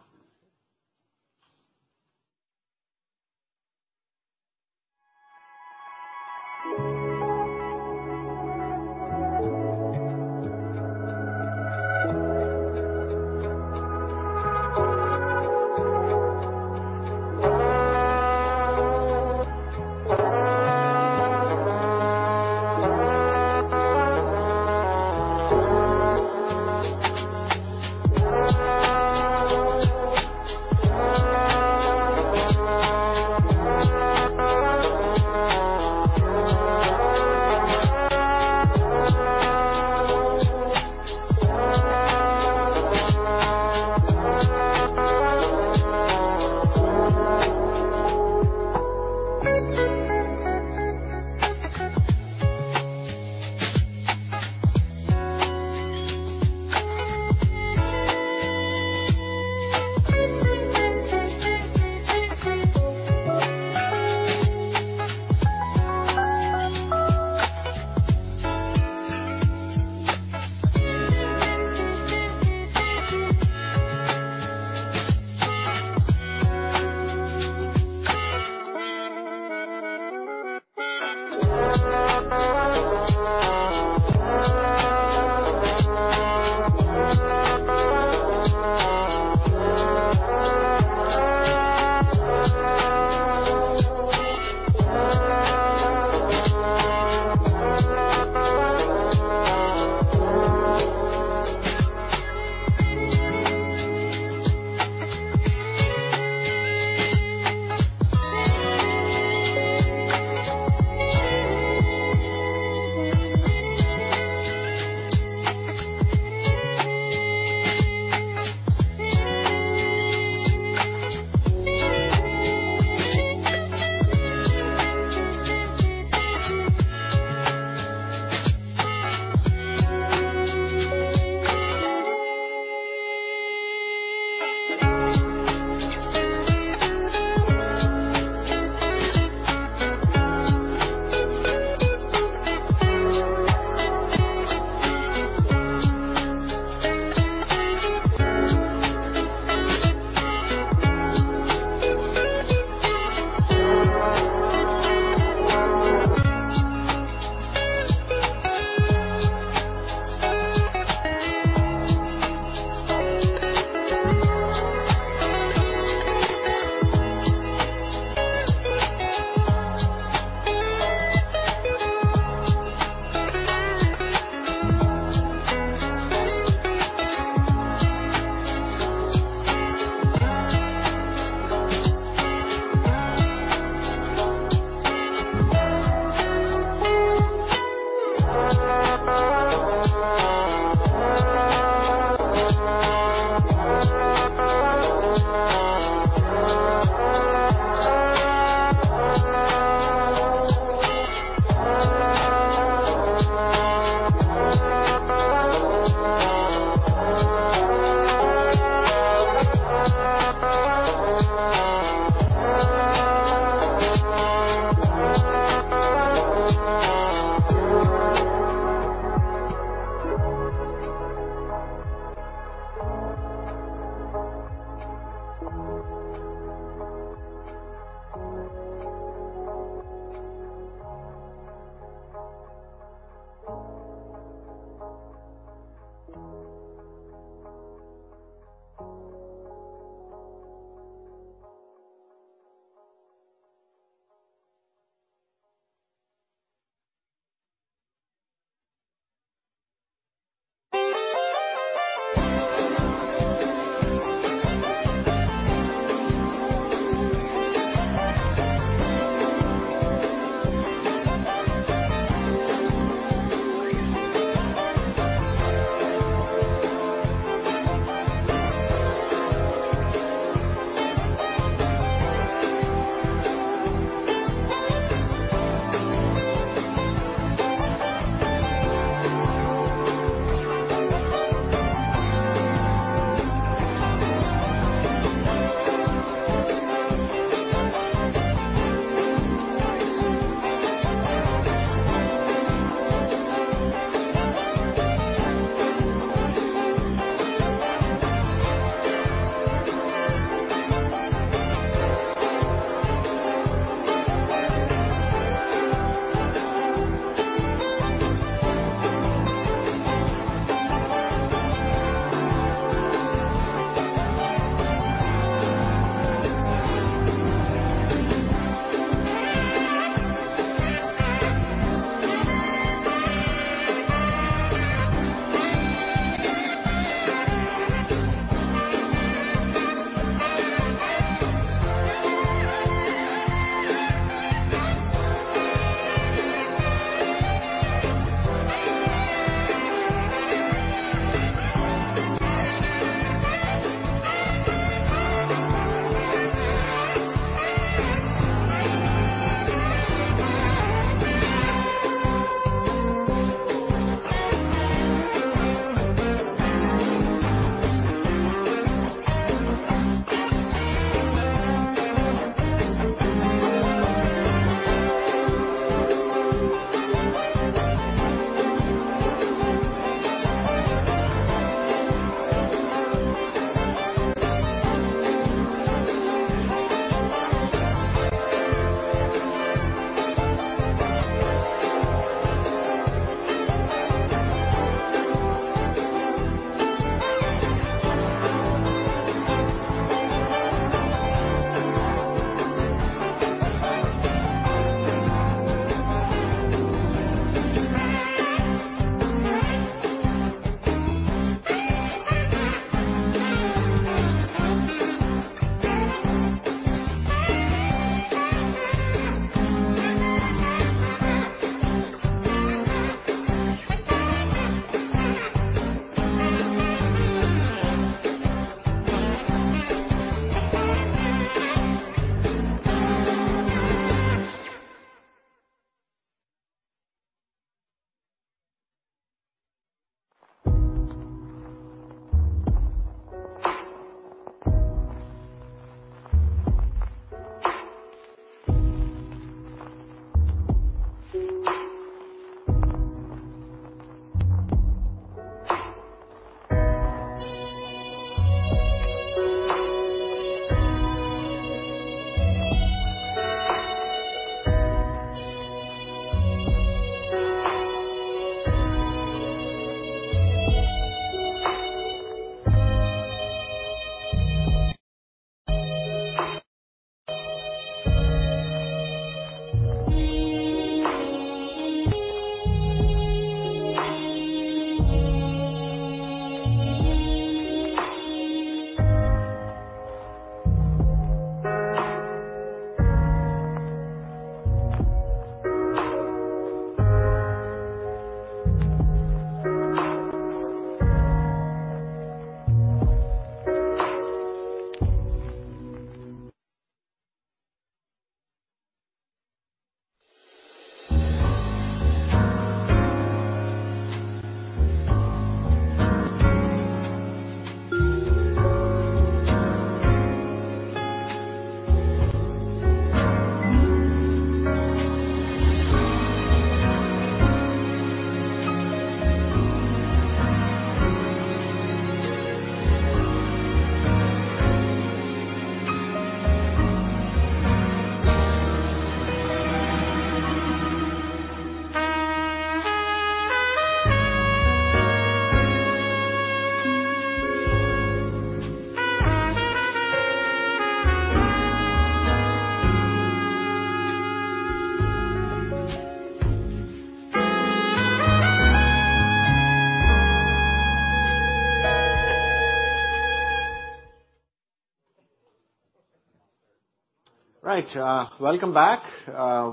Right. Welcome back.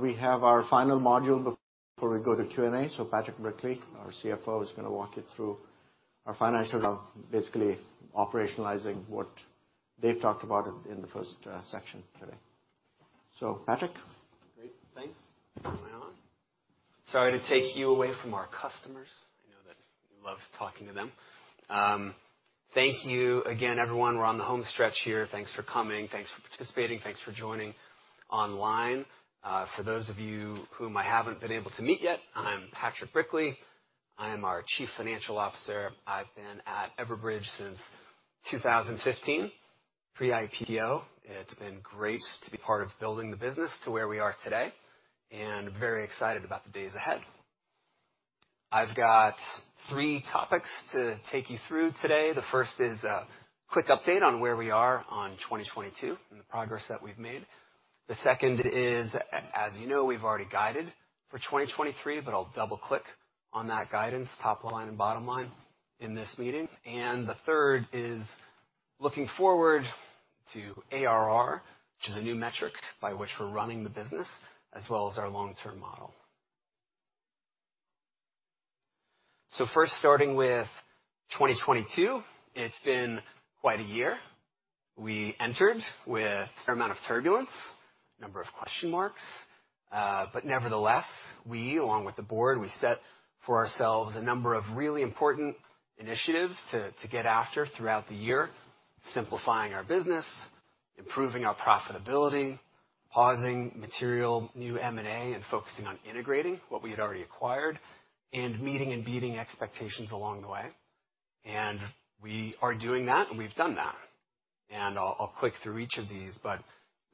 We have our final module before we go to Q&A. Patrick Brickley, our CFO, is gonna walk you through our financials of basically operationalizing what they've talked about in the first section today. So Patrick. Great. Thanks. Am I on? Sorry to take you away from our customers. I know that you love talking to them. Thank you again, everyone. We're on the home stretch here. Thanks for coming. Thanks for participating. Thanks for joining online. For those of you whom I haven't been able to meet yet, I'm Patrick Brickley. I am our chief financial officer. I've been at Everbridge since 2015, pre-IPO, and it's been great to be part of building the business to where we are today, and very excited about the days ahead. I've got three topics to take you through today. The first is a quick update on where we are on 2022 and the progress that we've made. The second is, as you know, we've already guided for 2023. I'll double click on that guidance, top line and bottom line in this meeting. The third is looking forward to ARR, which is a new metric by which we're running the business, as well as our long-term model. First starting with 2022, it's been quite a year. We entered with a fair amount of turbulence, a number of question marks. Nevertheless, we along with the board, we set for ourselves a number of really important initiatives to get after throughout the year. Simplifying our business. Improving our profitability. Pausing material new M&A and focusing on integrating what we had already acquired, and meeting and beating expectations along the way. We are doing that, and we've done that. I'll click through each of these, but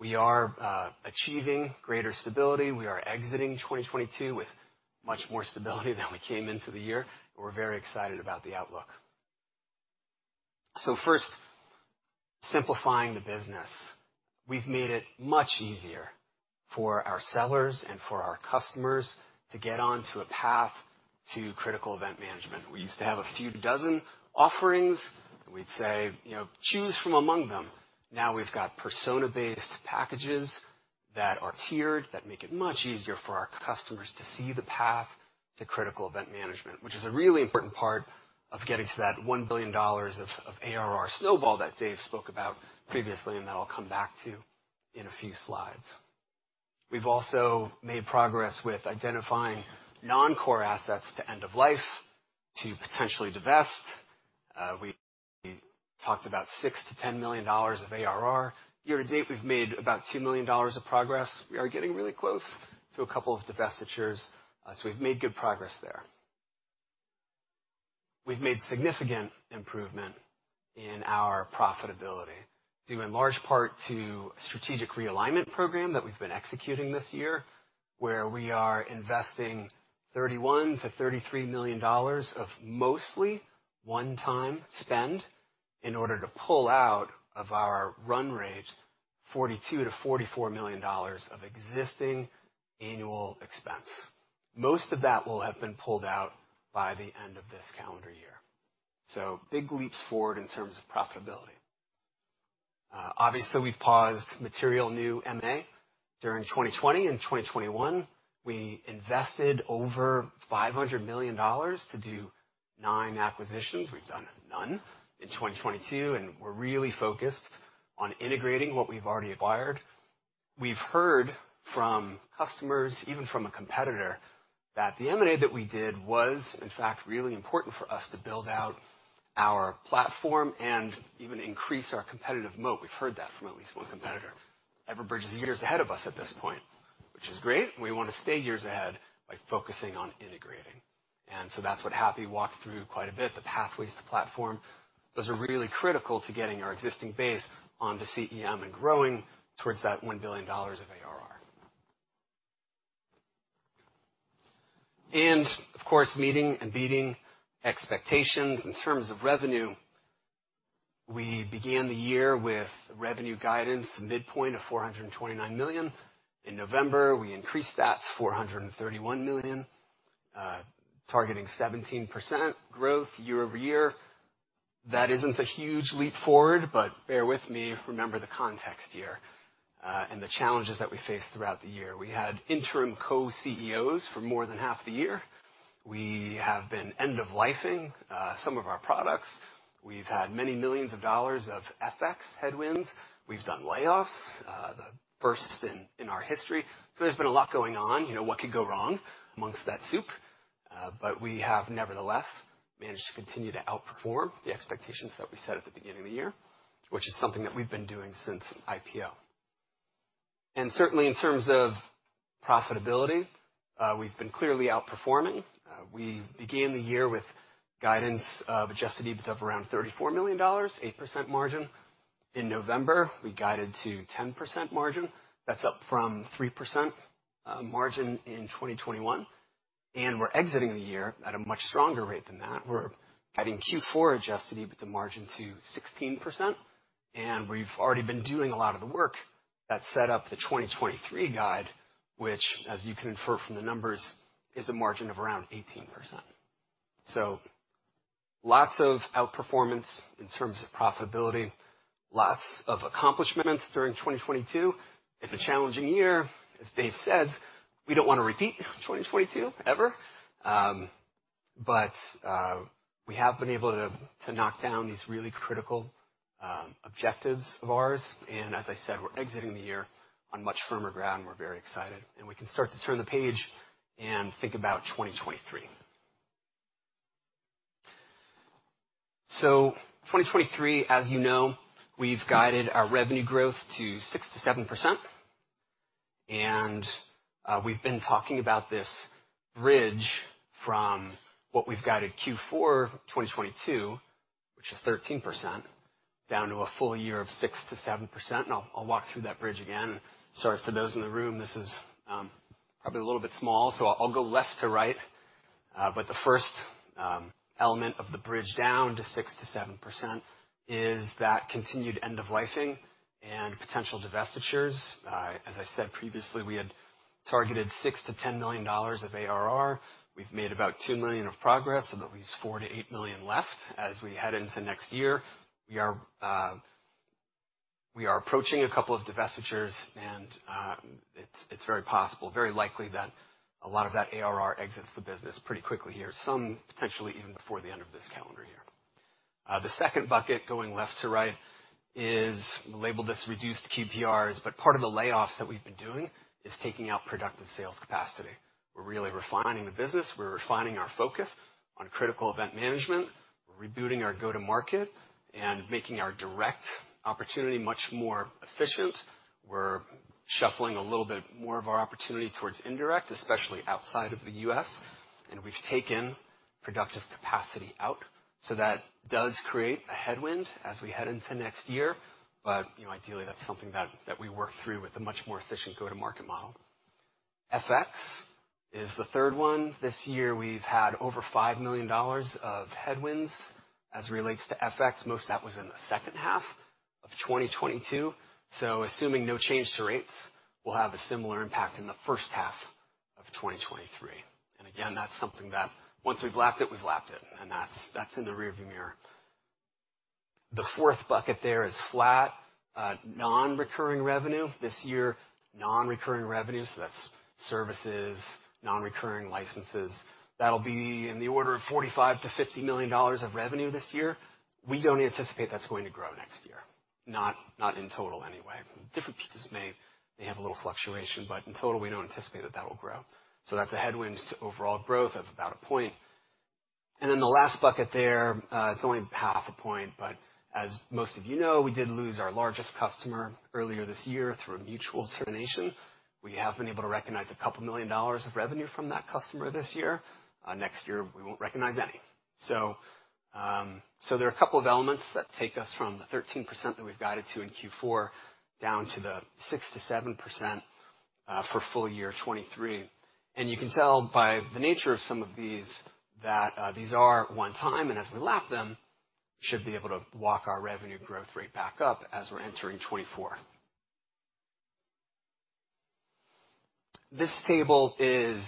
we are achieving greater stability. We are exiting 2022 with much more stability than we came into the year. We're very excited about the outlook. First, simplifying the business. We've made it much easier for our sellers and for our customers to get onto a path to critical event management. We used to have a few dozen offerings, and we'd say, you know, "Choose from among them." Now we've got persona-based packages that are tiered, that make it much easier for our customers to see the path to critical event management, which is a really important part of getting to that $1 billion of ARR snowball that Dave spoke about previously and that I'll come back to in a few slides. We've also made progress with identifying non-core assets to end of life to potentially divest. We talked about $6 million-$10 million of ARR. Year-to-date, we've made about $2 million of progress. We are getting really close to a couple of divestitures. We've made good progress there. We've made significant improvement in our profitability, due in large part to strategic realignment program that we've been executing this year, where we are investing $31 million-$33 million of mostly one-time spend in order to pull out of our run rate $42 million-$44 million of existing annual expense. Most of that will have been pulled out by the end of this calendar year. Big leaps forward in terms of profitability. Obviously, we've paused material new M&A during 2020. In 2021, we invested over $500 million to do 9 acquisitions. We've done none in 2022, and we're really focused on integrating what we've already acquired. We've heard from customers, even from a competitor, that the M&A that we did was, in fact, really important for us to build out our platform and even increase our competitive moat. We've heard that from at least one competitor. Everbridge is years ahead of us at this point, which is great. We wanna stay years ahead by focusing on integrating. That's what Happy walked through quite a bit, the Pathways to platform. Those are really critical to getting our existing base onto CEM and growing towards that $1 billion of ARR. Of course, meeting and beating expectations in terms of revenue. We began the year with revenue guidance midpoint of $429 million. In November, we increased that $431 million, targeting 17% growth year-over-year. That isn't a huge leap forward, bear with me, remember the context here, and the challenges that we faced throughout the year. We had interim co-CEOs for more than half the year. We have been end-of-lifing some of our products. We've had many millions of dollars of FX headwinds. We've done layoffs, the first in our history. There's been a lot going on, you know, what could go wrong amongst that soup. We have nevertheless managed to continue to outperform the expectations that we set at the beginning of the year, which is something that we've been doing since IPO. Certainly, in terms of profitability, we've been clearly outperforming. We began the year with guidance of adjusted EBIT of around $34 million, 8% margin. In November, we guided to 10% margin. That's up from 3% margin in 2021, and we're exiting the year at a much stronger rate than that. We're guiding Q4 adjusted EBIT to margin to 16%, and we've already been doing a lot of the work that set up the 2023 guide, which, as you can infer from the numbers, is a margin of around 18%. Lots of outperformance in terms of profitability, lots of accomplishments during 2022. It's a challenging year. As Dave says, we don't wanna repeat 2022 ever. We have been able to knock down these really critical objectives of ours. As I said, we're exiting the year on much firmer ground. We're very excited, we can start to turn the page and think about 2023. 2023, as you know, we've guided our revenue growth to 6%-7%, we've been talking about this bridge from what we've guided Q4 2022, which is 13%, down to a full year of 6%-7%. I'll walk through that bridge again. Sorry for those in the room, this is probably a little bit small, I'll go left to right. The first element of the bridge down to 6%-7% is that continued end-of-lifing and potential divestitures. As I said previously, we had targeted $6 million-$10 million of ARR. We've made about $2 million of progress, that leaves $4 million-$8 million left as we head into next year. We are approaching a couple of divestitures. It's very possible, very likely that a lot of that ARR exits the business pretty quickly here, some potentially even before the end of this calendar year. The second bucket going left to right is labeled as reduced QPRs, part of the layoffs that we've been doing is taking out productive sales capacity. We're really refining the business. We're refining our focus on critical event management. We're rebooting our go-to-market and making our direct opportunity much more efficient. We're shuffling a little bit more of our opportunity towards indirect, especially outside of the U.S. We've taken productive capacity out. That does create a headwind as we head into next year, but, you know, ideally that's something that we work through with a much more efficient go-to-market model. FX is the third one. This year we've had over $5 million of headwinds as it relates to FX. Most of that was in the second half of 2022. Assuming no change to rates, we'll have a similar impact in the first half of 2023. Again, that's something that once we've lapped it, we've lapped it, and that's in the rearview mirror. The fourth bucket there is flat non-recurring revenue. This year, non-recurring revenue, so that's services, non-recurring licenses, that'll be in the order of $45 million-$50 million of revenue this year. We don't anticipate that's going to grow next year. Not in total anyway. Different pieces may. They have a little fluctuation, but in total, we don't anticipate that that will grow. That's a headwind to overall growth of about one point. The last bucket there, it's only half a point, but as most of you know, we did lose our largest customer earlier this year through a mutual termination. We have been able to recognize $2 million of revenue from that customer this year. Next year, we won't recognize any. There are a couple of elements that take us from the 13% that we've guided to in Q4 down to the 6%-7% for full year 2023. You can tell by the nature of some of these that these are one time, and as we lap them, should be able to walk our revenue growth rate back up as we're entering 2024. This table is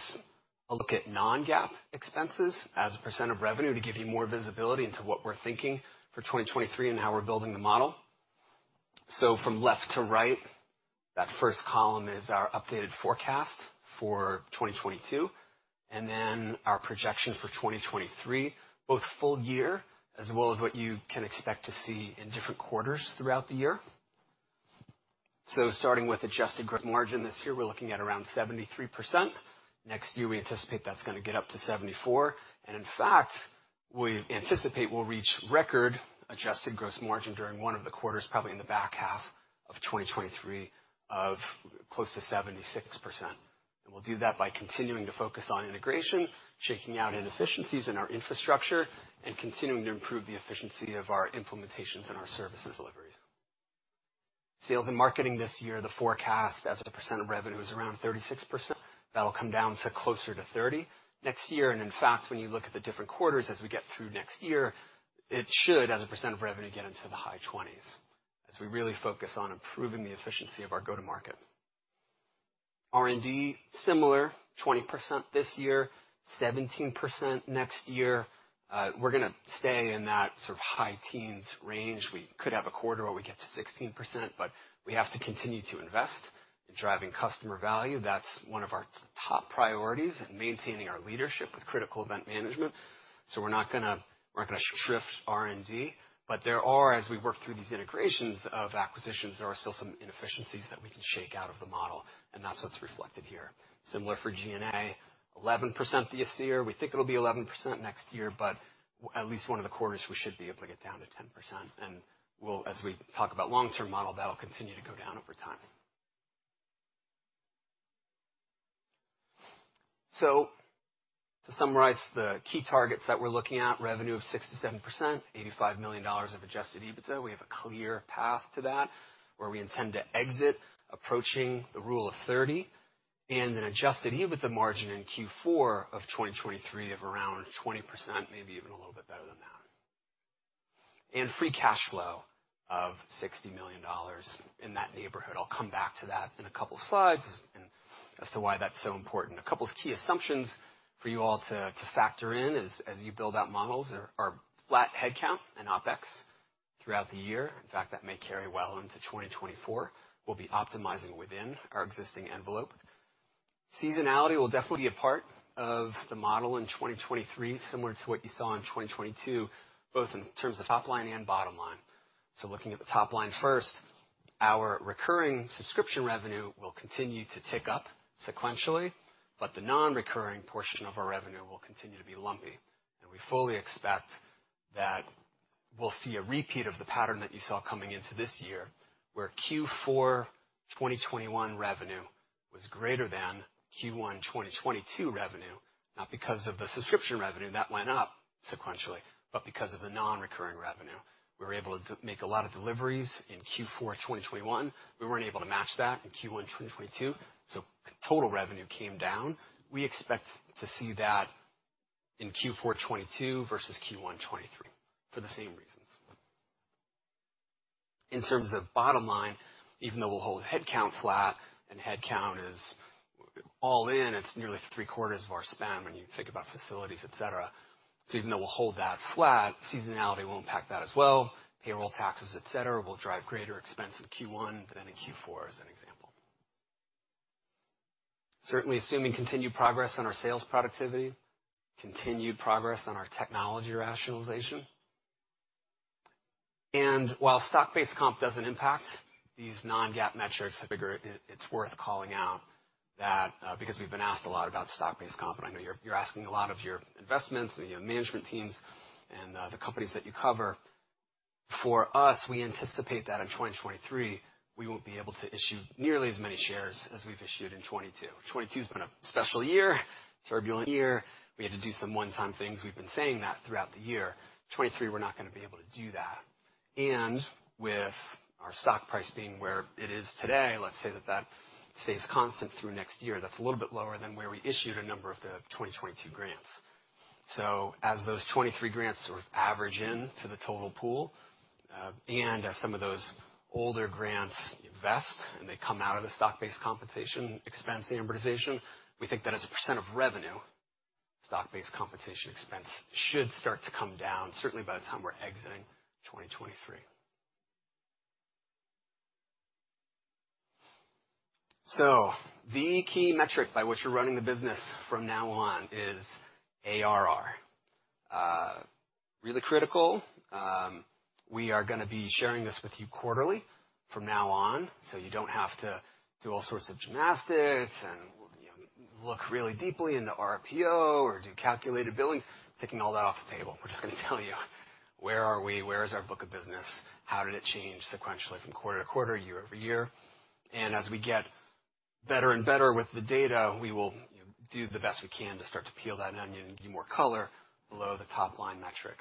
a look at non-GAAP expenses as a percent of revenue to give you more visibility into what we're thinking for 2023 and how we're building the model. From left to right, that first column is our updated forecast for 2022, and then our projection for 2023, both full year as well as what you can expect to see in different quarters throughout the year. Starting with adjusted gross margin, this year, we're looking at around 73%. Next year, we anticipate that's gonna get up to 74%. In fact, we anticipate we'll reach record adjusted gross margin during one of the quarters, probably in the back half of 2023, of close to 76%. We'll do that by continuing to focus on integration, shaking out inefficiencies in our infrastructure, and continuing to improve the efficiency of our implementations and our services deliveries. Sales and marketing this year, the forecast as a percent of revenue is around 36%. That'll come down to closer to 30% next year. In fact, when you look at the different quarters as we get through next year, it should, as a percent of revenue, get into the high 20s as we really focus on improving the efficiency of our go-to market. R&D, similar, 20% this year, 17% next year. We're gonna stay in that sort of high teens range. We could have a quarter where we get to 16%, but we have to continue to invest in driving customer value. That's one of our top priorities in maintaining our leadership with critical event management. We're not going to strip R&D, but there are, as we work through these integrations of acquisitions, there are still some inefficiencies that we can shake out of the model, and that's what's reflected here. Similar for G&A, 11% this year. We think it'll be 11% next year, but at least one of the quarters, we should be able to get down to 10%. As we talk about long-term model, that'll continue to go down over time. To summarize, the key targets that we're looking at, revenue of 6%-7%, $85 million of adjusted EBITDA. We have a clear path to that, where we intend to exit approaching the Rule of 40 and an adjusted EBITDA margin in Q4 of 2023 of around 20%, maybe even a little bit better than that. Free cash flow of $60 million in that neighborhood. I'll come back to that in a couple of slides and as to why that's so important. A couple of key assumptions for you all to factor in as you build out models are flat headcount and OpEx throughout the year. In fact, that may carry well into 2024. We'll be optimizing within our existing envelope. Seasonality will definitely be a part of the model in 2023, similar to what you saw in 2022, both in terms of top line and bottom line. Looking at the top line first, our recurring subscription revenue will continue to tick up sequentially, but the non-recurring portion of our revenue will continue to be lumpy. We fully expect that we'll see a repeat of the pattern that you saw coming into this year, where Q4 2021 revenue was greater than Q1 2022 revenue, not because of the subscription revenue that went up sequentially, but because of the non-recurring revenue. We were able to make a lot of deliveries in Q4 2021. We weren't able to match that in Q1 2022, so total revenue came down. We expect to see that in Q4 2022 versus Q1 '23 for the same reasons. In terms of bottom line, even though we'll hold headcount flat and headcount is all in, it's nearly three-quarters of our span when you think about facilities, et cetera. Even though we'll hold that flat, seasonality will impact that as well. Payroll, taxes, et cetera, will drive greater expense in Q1 than in Q4, as an example. Certainly assuming continued progress on our sales productivity, continued progress on our technology rationalization. While stock-based comp doesn't impact these non-GAAP metrics, I figure it's worth calling out that because we've been asked a lot about stock-based comp, and I know you're asking a lot of your investments and your management teams and the companies that you cover. For us, we anticipate that in 2023, we won't be able to issue nearly as many shares as we've issued in 2022. 2022's been a special year, turbulent year. We had to do some one-time things. We've been saying that throughout the year. 2023, we're not gonna be able to do that. And with our stock price being where it is today, let's say that that stays constant through next year. That's a little bit lower than where we issued a number of the 2022 grants. As those 23 grants sort of average in to the total pool, and as some of those older grants vest and they come out of the stock-based compensation expense amortization, we think that as a % of revenue, stock-based compensation expense should start to come down, certainly by the time we're exiting 2023. The key metric by which we're running the business from now on is ARR. Really critical. We are going to be sharing this with you quarterly from now on, so you don't have to do all sorts of gymnastics and, you know, look really deeply into our RPO or do calculated billings. Taking all that off the table. We're just going to tell you where are we, where is our book of business, how did it change sequentially from quarter to quarter, year-over-year. As we get better and better with the data, we will do the best we can to start to peel that onion and give you more color below the top-line metric.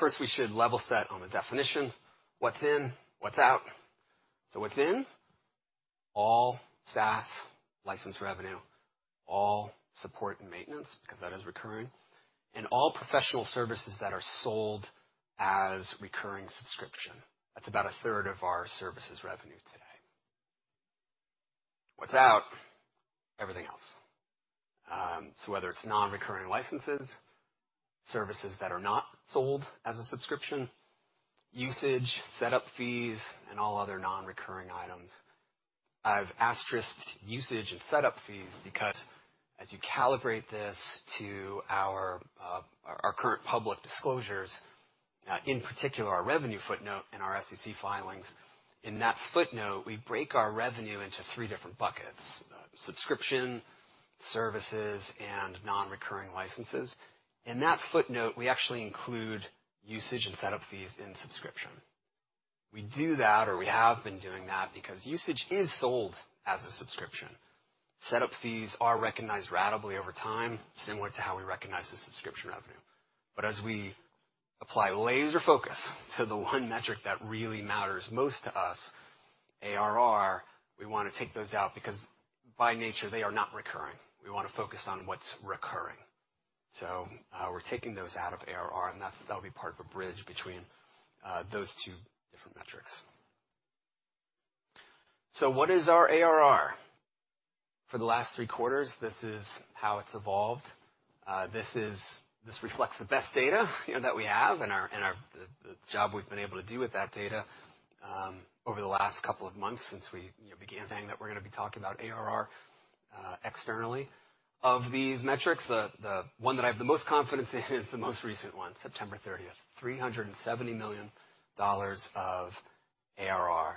First, we should level set on the definition. What's in, what's out. What's in? All SaaS licensed revenue, all support and maintenance, because that is recurring, and all professional services that are sold as recurring subscription. That's about a third of our services revenue today. What's out? Everything else. Whether it's non-recurring licenses, services that are not sold as a subscription, usage, set up fees, and all other non-recurring items. I've asterisks usage and set up fees because as you calibrate this to our current public disclosures, in particular, our revenue footnote in our SEC filings, in that footnote, we break our revenue into three different buckets, subscription, services, and non-recurring licenses. In that footnote, we actually include usage and set up fees in subscription. We do that, or we have been doing that because usage is sold as a subscription. Set up fees are recognized ratably over time, similar to how we recognize the subscription revenue. As we apply laser focus to the one metric that really matters most to us, ARR, we wanna take those out because by nature, they are not recurring. We wanna focus on what's recurring. We're taking those out of ARR, and that's, that'll be part of a bridge between those two different metrics. What is our ARR? For the last three quarters, this is how it's evolved. This reflects the best data, you know, that we have and our, and our, the job we've been able to do with that data over the last couple of months since we, you know, began saying that we're gonna be talking about ARR externally. Of these metrics, the one that I have the most confidence in is the most recent one, September 30th, $370 million of ARR.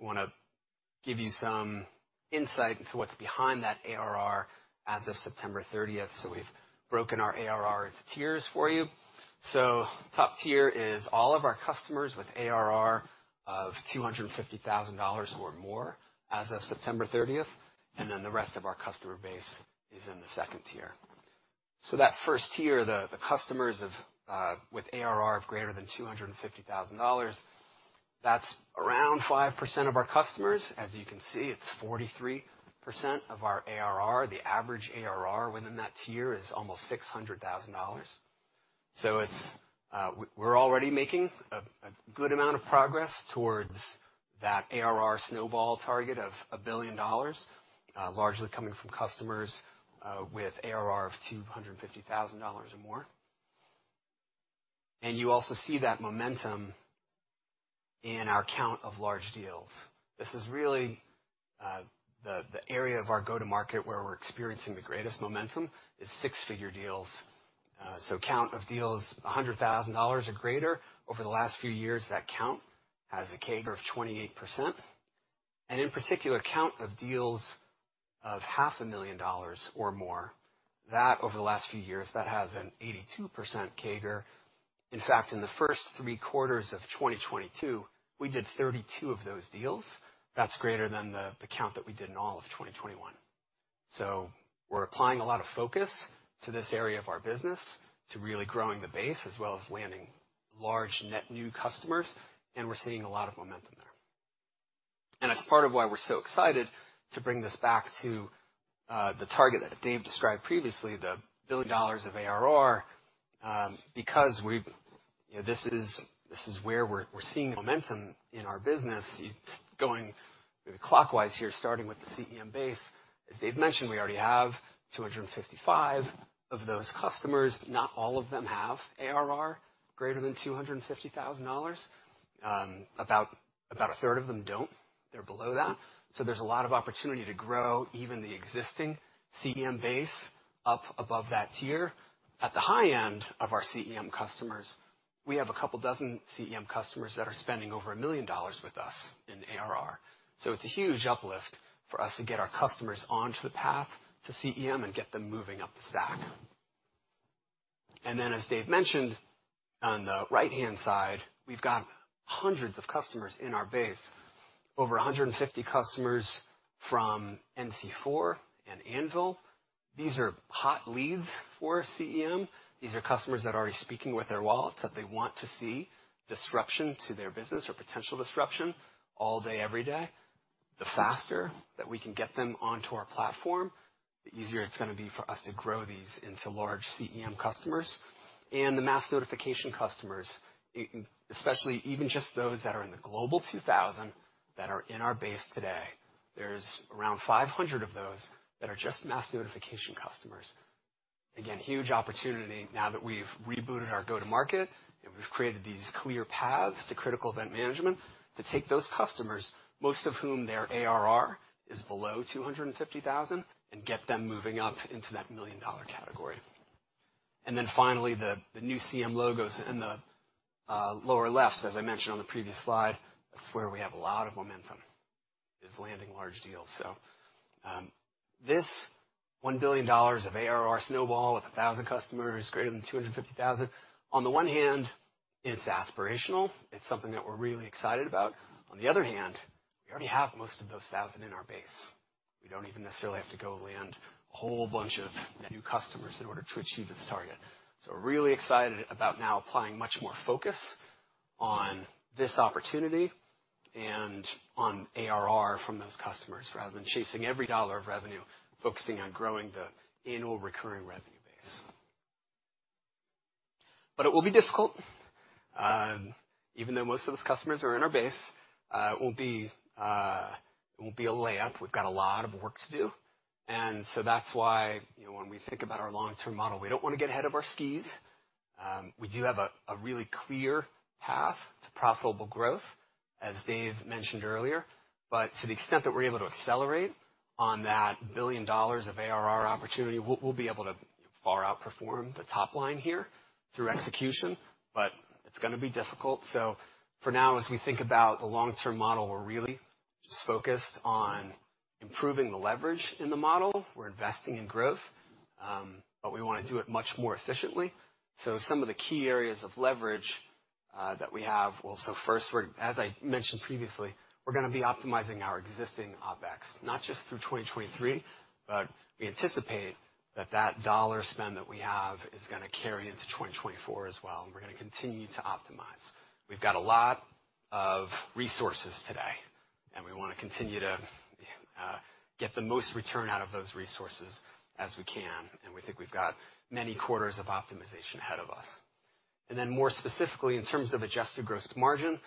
Wanna give you some insight into what's behind that ARR as of September 30th. We've broken our ARR into tiers for you. Top tier is all of our customers with ARR of $250,000 or more as of September 30th, and then the rest of our customer base is in the second tier. That first tier, the customers with ARR of greater than $250,000, that's around 5% of our customers. As you can see, it's 43% of our ARR. The average ARR within that tier is almost $600,000. It's, we're already making a good amount of progress towards that ARR snowball target of $1 billion, largely coming from customers with ARR of $250,000 or more. You also see that momentum in our count of large deals. This is really the area of our go-to-market where we're experiencing the greatest momentum, is six-figure deals. Count of deals $100,000 or greater over the last few years, that count has a CAGR of 28%. In particular, count of deals of half a million dollars or more, over the last few years, that has an 82% CAGR. In fact, in the first 3 quarters of 2022, we did 32 of those deals. That's greater than the count that we did in all of 2021. We're applying a lot of focus to this area of our business to really growing the base as well as landing large net new customers. We're seeing a lot of momentum there. It's part of why we're so excited to bring this back to the target that Dave described previously, the $1 billion of ARR, because we've, you know, this is where we're seeing momentum in our business. It's going clockwise here, starting with the CEM base. As Dave mentioned, we already have 255 of those customers. Not all of them have ARR greater than $250,000. About a third of them don't. They're below that. There's a lot of opportunity to grow even the existing CEM base up above that tier. At the high end of our CEM customers, we have a couple dozen CEM customers that are spending over $1 million with us in ARR. It's a huge uplift for us to get our customers onto the path to CEM and get them moving up the stack. As Dave mentioned, on the right-hand side, we've got hundreds of customers in our base. Over 150 customers from NC4 and Anvil. These are hot leads for CEM. These are customers that are already speaking with their wallets, that they want to see disruption to their business or potential disruption all day, every day. The faster that we can get them onto our platform, the easier it's gonna be for us to grow these into large CEM customers and the Mass Notification customers, especially even just those that are in the Forbes Global 2000 that are in our base today. There's around 500 of those that are just Mass Notification customers. Again, huge opportunity now that we've rebooted our go-to-market, and we've created these clear paths to critical event management to take those customers, most of whom their ARR is below $250,000, and get them moving up into that $1 million category. Then finally, the new CEM logos in the lower left, as I mentioned on the previous slide, that's where we have a lot of momentum, is landing large deals. This $1 billion of ARR snowball with 1,000 customers greater than $250,000, on the one hand, it's aspirational. It's something that we're really excited about. On the other hand, we already have most of those 1,000 in our base. We don't even necessarily have to go land a whole bunch of new customers in order to achieve this target. We're really excited about now applying much more focus on this opportunity and on ARR from those customers, rather than chasing every dollar of revenue, focusing on growing the annual recurring revenue base. It will be difficult. Even though most of those customers are in our base, it won't be a layup. We've got a lot of work to do, that's why, you know, when we think about our long-term model, we don't wanna get ahead of our skis. We do have a really clear path to profitable growth, as Dave mentioned earlier. To the extent that we're able to accelerate on that $1 billion of ARR opportunity, we'll be able to far outperform the top line here through execution, but it's gonna be difficult. For now, as we think about the long-term model, we're really just focused on improving the leverage in the model. We're investing in growth, but we wanna do it much more efficiently. Some of the key areas of leverage that we have. First, as I mentioned previously, we're gonna be optimizing our existing OpEx, not just through 2023, but we anticipate that that dollar spend that we have is gonna carry into 2024 as well, and we're gonna continue to optimize. We've got a lot of resources today, and we wanna continue to get the most return out of those resources as we can, and we think we've got many quarters of optimization ahead of us. Then more specifically, in terms of adjusted gross margin,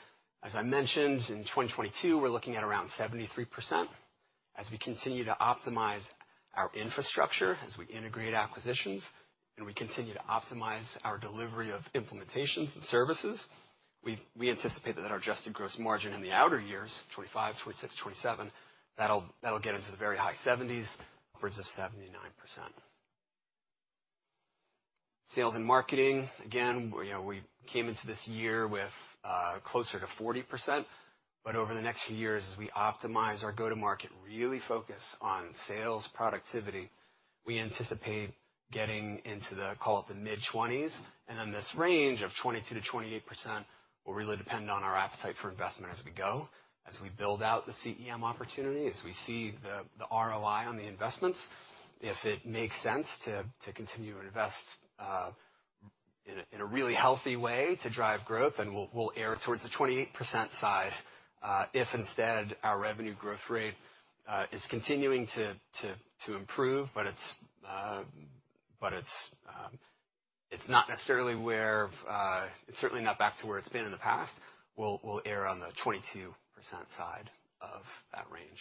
as I mentioned, in 2022, we're looking at around 73%. As we continue to optimize our infrastructure, as we integrate acquisitions, and we continue to optimize our delivery of implementations and services, we anticipate that our adjusted gross margin in the outer years, 25, 26, 27, that'll get into the very high 70s, upwards of 79%. Sales and marketing, again, you know, we came into this year with closer to 40%, over the next few years, as we optimize our go-to-market, really focus on sales productivity, we anticipate getting into the, call it, the mid-20s. This range of 22%-28% will really depend on our appetite for investment as we go, as we build out the CEM opportunity, as we see the ROI on the investments. If it makes sense to continue to invest in a really healthy way to drive growth, then we'll err towards the 28% side. If instead our revenue growth rate is continuing to improve, but it's not necessarily where it's certainly not back to where it's been in the past, we'll err on the 22% side of that range.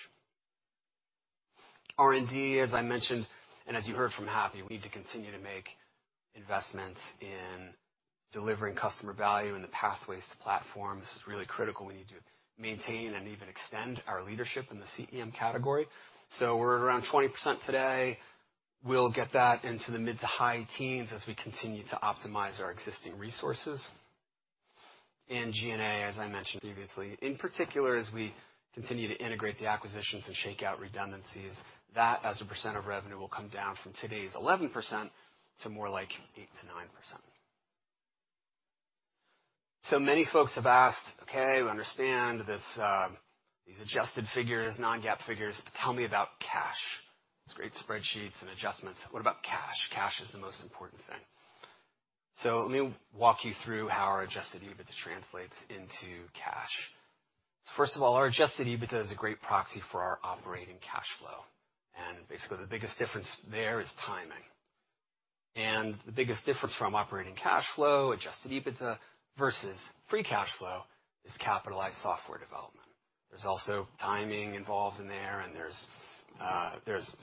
R&D, as I mentioned, and as you heard from Happy, we need to continue to make investments in delivering customer value and the pathways to platform. This is really critical. We need to maintain and even extend our leadership in the CEM category. We're at around 20% today. We'll get that into the mid to high teens as we continue to optimize our existing resources. G&A, as I mentioned previously, in particular, as we continue to integrate the acquisitions and shake out redundancies, that as a percent of revenue, will come down from today's 11% to more like 8%-9%. Many folks have asked, "Okay, we understand this, these adjusted figures, non-GAAP figures. Tell me about cash. It's great spreadsheets and adjustments. What about cash? Cash is the most important thing." Let me walk you through how our adjusted EBITDA translates into cash. First of all, our adjusted EBITDA is a great proxy for our operating cash flow, and basically the biggest difference there is timing. The biggest difference from operating cash flow, adjusted EBITDA versus free cash flow is capitalized software development. There's also timing involved in there's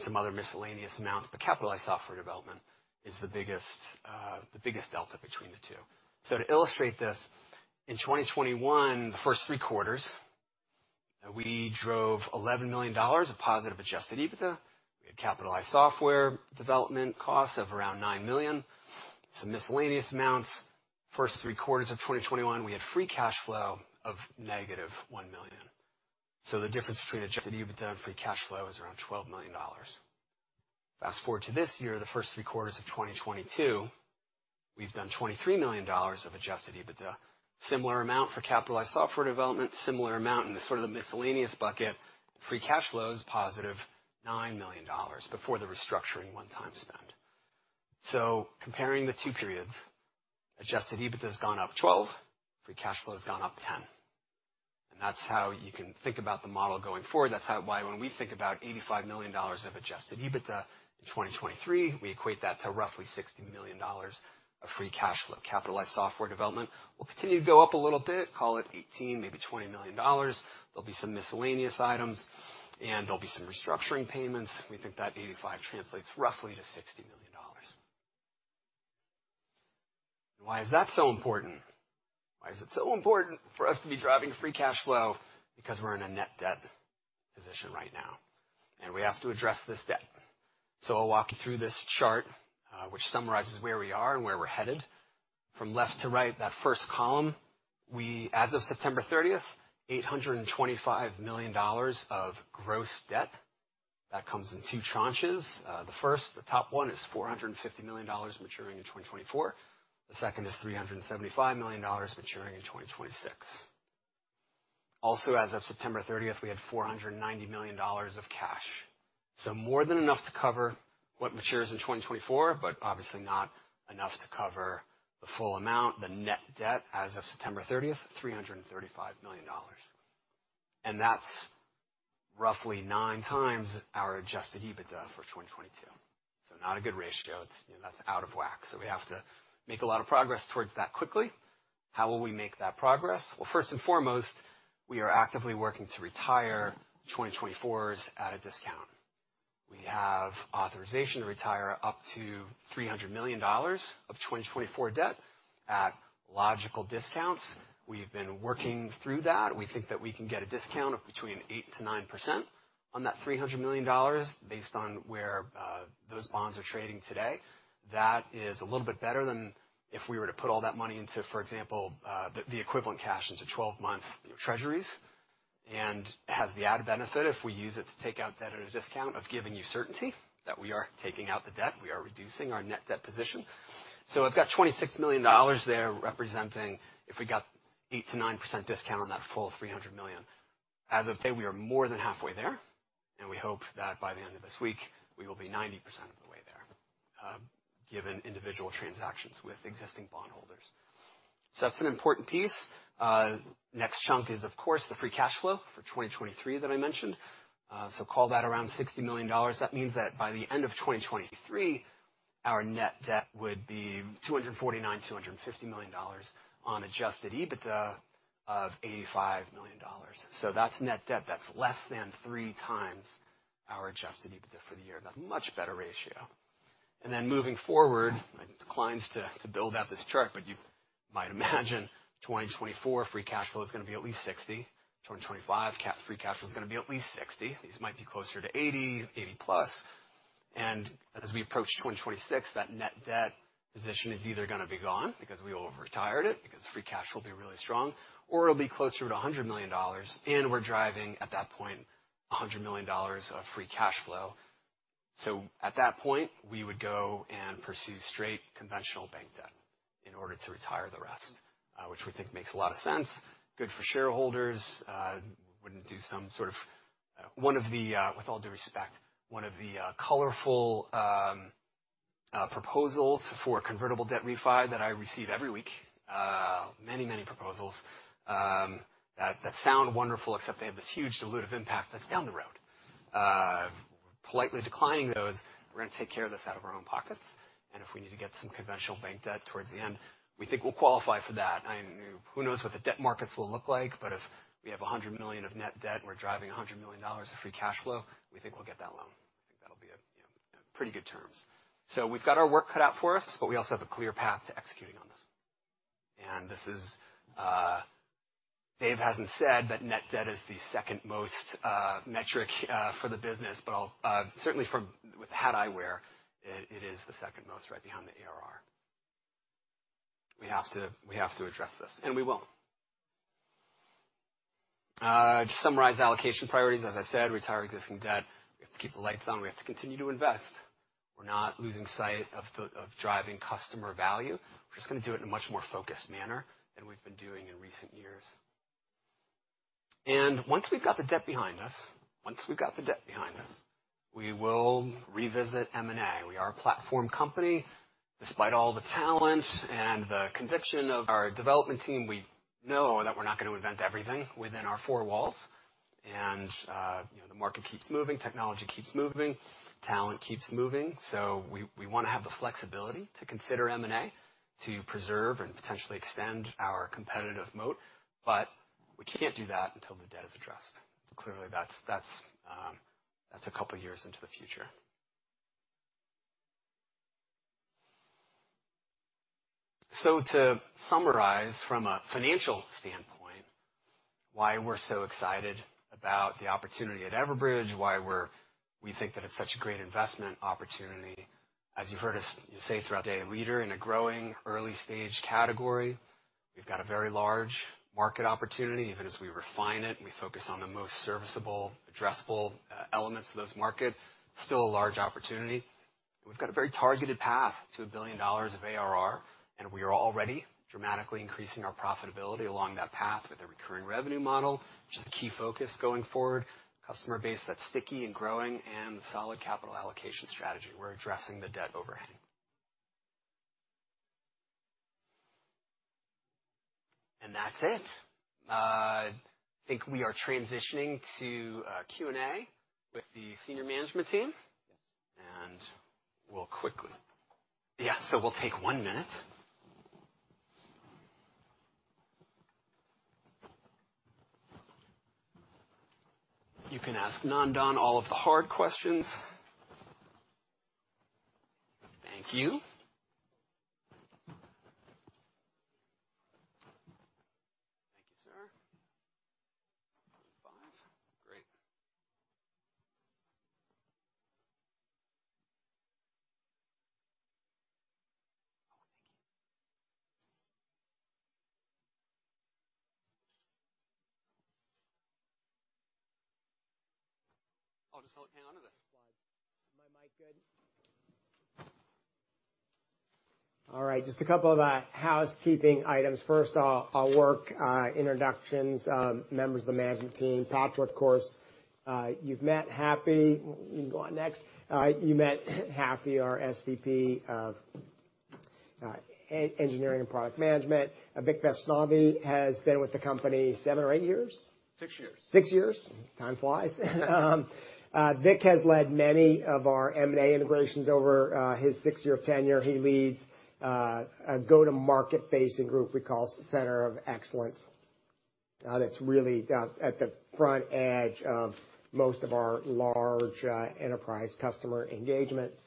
some other miscellaneous amounts, capitalized software development is the biggest, the biggest delta between the two. To illustrate this, in 2021, the first three quarters, we drove $11 million of positive adjusted EBITDA. We had capitalized software development costs of around $9 million, some miscellaneous amounts. First three quarters of 2021, we had free cash flow of negative $1 million. The difference between adjusted EBITDA and free cash flow is around $12 million. Fast forward to this year, the first three quarters of 2022, we've done $23 million of adjusted EBITDA, similar amount for capitalized software development, similar amount in the sort of the miscellaneous bucket. Free cash flow is positive $9 million before the restructuring one-time spend. Comparing the two periods, Adjusted EBITDA has gone up $12, free cash flow has gone up $10. That's how you can think about the model going forward. That's why when we think about $85 million of Adjusted EBITDA in 2023, we equate that to roughly $60 million of free cash flow. Capitalized software development will continue to go up a little bit, call it $18 million, maybe $20 million. There'll be some miscellaneous items, and there'll be some restructuring payments. We think that $85 million translates roughly to $60 million. Why is that so important? Why is it so important for us to be driving free cash flow? We're in a net debt position right now, and we have to address this debt. I'll walk you through this chart, which summarizes where we are and where we're headed. From left to right, that first column, as of September thirtieth, $825 million of gross debt. That comes in two tranches. The first, the top one is $450 million maturing in 2024. The second is $375 million maturing in 2026. Also, as of September 30th, we had $490 million of cash. More than enough to cover what matures in 2024, but obviously not enough to cover the full amount, the net debt as of September thirtieth, $335 million. That's roughly 9x our adjusted EBITDA for 2022. Not a good ratio. It's, you know, that's out of whack. We have to make a lot of progress towards that quickly. How will we make that progress? First and foremost, we are actively working to retire 2024s at a discount. We have authorization to retire up to $300 million of 2024 debt at logical discounts. We've been working through that. We think that we can get a discount of between 8%-9% on that $300 million based on where those bonds are trading today. That is a little bit better than if we were to put all that money into, for example, the equivalent cash into 12-month Treasuries, and has the added benefit if we use it to take out debt at a discount of giving you certainty that we are taking out the debt, we are reducing our net debt position. We've got $26 million there representing if we got 8%-9% discount on that full $300 million. As of today, we are more than halfway there. We hope that by the end of this week, we will be 90% of the way there, given individual transactions with existing bondholders. That's an important piece. Next chunk is, of course, the free cash flow for 2023 that I mentioned. Call that around $60 million. That means that by the end of 2023, our net debt would be $249 million-$250 million on adjusted EBITDA of $85 million. That's net debt. That's less than 3x our adjusted EBITDA for the year. That's a much better ratio. Moving forward, I declined to build out this chart, but you might imagine 2024 free cash flow is gonna be at least $60. 2025 cap free cash flow is gonna be at least $60 million. These might be closer to $80 million, $80 million+. As we approach 2026, that net debt position is either gonna be gone because we will have retired it, because free cash flow will be really strong, or it'll be closer to $100 million, and we're driving, at that point, $100 million of free cash flow. At that point, we would go and pursue straight conventional bank debt in order to retire the rest, which we think makes a lot of sense. Good for shareholders. Wouldn't do some sort of one of the, with all due respect, one of the colorful proposals for convertible debt refi that I receive every week. Many proposals that sound wonderful, except they have this huge dilutive impact that's down the road. Politely declining those, we're gonna take care of this out of our own pockets. If we need to get some conventional bank debt towards the end, we think we'll qualify for that. I mean, who knows what the debt markets will look like, but if we have $100 million of net debt, and we're driving $100 million of free cash flow, we think we'll get that loan. I think that'll be a, you know, pretty good terms. We've got our work cut out for us, but we also have a clear path to executing on this. This is, Dave hasn't said that net debt is the second most metric for the business, but I'll certainly with the hat I wear, it is the second most right behind the ARR. We have to address this, and we will. To summarize allocation priorities, as I said, retire existing debt. We have to keep the lights on. We have to continue to invest. We're not losing sight of driving customer value. We're just gonna do it in a much more focused manner than we've been doing in recent years. Once we've got the debt behind us, once we've got the debt behind us, we will revisit M&A. We are a platform company. Despite all the talent and the conviction of our development team, we know that we're not gonna invent everything within our four walls. You know, the market keeps moving, technology keeps moving, talent keeps moving. We wanna have the flexibility to consider M&A to preserve and potentially extend our competitive moat. We can't do that until the debt is addressed. Clearly, that's a couple years into the future. To summarize from a financial standpoint why we're so excited about the opportunity at Everbridge, why we think that it's such a great investment opportunity. As you've heard us say throughout the day, a leader in a growing early-stage category. We've got a very large market opportunity, even as we refine it and we focus on the most serviceable, addressable elements of this market, still a large opportunity. We've got a very targeted path to $1 billion of ARR, and we are already dramatically increasing our profitability along that path with a recurring revenue model, which is a key focus going forward, customer base that's sticky and growing, and solid capital allocation strategy. We're addressing the debt overhang. That's it. I think we are transitioning to Q&A with the senior management team. Yeah, we'll take one minute. You can ask Nandan all of the hard questions. Thank you. Thank you, sir. Five. Great. Oh, thank you. I'll just hang on to this. Is my mic good? All right. Just a couple of housekeeping items. First off, I'll work introductions, members of the management team. Patrick, of course, you've met. Happy, you can go on next. You met Happy, our SVP of Engineering and Product Management. Vick Vaishnavi has been with the company seven or eight years. Six years. Six years. Time flies. Vik has led many of our M&A integrations over his six-year tenure. He leads a go-to-market facing group we call Center of Excellence. That's really at the front edge of most of our large enterprise customer engagements.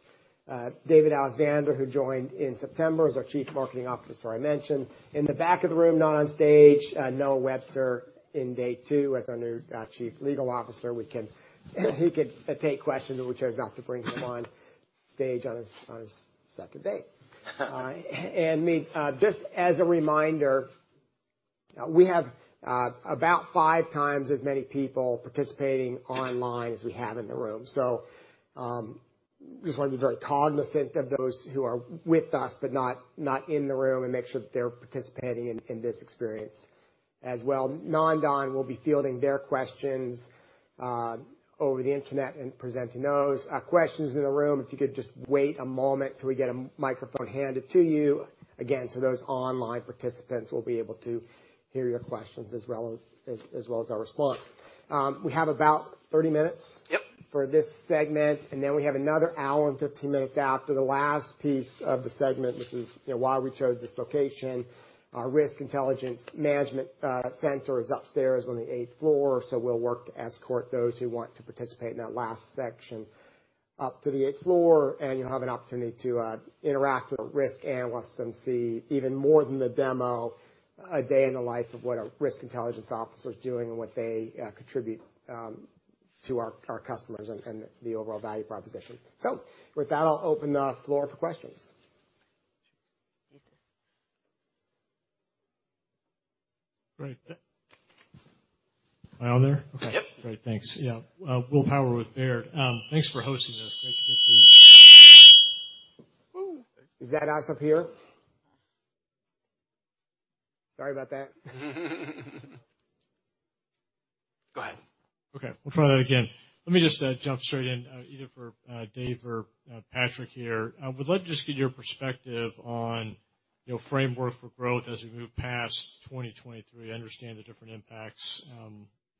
David Alexander, who joined in September, is our Chief Marketing Officer, I mentioned. In the back of the room, not on stage, Noah Webster in day two as our new Chief Legal Officer. He could take questions. We chose not to bring him on stage on his second day. And me. Just as a reminder, we have about 5x as many people participating online as we have in the room. Just wanna be very cognizant of those who are with us, but not in the room and make sure that they're participating in this experience as well. Nandan will be fielding their questions over the internet and presenting those. Questions in the room, if you could just wait a moment till we get a microphone handed to you, again, so those online participants will be able to hear your questions as well as our response. We have about 30 minutes- Yep. For this segment, we have another 1 hour and 15 minutes after the last piece of the segment, which is, you know, why we chose this location. Our Risk Intelligence Management Center is upstairs on the eighth floor, we'll work to escort those who want to participate in that last section up to the eighth floor, and you'll have an opportunity to interact with risk analysts and see even more than the demo a day in the life of what a risk intelligence officer is doing and what they contribute to our customers and the overall value proposition. With that, I'll open the floor for questions. Great. Am I on there? Yep. Okay. Great. Thanks. Yeah. Will Power with Baird. Thanks for hosting this. Ooh. Is that us up here? Sorry about that. Go ahead. Okay. We'll try that again. Let me just jump straight in, either for Dave or Patrick here. I would love to just get your perspective on, you know, framework for growth as we move past 2023. I understand the different impacts,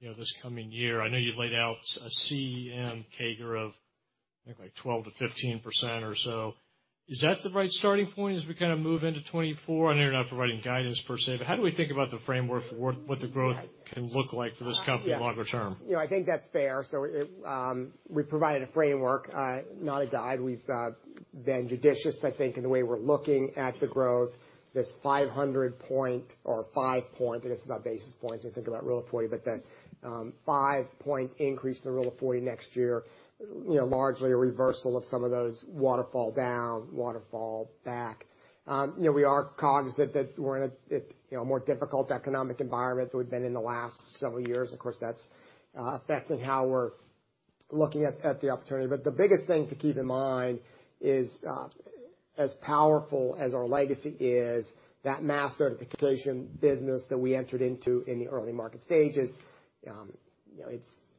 you know, this coming year. I know you've laid out a CEM CAGR of, I think, like 12%-15% or so. Is that the right starting point as we kinda move into 2024? I know you're not providing guidance per se, but how do we think about the framework for what the growth can look like for this company longer term? Yeah. You know, I think that's fair. It, we provided a framework, not a guide. We've been judicious, I think, in the way we're looking at the growth. This 500 point or five point, I guess about basis points if you think about Rule of 40, but the five-point increase in the Rule of 40 next year, you know, largely a reversal of some of those waterfall down, waterfall back. You know, we are cognizant that we're in a, you know, more difficult economic environment than we've been in the last several years. Of course, that's affecting how we're looking at the opportunity. The biggest thing to keep in mind is, as powerful as our legacy is, that mass notification business that we entered into in the early market stages, you know,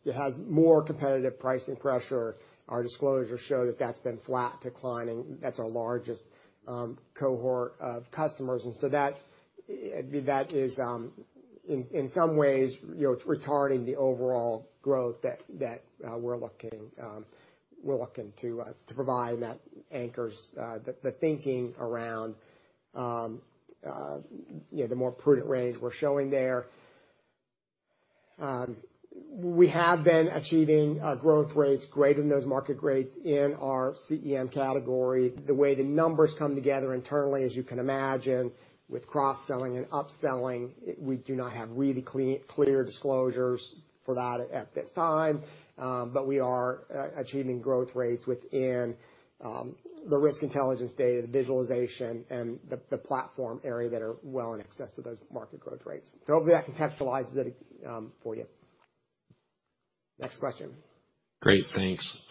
it has more competitive pricing pressure. Our disclosures show that that's been flat declining. That's our largest cohort of customers. That, I mean, that is, in some ways, you know, it's retarding the overall growth that we're looking to provide, and that anchors the thinking around, you know, the more prudent range we're showing there. We have been achieving growth rates greater than those market rates in our CEM category. The way the numbers come together internally, as you can imagine, with cross-selling and upselling, we do not have really clear disclosures for that at this time. We are achieving growth rates within the risk intelligence data, the visualization, and the platform area that are well in excess of those market growth rates. Hopefully that contextualizes it for you. Next question. Great. Thanks.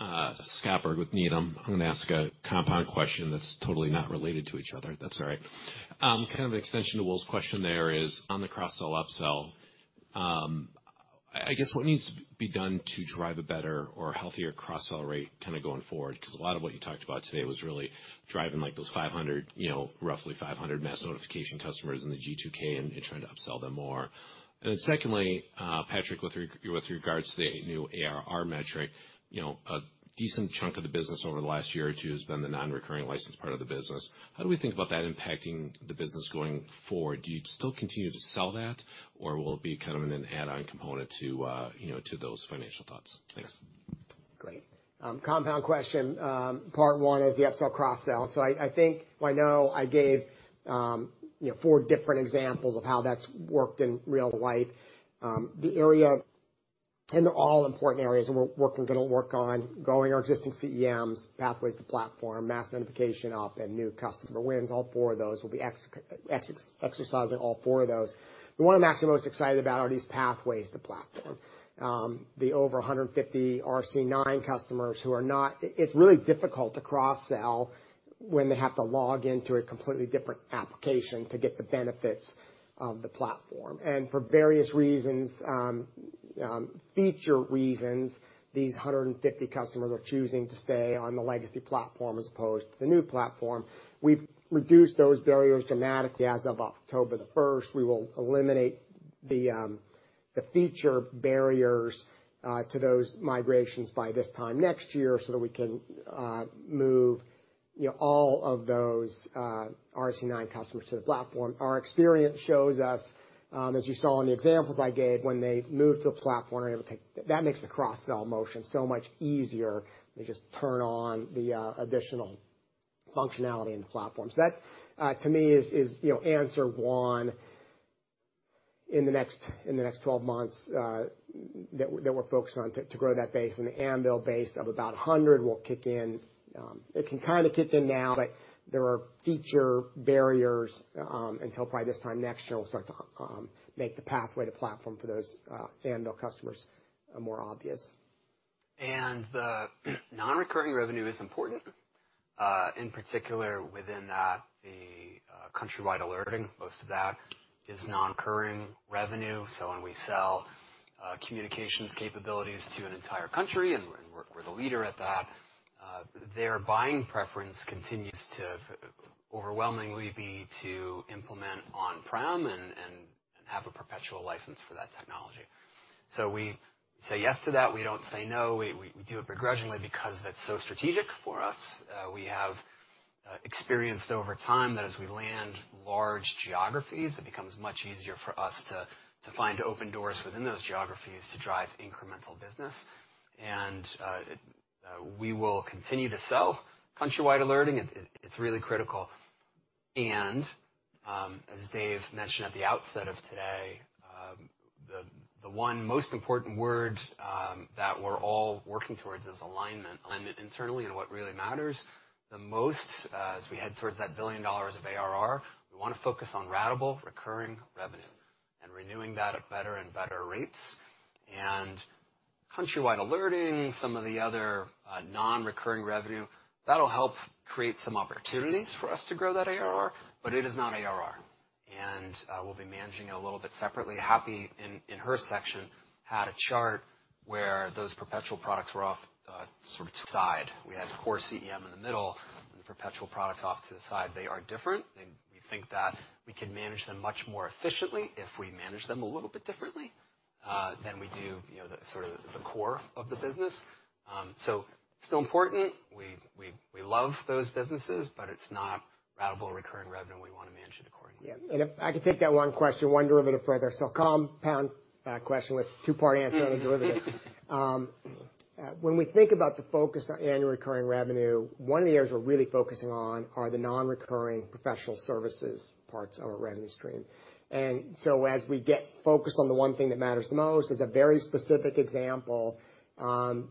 Scott Berg with Needham. I'm gonna ask a compound question that's totally not related to each other, if that's all right. Kind of an extension to Will's question there is on the cross-sell, upsell, I guess what needs to be done to drive a better or healthier cross-sell rate kinda going forward? 'Cause a lot of what you talked about today was really driving like those 500, you know, roughly 500 Mass Notification customers in the G2K and trying to upsell them more. Secondly, Patrick, with regards to the new ARR metric, you know, a decent chunk of the business over the last year or two has been the non-recurring license part of the business. How do we think about that impacting the business going forward? Do you still continue to sell that or will it be kind of an add-on component to, you know, to those financial thoughts? Thanks. Great. Compound question. Part one is the upsell, cross-sell. I think I know I gave, you know, four different examples of how that's worked in real life. They're all important areas, and we're gonna work on growing our existing CEMs, pathways to platform, Mass Notification up and new customer wins. All four of those will be exercising all four of those. The one I'm actually most excited about are these pathways to platform. The over 150 RC9 customers who are not... It's really difficult to cross-sell when they have to log in to a completely different application to get the benefits of the platform. For various reasons, feature reasons, these 150 customers are choosing to stay on the legacy platform as opposed to the new platform. We've reduced those barriers dramatically as of October 1st. We will eliminate the feature barriers to those migrations by this time next year so that we can move, you know, all of those RC9 customers to the platform. Our experience shows us, as you saw in the examples I gave, when they move to the platform and able to take that makes the cross-sell motion so much easier. They just turn on the additional functionality in the platform. That to me is, you know, answer one in the next 12 months, that we're focused on to grow that base and the Anvil base of about 100 will kick in. It can kinda kick in now, but there are feature barriers, until probably this time next year we'll start to make the pathway to platform for those Anvil customers more obvious. The non-recurring revenue is important, in particular within that, the countrywide alerting. Most of that is non-recurring revenue. When we sell communications capabilities to an entire country, and we're the leader at that, their buying preference continues to overwhelmingly be to implement on-prem and have a perpetual license for that technology. We say yes to that. We don't say no. We do it begrudgingly because that's so strategic for us. We have experienced over time that as we land large geographies, it becomes much easier for us to find open doors within those geographies to drive incremental business. We will continue to sell countrywide alerting. It's really critical. As Dave mentioned at the outset of today, the one most important word that we're all working towards is alignment. Alignment internally and what really matters the most, as we head towards that $1 billion of ARR, we wanna focus on ratable recurring revenue and renewing that at better and better rates. countrywide alerting some of the other non-recurring revenue, that'll help create some opportunities for us to grow that ARR, but it is not ARR, and we'll be managing it a little bit separately. Happy in her section, had a chart where those perpetual products were off sort of to the side. We had core CEM in the middle and the perpetual products off to the side. They are different. We think that we can manage them much more efficiently if we manage them a little bit differently than we do, you know, the sort of the core of the business. Still important. We love those businesses, but it's not ratable recurring revenue we wanna manage it accordingly. Yeah. If I could take that one question one derivative further. Compound question with two-part answer on the derivative. When we think about the focus on annual recurring revenue, one of the areas we're really focusing on are the non-recurring professional services parts of our revenue stream. As we get focused on the one thing that matters most is a very specific example, and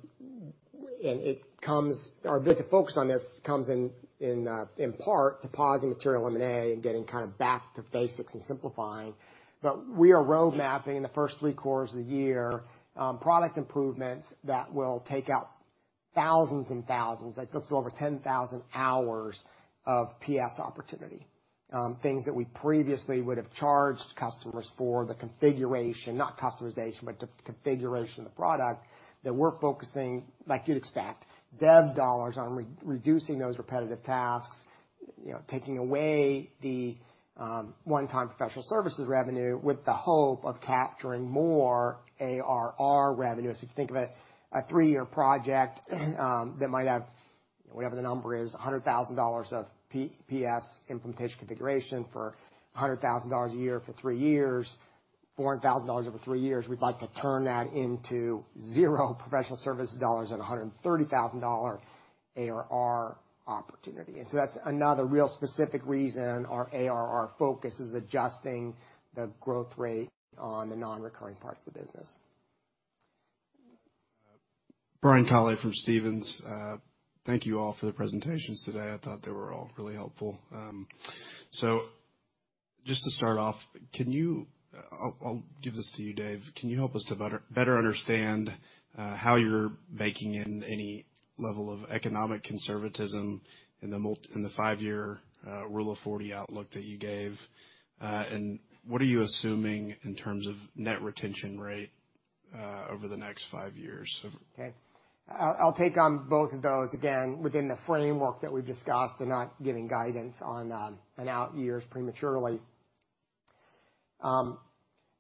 the focus on this comes in part depositing material M&A and getting kinda back to basics and simplifying. We are road mapping in the first three quarters of the year, product improvements that will take out thousands and thousands. That takes over 10,000 hours of PS opportunity. Things that we previously would have charged customers for the configuration, not customization, but the configuration of the product that we're focusing, like you'd expect, dev dollars on re-reducing those repetitive tasks, you know, taking away the one-time professional services revenue with the hope of capturing more ARR revenue. If you think of a three-year project. Whatever the number is, $100,000 of P-PS implementation configuration for $100,000 a year for three years, $400,000 over three years, we'd like to turn that into $0 professional services dollars at a $130,000 ARR opportunity. That's another real specific reason our ARR focus is adjusting the growth rate on the non-recurring parts of the business. Brian Colley from Stephens. Thank you all for the presentations today. I thought they were all really helpful. So just to start off, I'll give this to you, Dave. Can you help us to better understand how you're baking in any level of economic conservatism in the 5-year Rule of 40 outlook that you gave? What are you assuming in terms of net retention rate over the next 5 years? I'll take on both of those, again, within the framework that we've discussed and not giving guidance on out years prematurely.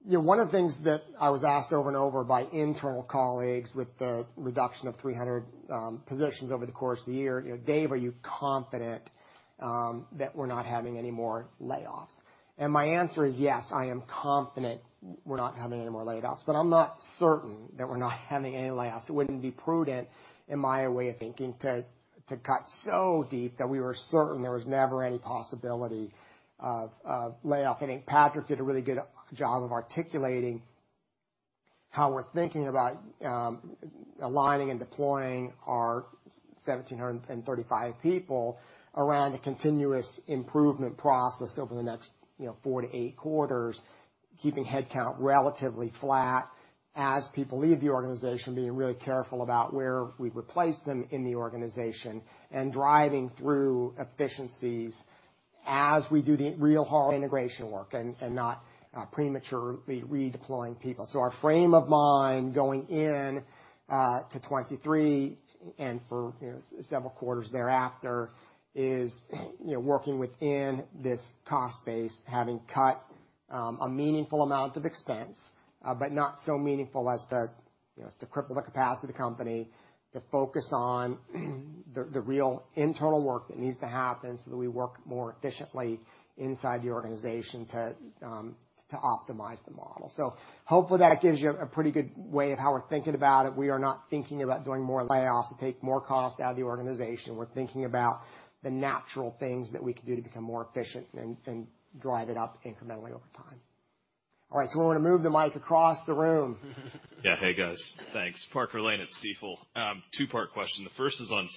You know, one of the things that I was asked over and over by internal colleagues with the reduction of 300 positions over the course of the year, you know, "Dave, are you confident that we're not having any more layoffs?" And my answer is yes, I am confident we're not having any more layoffs, but I'm not certain that we're not having any layoffs. It wouldn't be prudent, in my way of thinking, to cut so deep that we were certain there was never any possibility of layoff. I think Patrick did a really good job of articulating how we're thinking about aligning and deploying our 1,735 people around a continuous improvement process over the next, you know, 4-8 quarters, keeping headcount relatively flat as people leave the organization, being really careful about where we replace them in the organization and driving through efficiencies as we do the real hard integration work and not prematurely redeploying people. Our frame of mind going in to 23 and for, you know, several quarters thereafter is, you know, working within this cost base, having cut a meaningful amount of expense, but not so meaningful as to, you know, as to cripple the capacity of the company to focus on the real internal work that needs to happen so that we work more efficiently inside the organization to optimize the model. Hopefully that gives you a pretty good way of how we're thinking about it. We are not thinking about doing more layoffs to take more cost out of the organization. We're thinking about the natural things that we can do to become more efficient and drive it up incrementally over time. We're gonna move the mic across the room. Yeah. Hey, guys. Thanks. Parker Lane at Stifel. Two-part question. The first is on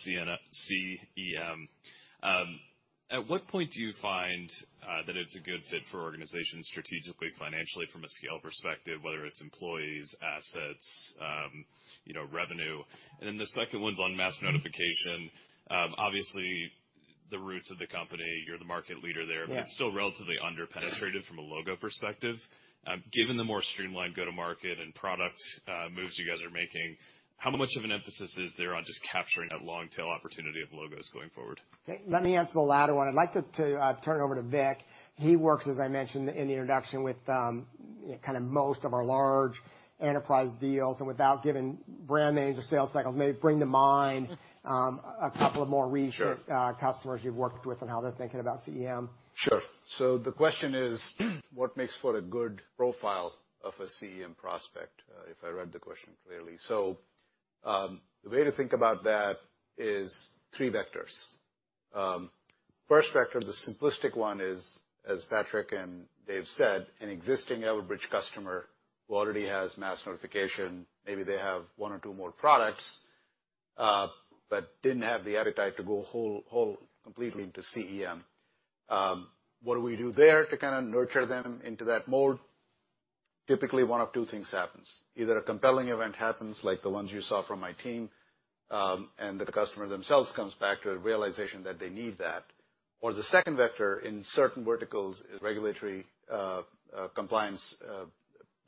CEM. At what point do you find that it's a good fit for organizations strategically, financially from a scale perspective, whether it's employees, assets, you know, revenue? Then the second one's on Mass Notification. Obviously the roots of the company, you're the market leader there. Yeah. It's still relatively under-penetrated from a logo perspective. Given the more streamlined go-to-market and product, moves you guys are making, how much of an emphasis is there on just capturing that long tail opportunity of logos going forward? Okay. Let me answer the latter one. I'd like to turn it over to Vick. He works, as I mentioned in the introduction, with kind of most of our large enterprise deals. Without giving brand names or sales cycles, maybe bring to mind a couple of more recent- Sure. customers you've worked with and how they're thinking about CEM. Sure. The question is, what makes for a good profile of a CEM prospect, if I read the question clearly. The way to think about that is three vectors. First vector, the simplistic one is, as Patrick and Dave said, an existing Everbridge customer who already has Mass Notification, maybe they have one or two more products, but didn't have the appetite to go whole completely into CEM. What do we do there to kind of nurture them into that mold? Typically, one of two things happens. Either a compelling event happens, like the ones you saw from my team, the customer themselves comes back to a realization that they need that. The second vector in certain verticals is regulatory, compliance,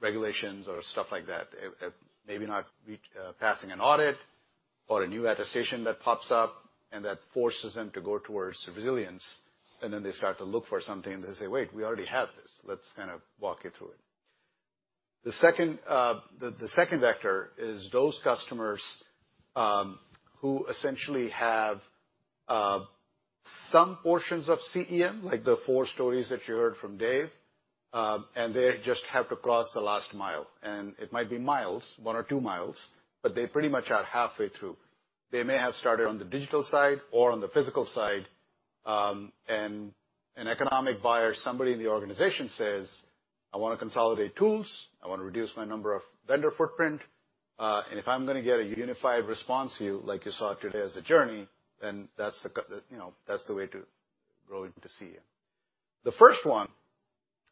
regulations or stuff like that. Maybe not passing an audit or a new attestation that pops up and that forces them to go towards resilience, and then they start to look for something, and they say, "Wait, we already have this. Let's kind of walk you through it." The second vector is those customers who essentially have some portions of CEM, like the 4 stories that you heard from Dave, and they just have to cross the last mile, and it might be miles, 1 or 2 mi, but they pretty much are halfway through. They may have started on the digital side or on the physical side, and an economic buyer, somebody in the organization says, "I wanna consolidate tools. I wanna reduce my number of vendor footprint. If I'm gonna get a unified response view, like you saw today as a journey, then that's, you know, that's the way to grow into CEM. The first one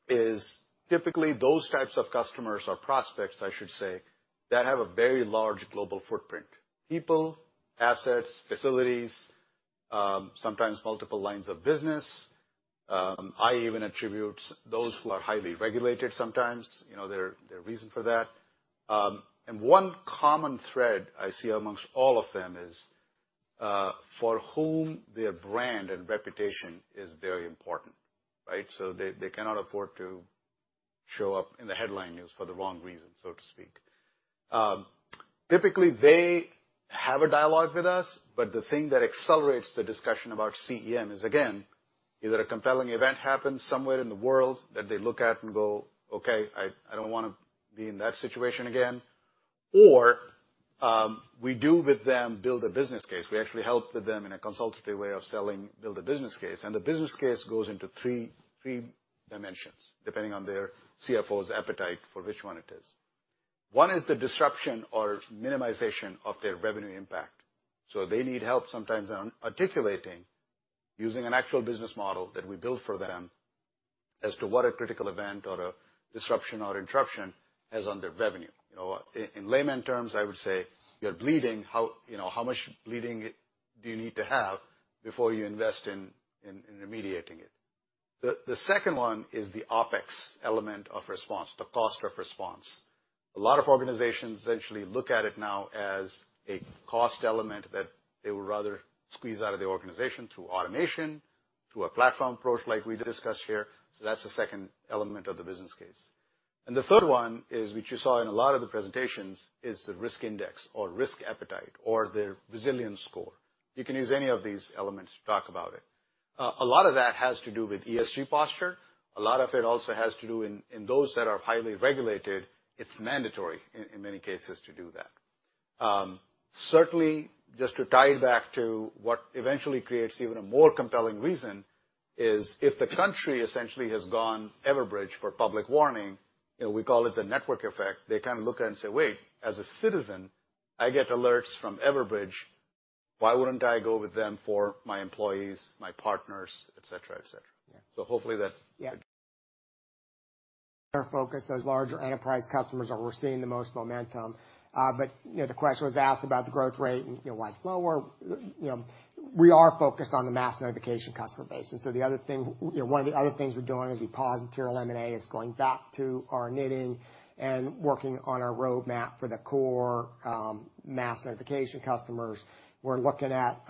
is typically those types of customers or prospects, I should say, that have a very large global footprint, people, assets, facilities, sometimes multiple lines of business. I even attribute those who are highly regulated sometimes, you know, their reason for that. One common thread I see amongst all of them is for whom their brand and reputation is very important, right? They, they cannot afford to show up in the headline news for the wrong reason, so to speak. Typically, they have a dialogue with us, but the thing that accelerates the discussion about CEM is, again, either a compelling event happens somewhere in the world that they look at and go, "Okay, I don't wanna be in that situation again." We do with them build a business case. We actually help with them in a consultative way of selling build a business case. The business case goes into three dimensions, depending on their CFO's appetite for which one it is. One is the disruption or minimization of their revenue impact. They need help sometimes on articulating using an actual business model that we build for them as to what a critical event or a disruption or interruption has on their revenue. You know, in layman terms, I would say you're bleeding, how, you know, how much bleeding do you need to have before you invest in remediating it? The second one is the OpEx element of response, the cost of response. A lot of organizations essentially look at it now as a cost element that they would rather squeeze out of the organization through automation, through a platform approach like we discussed here. That's the second element of the business case. The third one is, which you saw in a lot of the presentations, is the risk index or risk appetite or their resilience score. You can use any of these elements to talk about it. A lot of that has to do with ESG posture. A lot of it also has to do in those that are highly regulated, it's mandatory in many cases to do that. Certainly just to tie it back to what eventually creates even a more compelling reason is if the country essentially has gone Everbridge for public warning, you know, we call it the network effect. They kind of look and say, "Wait, as a citizen, I get alerts from Everbridge. Why wouldn't I go with them for my employees, my partners, et cetera, et cetera? Yeah. Hopefully. Our focus, those larger enterprise customers are where we're seeing the most momentum. You know, the question was asked about the growth rate and, you know, why it's lower. You know, we are focused on the Mass Notification customer base. You know, one of the other things we're doing as we pause material M&A is going back to our knitting and working on our roadmap for the core Mass Notification customers. We're looking at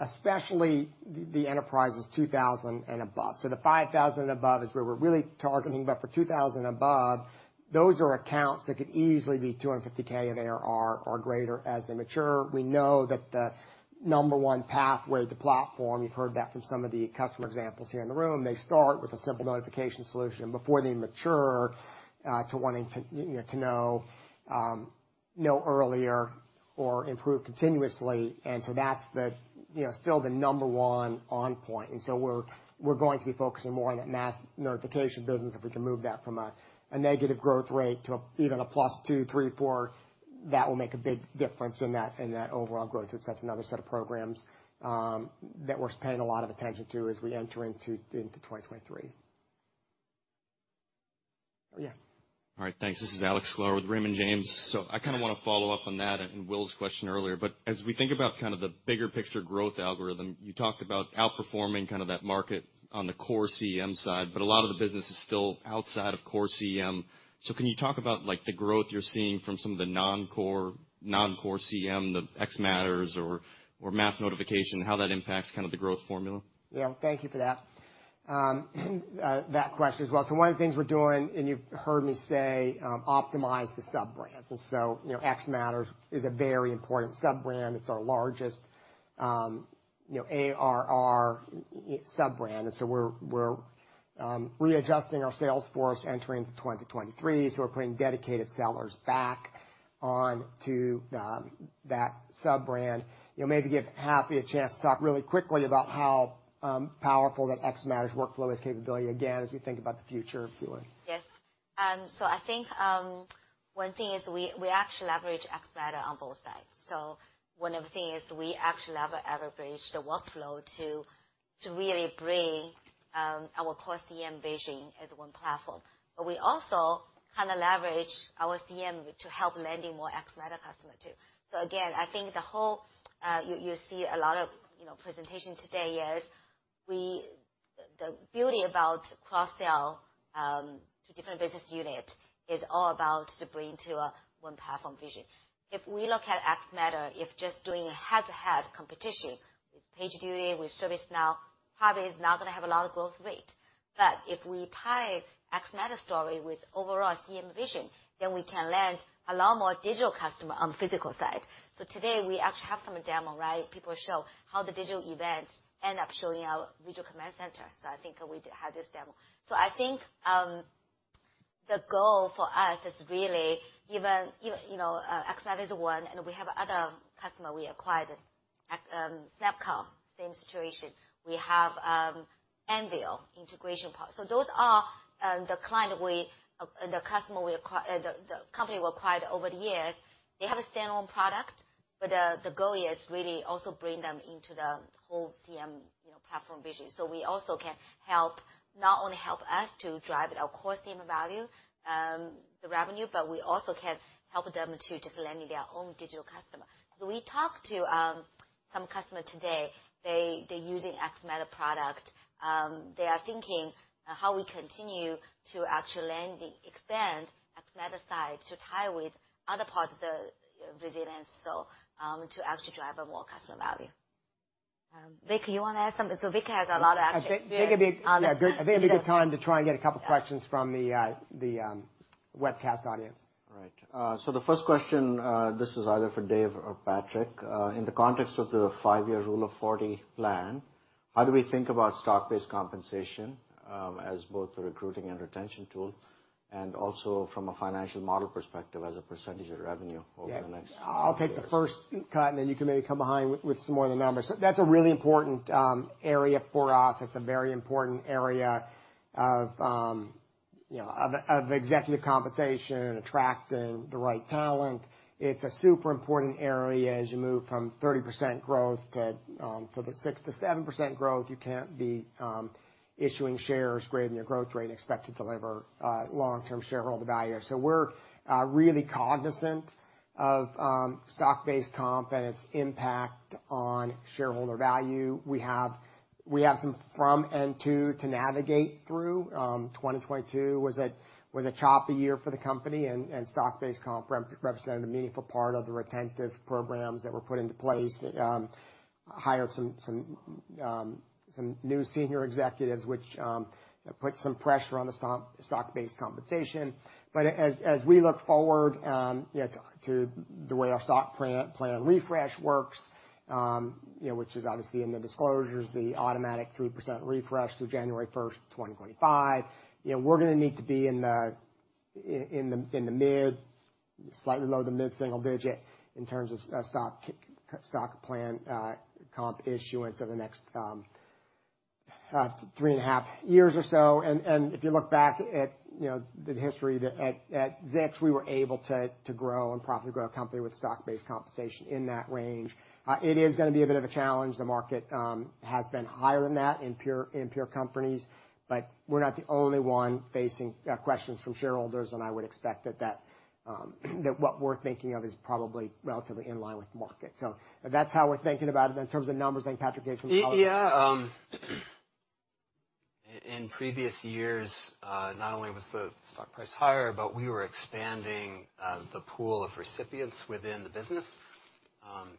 especially the Enterprises 2,000 and above. The 5,000 and above is where we're really targeting, but for 2,000 above, those are accounts that could easily be $250K of ARR or greater as they mature. We know that the number 1 pathway, the platform, you've heard that from some of the customer examples here in the room, they start with a simple notification solution before they mature, to wanting to, you know, to know earlier or improve continuously. That's the, you know, still the number 1 on point. We're going to be focusing more on that Mass Notification business if we can move that from a negative growth rate to even a +2%, 3%, 4%. That will make a big difference in that overall growth. That's another set of programs that we're paying a lot of attention to as we enter into 2023. Yeah. All right. Thanks. This is Alex Sklar with Raymond James. I kind of wanna follow up on that and Will's question earlier. As we think about kind of the bigger picture growth algorithm, you talked about outperforming kind of that market on the core CEM side, but a lot of the business is still outside of core CEM. Can you talk about like the growth you're seeing from some of the non-core CEM, the xMatters or Mass Notification, how that impacts kind of the growth formula? Thank you for that question as well. One of the things we're doing, and you've heard me say, optimize the sub-brands. You know, xMatters is a very important sub-brand. It's our largest, you know, ARR sub-brand. We're readjusting our sales force entering into 2023, so we're bringing dedicated sellers back onto that sub-brand. You know, maybe give Happy a chance to talk really quickly about how powerful that xMatters workflow is capability again, as we think about the future of workflow. Yes. I think one thing is we actually leverage xMatters on both sides. One of the thing is we actually leverage Everbridge the workflow to really bring our core CEM vision as one platform. We also kind of leverage our CEM to help landing more xMatters customer too. Again, I think the whole, you see a lot of, you know, presentation today is the beauty about cross-sell to different business unit is all about to bring to a one platform vision. If we look at xMatters, if just doing a head-to-head competition with PagerDuty, with ServiceNow, probably is not going to have a lot of growth rate. If we tie xMatters story with overall CEM vision, then we can land a lot more digital customer on physical side. Today, we actually have some demo, right? People show how the digital event end up showing our Visual Command Center. I think we had this demo. I think the goal for us is really even, you know, xMatters is one, and we have other customer we acquired at SnapComms, same situation. We have Anvil integration part. Those are the company we acquired over the years. They have a standalone product, but the goal is really also bring them into the whole CEM, you know, platform vision. We also can help, not only help us to drive our core CEM value, the revenue, but we also can help them to just landing their own digital customer. We talked to some customer today. They're using xMatters product. They are thinking how we continue to actually land the expand. To tie with other parts of the resilience. To actually drive a more customer value. Vic, you wanna add something? Vick has a lot of actually. I think. Yeah. Maybe a good time to try and get a couple questions from the webcast audience. Right. The first question, this is either for Dave or Patrick. In the context of the five-year Rule of 40 plan, how do we think about stock-based compensation as both a recruiting and retention tool, and also from a financial model perspective as a % of revenue over the next few years? Yeah. I'll take the first cut. Then you can maybe come behind with some more of the numbers. That's a really important area for us. It's a very important area of, you know, of executive compensation and attracting the right talent. It's a super important area as you move from 30% growth to the 6%-7% growth. You can't be issuing shares greater than your growth rate and expect to deliver long-term shareholder value. We're really cognizant of stock-based comp and its impact on shareholder value. We have some from and to navigate through. 2022 was a choppy year for the company, and stock-based comp represented a meaningful part of the retentive programs that were put into place. hired some new senior executives, which put some pressure on the stock-based compensation. As we look forward, you know, to the way our stock plan refresh works, you know, which is obviously in the disclosures, the automatic 3% refresh through January 1, 2025, you know, we're gonna need to be in the mid, slightly lower than mid-single digit in terms of stock plan comp issuance over the next three and a half years or so. If you look back at, you know, the history that at Zix, we were able to grow and profitably grow a company with stock-based compensation in that range. It is gonna be a bit of a challenge. The market has been higher than that in peer companies. We're not the only one facing questions from shareholders. I would expect that what we're thinking of is probably relatively in line with market. That's how we're thinking about it. In terms of numbers, Patrick gave some color. Yeah. In previous years, not only was the stock price higher, but we were expanding the pool of recipients within the business,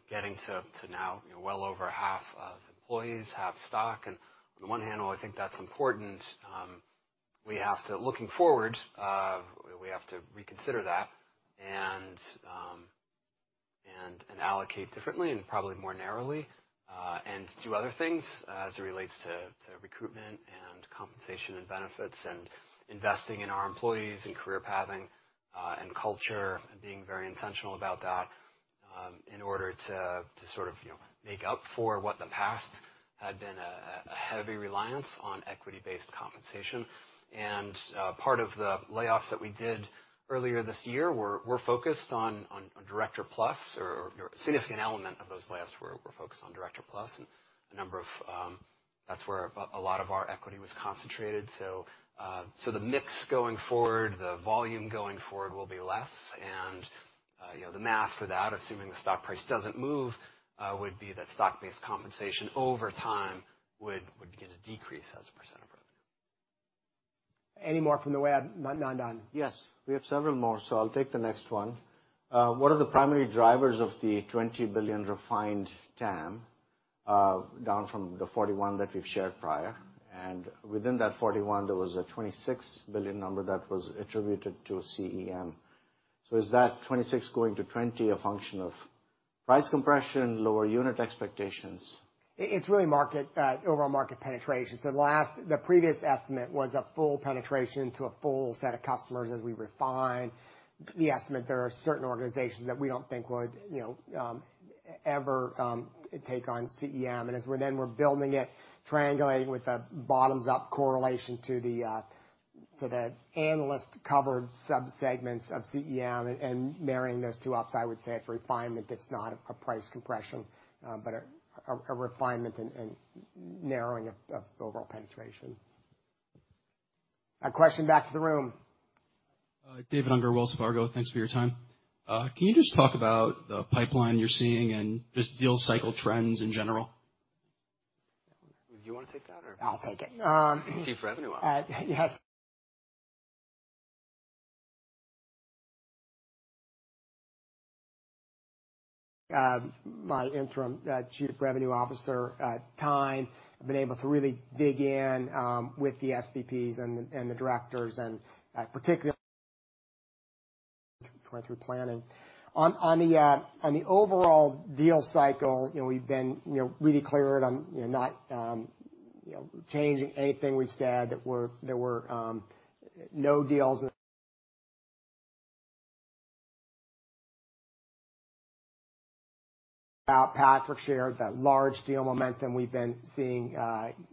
getting to now, you know, well over half of employees have stock. On the one hand, while I think that's important, we have to. Looking forward, we have to reconsider that and allocate differently and probably more narrowly, and do other things as it relates to recruitment and compensation and benefits, and investing in our employees and career pathing, and culture, and being very intentional about that, in order to sort of, you know, make up for what the past had been a heavy reliance on equity-based compensation. Part of the layoffs that we did earlier this year were focused on director plus or significant element of those layoffs were focused on director plus that's where a lot of our equity was concentrated. The mix going forward, the volume going forward will be less. You know, the math for that, assuming the stock price doesn't move, would be that stock-based compensation over time would begin to decrease as a percent of revenue. Any more from the web? None, none. Yes, we have several more, so I'll take the next one. What are the primary drivers of the $20 billion refined TAM, down from the 41 that you've shared prior? Within that 41, there was a $26 billion number that was attributed to CEM. Is that 26 going to 20 a function of price compression, lower unit expectations? It's really market overall market penetration. The previous estimate was a full penetration to a full set of customers. As we refine the estimate, there are certain organizations that we don't think would, you know, ever take on CEM. As we're then we're building it, triangulating with a bottoms-up correlation to the analyst-covered subsegments of CEM and marrying those two up, I would say it's refinement. It's not a price compression, but a refinement and narrowing of overall penetration. A question back to the room. David Unger, Wells Fargo. Thanks for your time. Can you just talk about the pipeline you're seeing and just deal cycle trends in general? Do you wanna take that or- I'll take it. Chief Revenue Officer. Yes. My interim chief revenue officer time. I've been able to really dig in with the SVPs and the directors and particularly went through planning. On the overall deal cycle, you know, we've been, you know, really clear on, you know, not, you know, changing anything we've said. There were no deals in... Patrick shared that large deal momentum we've been seeing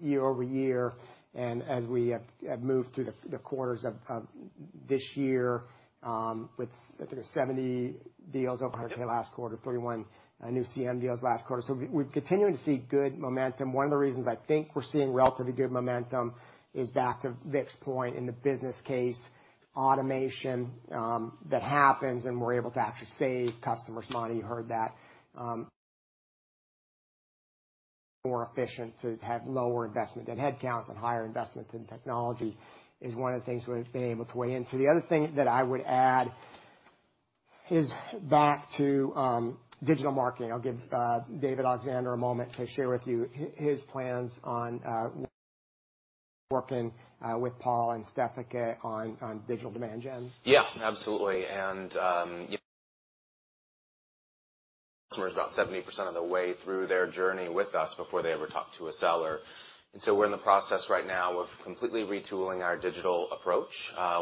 year over year, and as we have moved through the quarters of this year, with I think it was 70 deals over $100K last quarter, 31 new CEM deals last quarter. We're continuing to see good momentum. One of the reasons I think we're seeing relatively good momentum is back to Vick's point in the business case automation that happens, and we're able to actually save customers money. You heard that. More efficient to have lower investment in headcount and higher investment in technology is one of the things we've been able to weigh into. The other thing that I would add is back to digital marketing. I'll give David Alexander a moment to share with you his plans on working with Paul and Stefica on digital demand gen. Yeah, absolutely. You customers about 70% of the way through their journey with us before they ever talk to a seller. We're in the process right now of completely retooling our digital approach,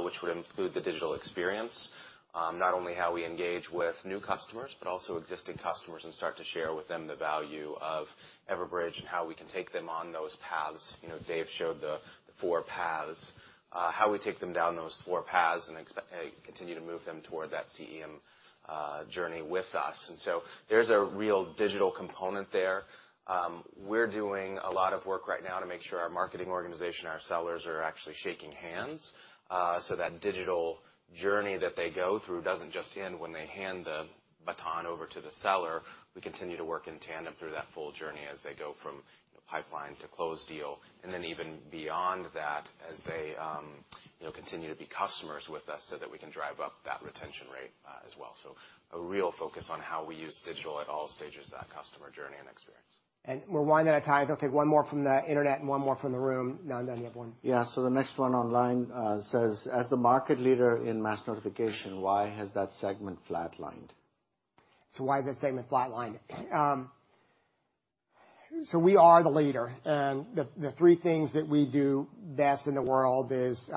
which would include the digital experience, not only how we engage with new customers, but also existing customers and start to share with them the value of Everbridge and how we can take them on those paths. You know, Dave showed the four paths, how we take them down those four paths and continue to move them toward that CEM journey with us. There's a real digital component there. We're doing a lot of work right now to make sure our marketing organization, our sellers, are actually shaking hands, so that digital journey that they go through doesn't just end when they hand the baton over to the seller. We continue to work in tandem through that full journey as they go from pipeline to close deal, and then even beyond that as they, you know, continue to be customers with us so that we can drive up that retention rate as well. A real focus on how we use digital at all stages of that customer journey and experience. We're winding out of time. I'll take one more from the internet and one more from the room. Nandan, you have one. Yeah. The next one online, says, "As the market leader in Mass Notification, why has that segment flatlined? Why has that segment flatlined? We are the leader. The three things that we do best in the world is, you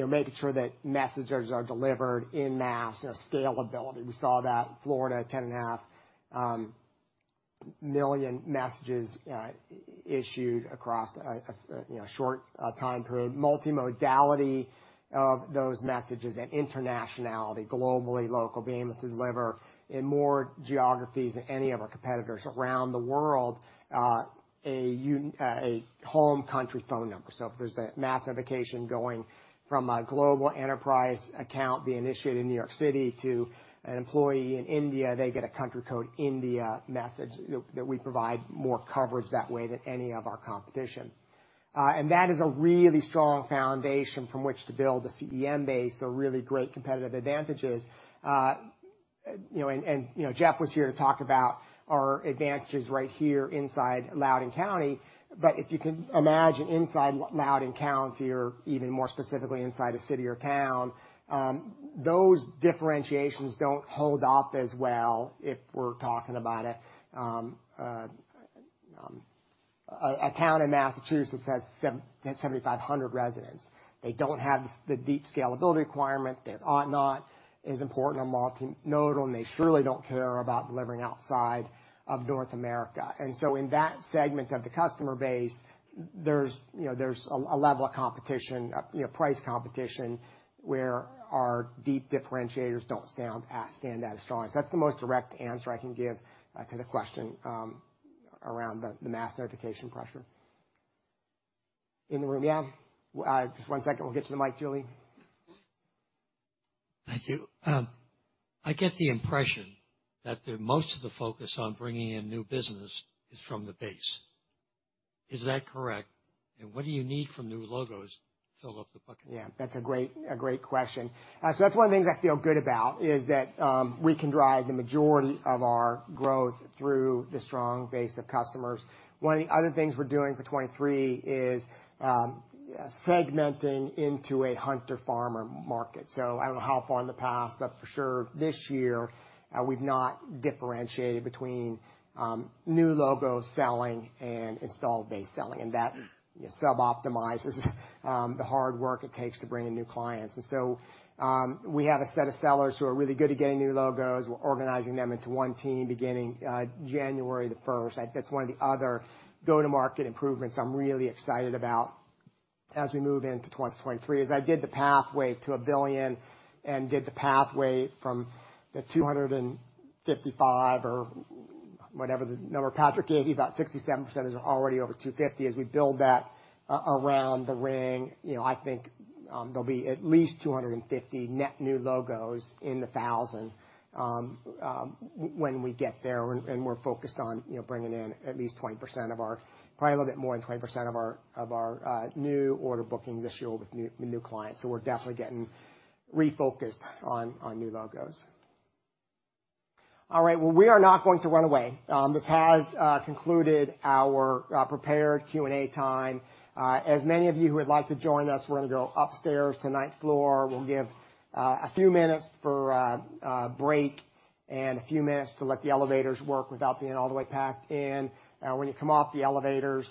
know, making sure that messages are delivered en masse, you know, scalability. We saw that Florida 10.5 million messages issued across a, you know, short time period. Multimodality of those messages and internationality, globally local, being able to deliver in more geographies than any of our competitors around the world, a home country phone number. If there's a mass notification going from a global enterprise account being initiated in New York City to an employee in India, they get a country code India message. You know, that we provide more coverage that way than any of our competition. That is a really strong foundation from which to build a CEM base. They're really great competitive advantages. You know, you know, Jeff was here to talk about our advantages right here inside Loudoun County. If you can imagine inside Loudoun County or even more specifically inside a city or town, those differentiations don't hold up as well if we're talking about a town in Massachusetts has 7,500 residents. They don't have the deep scalability requirement. They're ought not as important a multi-nodal, they surely don't care about delivering outside of North America. In that segment of the customer base, there's, you know, there's a level of competition, you know, price competition, where our deep differentiators don't stand out as strong. That's the most direct answer I can give to the question around the mass notification pressure. In the room. Just 1 second. We'll get to the mic, Julie. Thank you. I get the impression that the most of the focus on bringing in new business is from the base. Is that correct? What do you need from new logos to fill up the bucket? Yeah. That's a great, a great question. That's one of the things I feel good about, is that we can drive the majority of our growth through the strong base of customers. One of the other things we're doing for 23 is segmenting into a hunter/farmer market. I don't know how far in the past, but for sure this year, we've not differentiated between new logos selling and Instabase selling. That sub optimizes the hard work it takes to bring in new clients. We have a set of sellers who are really good at getting new logos. We're organizing them into one team beginning January 1st. That's one of the other go-to-market improvements I'm really excited about as we move into 2023. As I did the pathway to $1 billion and did the pathway from the 255 or whatever the number Patrick gave you, about 67% is already over 250. As we build that around the ring, you know, I think, there'll be at least 250 net new logos in the 1,000, when we get there, and we're focused on, you know, bringing in at least 20% of our, probably a little bit more than 20% of our, new order bookings this year with new, with new clients. We're definitely getting refocused on new logos. All right, well, we are now going to run away. This has concluded our prepared Q&A time. As many of you who would like to join us, we're gonna go upstairs to ninth floor. We'll give a few minutes for a break and a few minutes to let the elevators work without being all the way packed in. When you come off the elevators,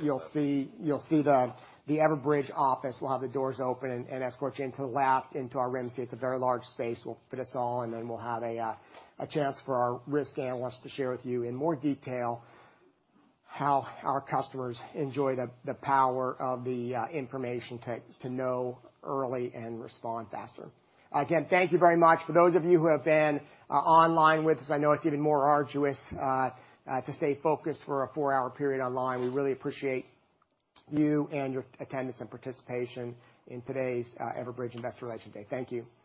you'll see the Everbridge office. We'll have the doors open and escort you into the lab, into our REMC. It's a very large space. We'll fit us all, and then we'll have a chance for our risk analysts to share with you in more detail how our customers enjoy the power of the information tech to know early and respond faster. Thank you very much. For those of you who have been online with us, I know it's even more arduous to stay focused for a four-hour period online. We really appreciate you and your attendance and participation in today's Everbridge Investor Relations Day. Thank you. Thank you.